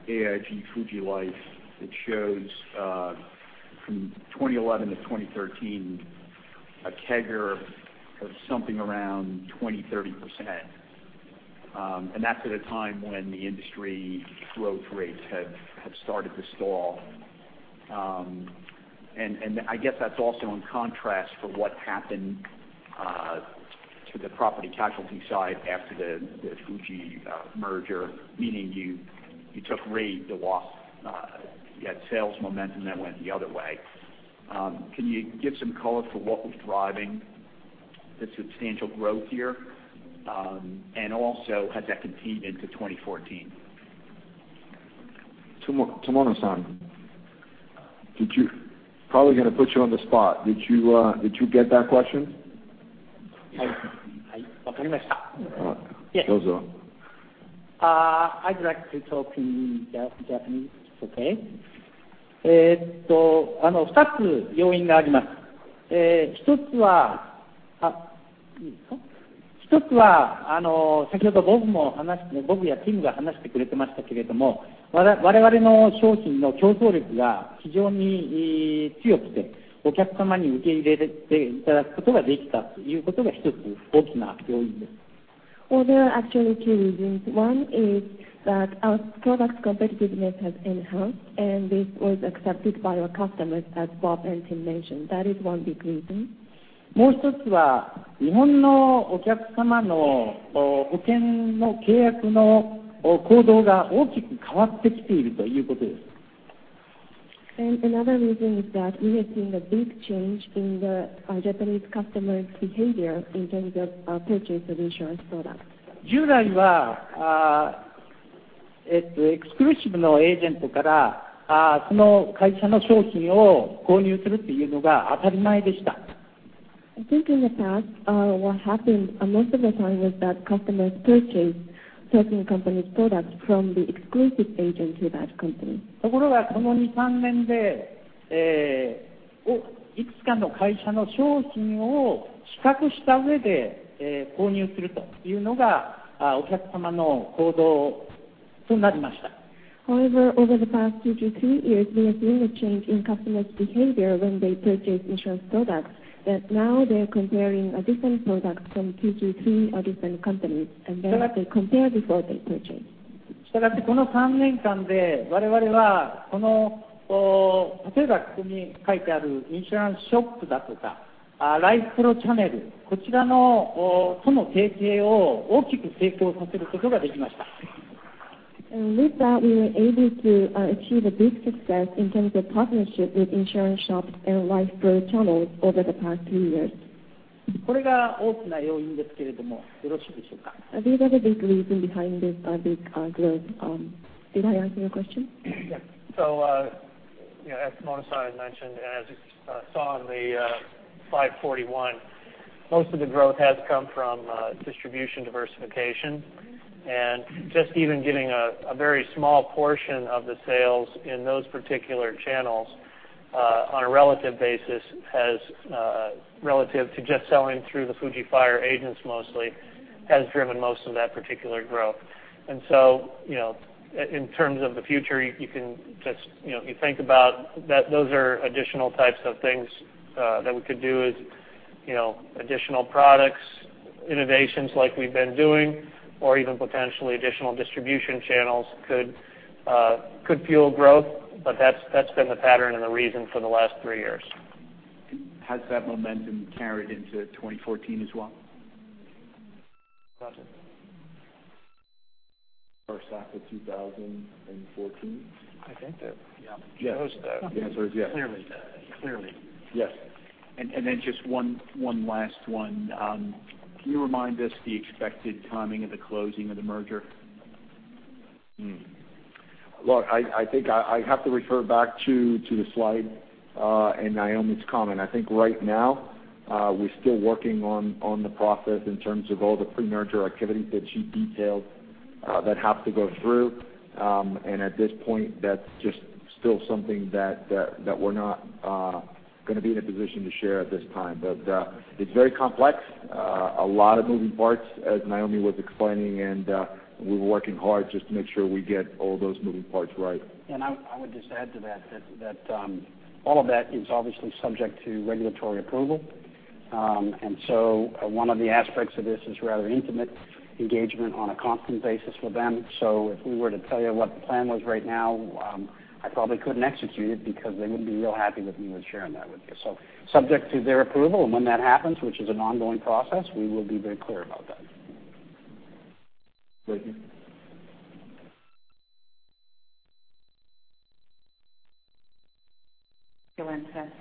AIG Fuji Life, it shows, from 2011 to 2013, a CAGR of something around 20%-30%. That's at a time when the industry growth rates have started to stall. I guess that's also in contrast for what happened to the property casualty side after the Fuji merger, meaning you took rate, the loss. You had sales momentum that went the other way. Can you give some color for what was driving the substantial growth here? Also, has that continued into 2014? Tomono-san, probably going to put you on the spot. Did you get that question? Yes. Goes on. I'd like to talk in Japanese, if it's okay. There are actually two reasons. One is that our product competitiveness has enhanced, and this was accepted by our customers, as Bob and Tim mentioned. That is one big reason. Another reason is that we have seen a big change in the Japanese customers' behavior in terms of purchase of insurance products. I think in the past, what happened most of the time was that customers purchased certain company's products from the exclusive agent to that company. However, over the past two to three years, we have seen a change in customers' behavior when they purchase insurance products. That now they're comparing different products from two to three different companies, and then they compare before they purchase. With that, we were able to achieve a big success in terms of partnership with insurance shops and life pro channels over the past few years. These are the big reasons behind this big growth. Did I answer your question? Yes. As Tomono-san mentioned, as you saw on the slide 41, most of the growth has come from distribution diversification. Just even getting a very small portion of the sales in those particular channels on a relative basis, relative to just selling through the Fuji Fire agents mostly, has driven most of that particular growth. In terms of the future, if you think about those are additional types of things that we could do is additional products, innovations like we've been doing or even potentially additional distribution channels could fuel growth. That's been the pattern and the reason for the last three years. Has that momentum carried into 2014 as well? Gotcha. First half of 2014? I think that, yeah. The answer is yes. Clearly. Yes. Just one last one. Can you remind us the expected timing of the closing of the merger? Look, I think I have to refer back to the slide and Naomi's comment. I think right now we're still working on the process in terms of all the pre-merger activities that she detailed that have to go through. At this point, that's just still something that we're not going to be in a position to share at this time. It's very complex, a lot of moving parts, as Naomi was explaining, we're working hard just to make sure we get all those moving parts right. I would just add to that all of that is obviously subject to regulatory approval. One of the aspects of this is rather intimate engagement on a constant basis with them. If we were to tell you what the plan was right now, I probably couldn't execute it because they wouldn't be real happy with me with sharing that with you. Subject to their approval, and when that happens, which is an ongoing process, we will be very clear about that. Ricky?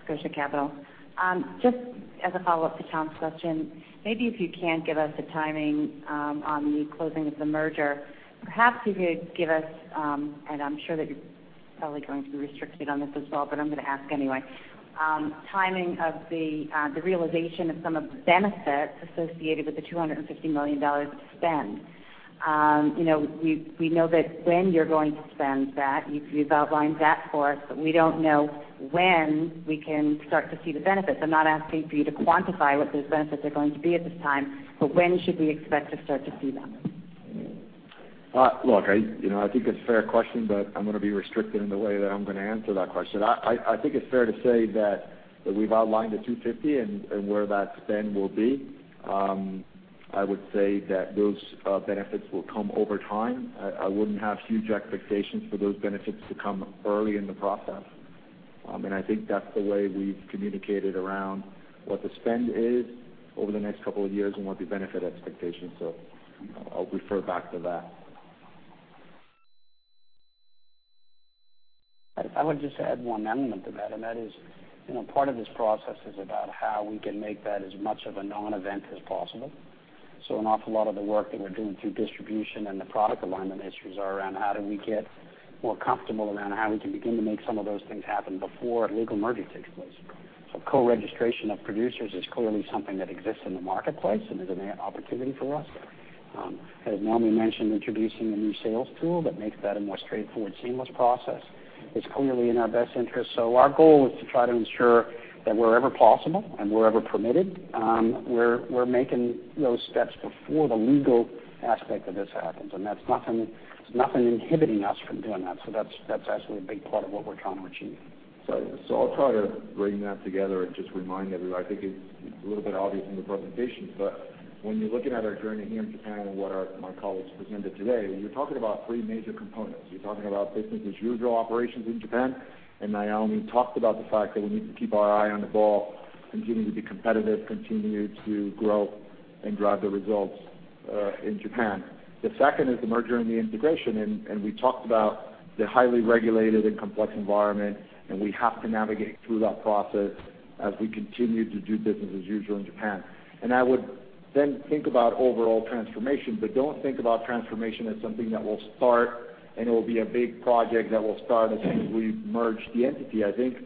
Scotia Capital. Just as a follow-up to Tom's question, maybe if you can't give us a timing on the closing of the merger, perhaps you could give us, and I'm sure that you're probably going to be restricted on this as well, but I'm going to ask anyway, timing of the realization of some of the benefits associated with the $250 million of spend. We know that when you're going to spend that, you've outlined that for us, but we don't know when we can start to see the benefits. I'm not asking for you to quantify what those benefits are going to be at this time, but when should we expect to start to see them? I think it's a fair question, but I'm going to be restricted in the way that I'm going to answer that question. I think it's fair to say that we've outlined the $250 and where that spend will be. I would say that those benefits will come over time. I wouldn't have huge expectations for those benefits to come early in the process. I think that's the way we've communicated around what the spend is over the next couple of years and what the benefit expectations are. I'll refer back to that. I would just add one amendment to that, and that is, part of this process is about how we can make that as much of a non-event as possible. An awful lot of the work that we're doing through distribution and the product alignment issues are around how do we get more comfortable around how we can begin to make some of those things happen before a legal merger takes place. Co-registration of producers is clearly something that exists in the marketplace and is an opportunity for us. As Naomi mentioned, introducing a new sales tool that makes that a more straightforward, seamless process is clearly in our best interest. Our goal is to try to ensure that wherever possible and wherever permitted, we're making those steps before the legal aspect of this happens. There's nothing inhibiting us from doing that. That's actually a big part of what we're trying to achieve. I'll try to bring that together and just remind everyone, I think it's a little bit obvious in the presentation, but when you're looking at our journey here in Japan and what my colleagues presented today, you're talking about three major components. You're talking about business as usual operations in Japan, and Naomi talked about the fact that we need to keep our eye on the ball, continue to be competitive, continue to grow and drive the results in Japan. The second is the merger and the integration, and we talked about the highly regulated and complex environment, and we have to navigate through that process as we continue to do business as usual in Japan. I would then think about overall transformation, but don't think about transformation as something that will start and it will be a big project that will start as soon as we merge the entity. I think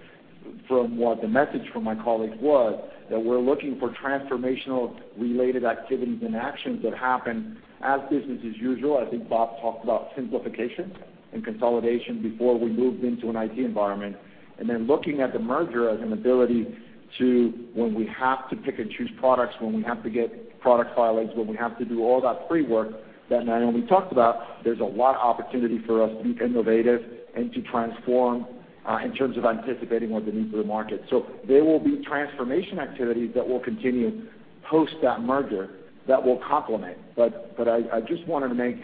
from what the message from my colleagues was, that we're looking for transformational related activities and actions that happen as business as usual. I think Bob talked about simplification and consolidation before we moved into an IT environment, and then looking at the merger as an ability to, when we have to pick and choose products, when we have to get product filings, when we have to do all that pre-work that Naomi talked about, there's a lot of opportunity for us to be innovative and to transform in terms of anticipating what the needs of the market. There will be transformation activities that will continue post that merger that will complement. I just wanted to make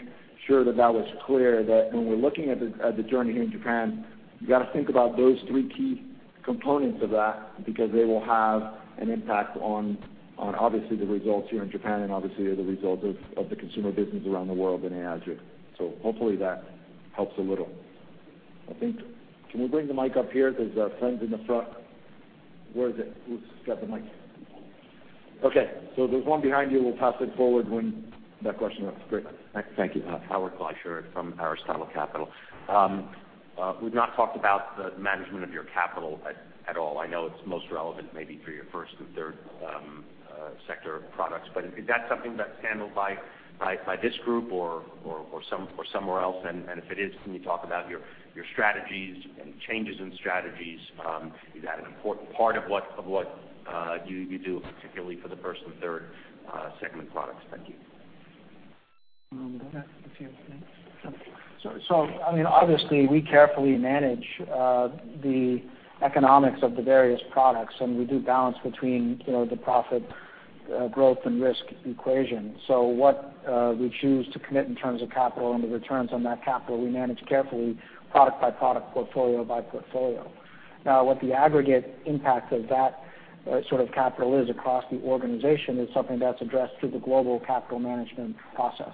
sure that was clear that when we're looking at the journey here in Japan, you got to think about those three key components of that because they will have an impact on obviously the results here in Japan and obviously the results of the consumer business around the world in AIG. Hopefully that helps a little. I think, can we bring the mic up here? There's friends in the front. Where is it? Who's got the mic? Okay. There's one behind you. We'll pass it forward when that question comes. Great. Thank you. Howard Schleicher from Aristotle Capital. We've not talked about the management of your capital at all. I know it's most relevant maybe for your first and third sector products, but is that something that's handled by this group or somewhere else? If it is, can you talk about your strategies and changes in strategies? Is that an important part of what you do, particularly for the first and third segment products? Thank you. Obviously we carefully manage the economics of the various products, and we do balance between the profit growth and risk equation. What we choose to commit in terms of capital and the returns on that capital, we manage carefully product by product, portfolio by portfolio. What the aggregate impact of that sort of capital is across the organization is something that's addressed through the global capital management process,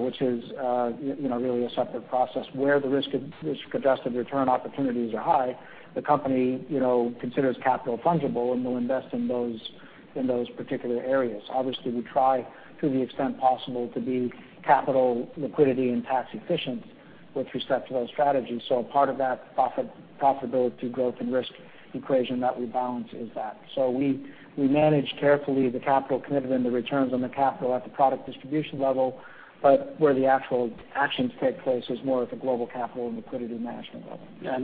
which is really a separate process where the risk-adjusted return opportunities are high. The company considers capital fungible, and we'll invest in those particular areas. Obviously, we try to the extent possible to be capital liquidity and tax efficient With respect to those strategies. Part of that profitability growth and risk equation that we balance is that. We manage carefully the capital committed and the returns on the capital at the product distribution level, but where the actual actions take place is more at the global capital and liquidity management level. Yeah,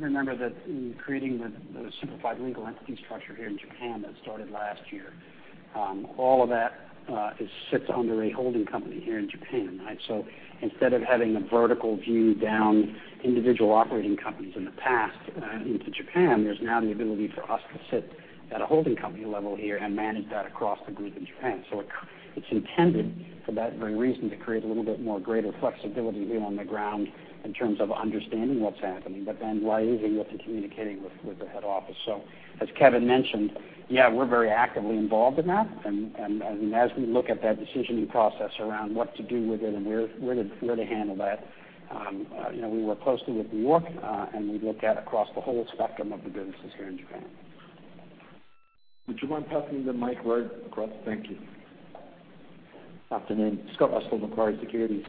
remember that in creating the simplified legal entity structure here in Japan that started last year, all of that sits under a holding company here in Japan. Instead of having a vertical view down individual operating companies in the past into Japan, there's now the ability for us to sit at a holding company level here and manage that across the group in Japan. It's intended for that very reason, to create a little bit more greater flexibility here on the ground in terms of understanding what's happening, but then liaising with and communicating with the head office. As Kevin mentioned, yeah, we're very actively involved in that. As we look at that decisioning process around what to do with it and where to handle that, we work closely with York, and we look at across the whole spectrum of the businesses here in Japan. Would you mind passing the mic right across? Thank you. Afternoon, Scott Russell, Macquarie Securities.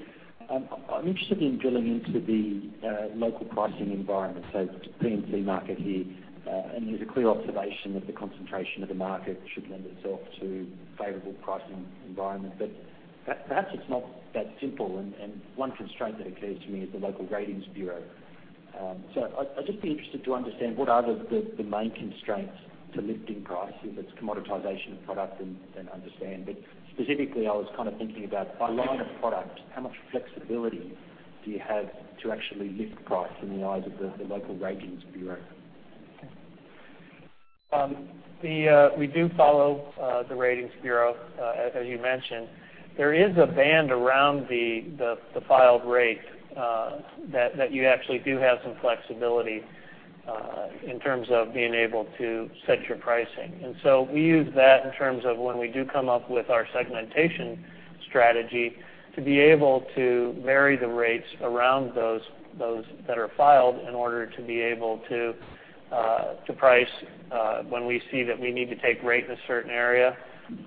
I'm interested in drilling into the local pricing environment, so P&C market here. There's a clear observation that the concentration of the market should lend itself to favorable pricing environment. Perhaps it's not that simple, and one constraint that occurs to me is the local ratings bureau. I'd just be interested to understand, what are the main constraints to lifting prices? If it's commoditization of product then understand. Specifically, I was kind of thinking about by line of product, how much flexibility do you have to actually lift price in the eyes of the local ratings bureau? Okay. We do follow the ratings bureau, as you mentioned. There is a band around the filed rate that you actually do have some flexibility in terms of being able to set your pricing. We use that in terms of when we do come up with our segmentation strategy to be able to vary the rates around those that are filed in order to be able to price when we see that we need to take rate in a certain area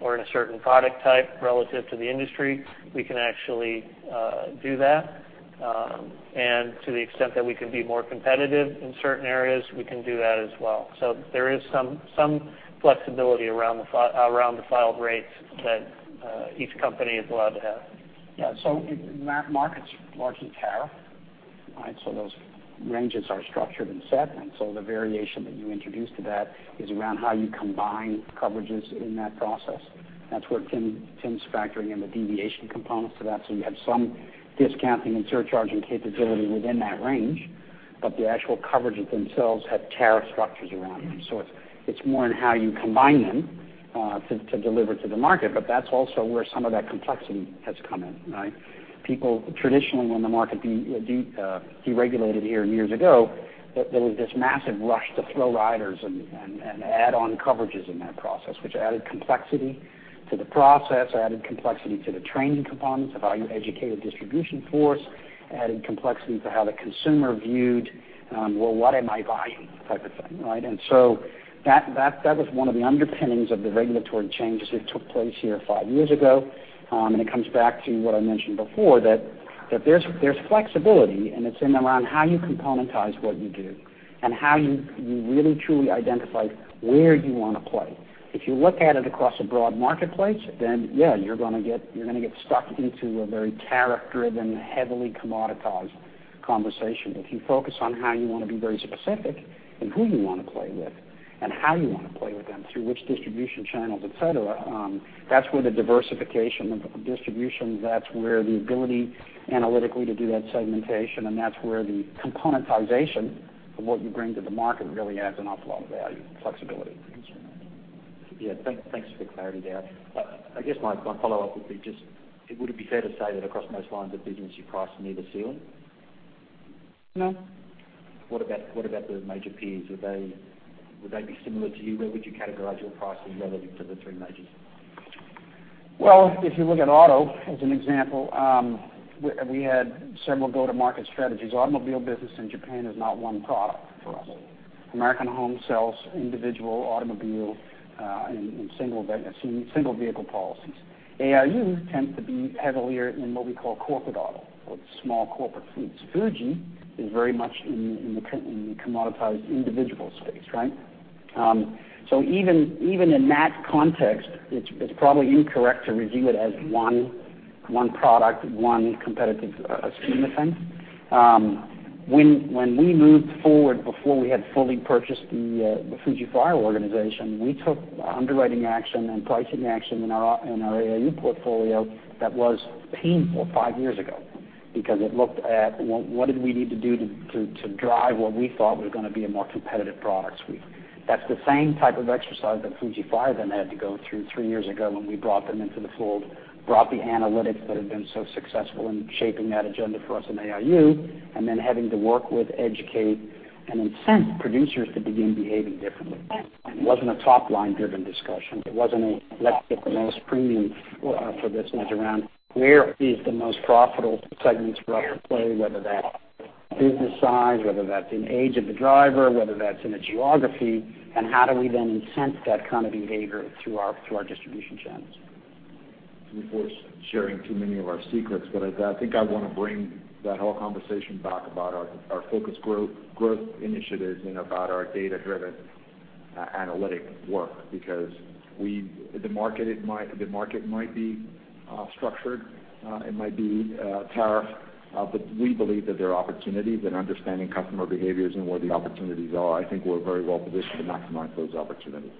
or in a certain product type relative to the industry, we can actually do that. To the extent that we can be more competitive in certain areas, we can do that as well. There is some flexibility around the filed rates that each company is allowed to have. Yeah. Markets largely tariff, right? Those ranges are structured and set. The variation that you introduce to that is around how you combine coverages in that process. That's where Tim's factoring in the deviation components to that. You have some discounting and surcharging capability within that range, but the actual coverages themselves have tariff structures around them. It's more in how you combine them to deliver to the market. That's also where some of that complexity has come in, right? People traditionally, when the market deregulated here years ago, there was this massive rush to throw riders and add on coverages in that process, which added complexity to the process, added complexity to the training components of how you educated distribution force, added complexity to how the consumer viewed, well, what am I buying type of thing, right? That was one of the underpinnings of the regulatory changes that took place here five years ago. It comes back to what I mentioned before, that there's flexibility, and it's in around how you componentize what you do and how you really, truly identify where you want to play. If you look at it across a broad marketplace, then yeah, you're going to get stuck into a very tariff-driven, heavily commoditized conversation. If you focus on how you want to be very specific and who you want to play with and how you want to play with them, through which distribution channels, et cetera, that's where the diversification of the distribution, that's where the ability analytically to do that segmentation, and that's where the componentization of what you bring to the market really adds an awful lot of value and flexibility for the consumer. Yeah, thanks for the clarity there. I guess my follow-up would be just, would it be fair to say that across most lines of business, you price near the ceiling? No. What about the major peers? Would they be similar to you? Where would you categorize your pricing relative to the three majors? If you look at auto as an example, we had several go-to-market strategies. Automobile business in Japan is not one product for us. American Home sells individual automobile in single vehicle policies. AIU tends to be heavier in what we call corporate auto or small corporate fleets. Fuji is very much in the commoditized individual space, right? Even in that context, it's probably incorrect to review it as one product, one competitive scheme of things. When we moved forward before we had fully purchased the Fuji Fire organization, we took underwriting action and pricing action in our AIU portfolio that was painful five years ago because it looked at what did we need to do to drive what we thought was going to be a more competitive product suite. That's the same type of exercise that Fuji Fire had to go through three years ago when we brought them into the fold, brought the analytics that had been so successful in shaping that agenda for us in AIU, having to work with, educate, and incent producers to begin behaving differently. It wasn't a top-line driven discussion. It wasn't a let's get the most premium for this. It was around where is the most profitable segments for us to play, whether that's business size, whether that's in age of the driver, whether that's in a geography, and how do we then incent that kind of behavior through our distribution channels? Of course, sharing too many of our secrets. I think I want to bring that whole conversation back about our focus growth initiatives and about our data-driven analytic work. The market might be structured, it might be tariff, but we believe that there are opportunities in understanding customer behaviors and where the opportunities are. I think we're very well-positioned to maximize those opportunities.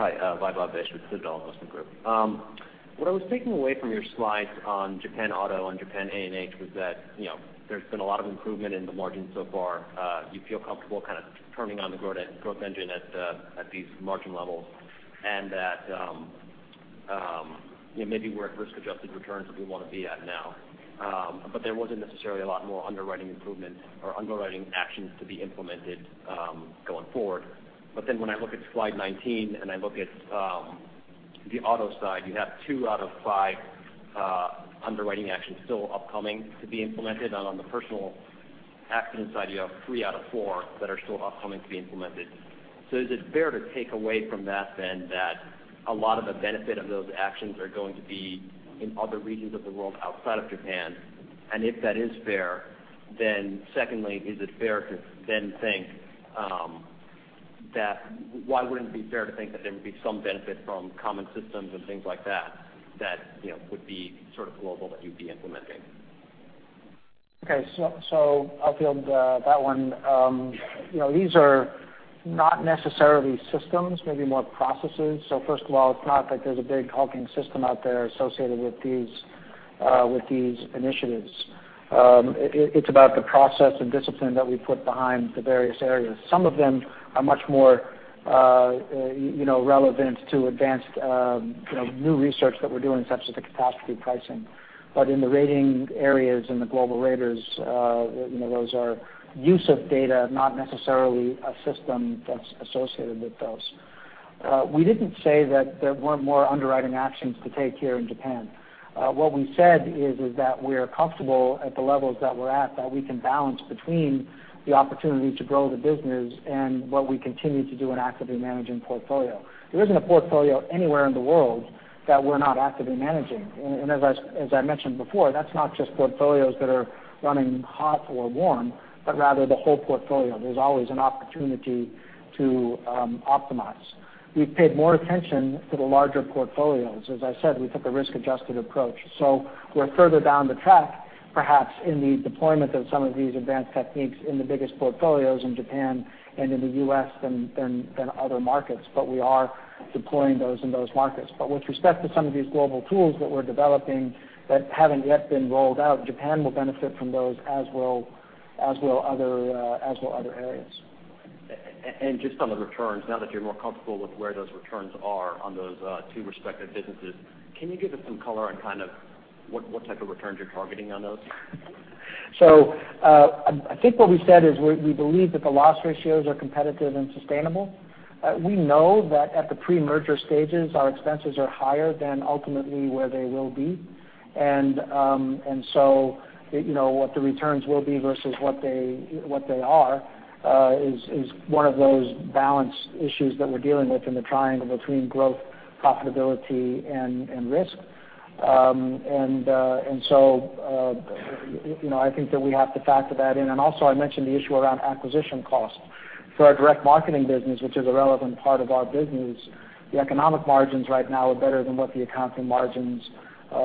Hi. Vaibhav Vashishth with the Dollar Investment Group. What I was taking away from your slides on Japan Auto and Japan A&H was that there's been a lot of improvement in the margins so far. Do you feel comfortable kind of turning on the growth engine at these margin levels and that maybe we're at risk-adjusted returns that we want to be at now? There wasn't necessarily a lot more underwriting improvement or underwriting actions to be implemented going forward. When I look at slide 19 and I look at the auto side, you have two out of five underwriting actions still upcoming to be implemented. On the personal accident side, you have three out of four that are still upcoming to be implemented. Is it fair to take away from that then that a lot of the benefit of those actions are going to be in other regions of the world outside of Japan? If that is fair, then secondly, why wouldn't it be fair to think that there would be some benefit from common systems and things like that would be sort of global that you'd be implementing? Okay. I'll field that one. These are not necessarily systems, maybe more processes. First of all, it's not like there's a big hulking system out there associated with these initiatives. It's about the process and discipline that we put behind the various areas. Some of them are much more relevant to advanced new research that we're doing in terms of the capacity pricing. In the rating areas and the global raters, those are use of data, not necessarily a system that's associated with those. We didn't say that there weren't more underwriting actions to take here in Japan. What we said is that we're comfortable at the levels that we're at, that we can balance between the opportunity to grow the business and what we continue to do in actively managing portfolio. There isn't a portfolio anywhere in the world that we're not actively managing. As I mentioned before, that's not just portfolios that are running hot or warm, but rather the whole portfolio. There's always an opportunity to optimize. We've paid more attention to the larger portfolios. As I said, we took a risk-adjusted approach. We're further down the track, perhaps in the deployment of some of these advanced techniques in the biggest portfolios in Japan and in the U.S. than other markets. We are deploying those in those markets. With respect to some of these global tools that we're developing that haven't yet been rolled out, Japan will benefit from those as will other areas. Just on the returns, now that you're more comfortable with where those returns are on those two respective businesses, can you give us some color on kind of what type of returns you're targeting on those? I think what we said is we believe that the loss ratios are competitive and sustainable. We know that at the pre-merger stages, our expenses are higher than ultimately where they will be. What the returns will be versus what they are is one of those balance issues that we're dealing with in the triangle between growth, profitability, and risk. I think that we have to factor that in. Also, I mentioned the issue around acquisition costs. For our direct marketing business, which is a relevant part of our business, the economic margins right now are better than what the accounting margins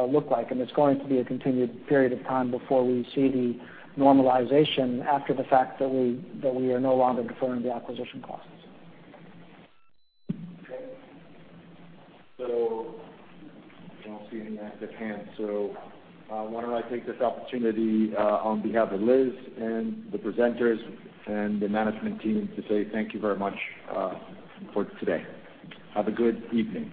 look like. It's going to be a continued period of time before we see the normalization after the fact that we are no longer deferring the acquisition costs. Okay. I don't see any active hands. Why don't I take this opportunity on behalf of Liz and the presenters and the management team to say thank you very much for today. Have a good evening.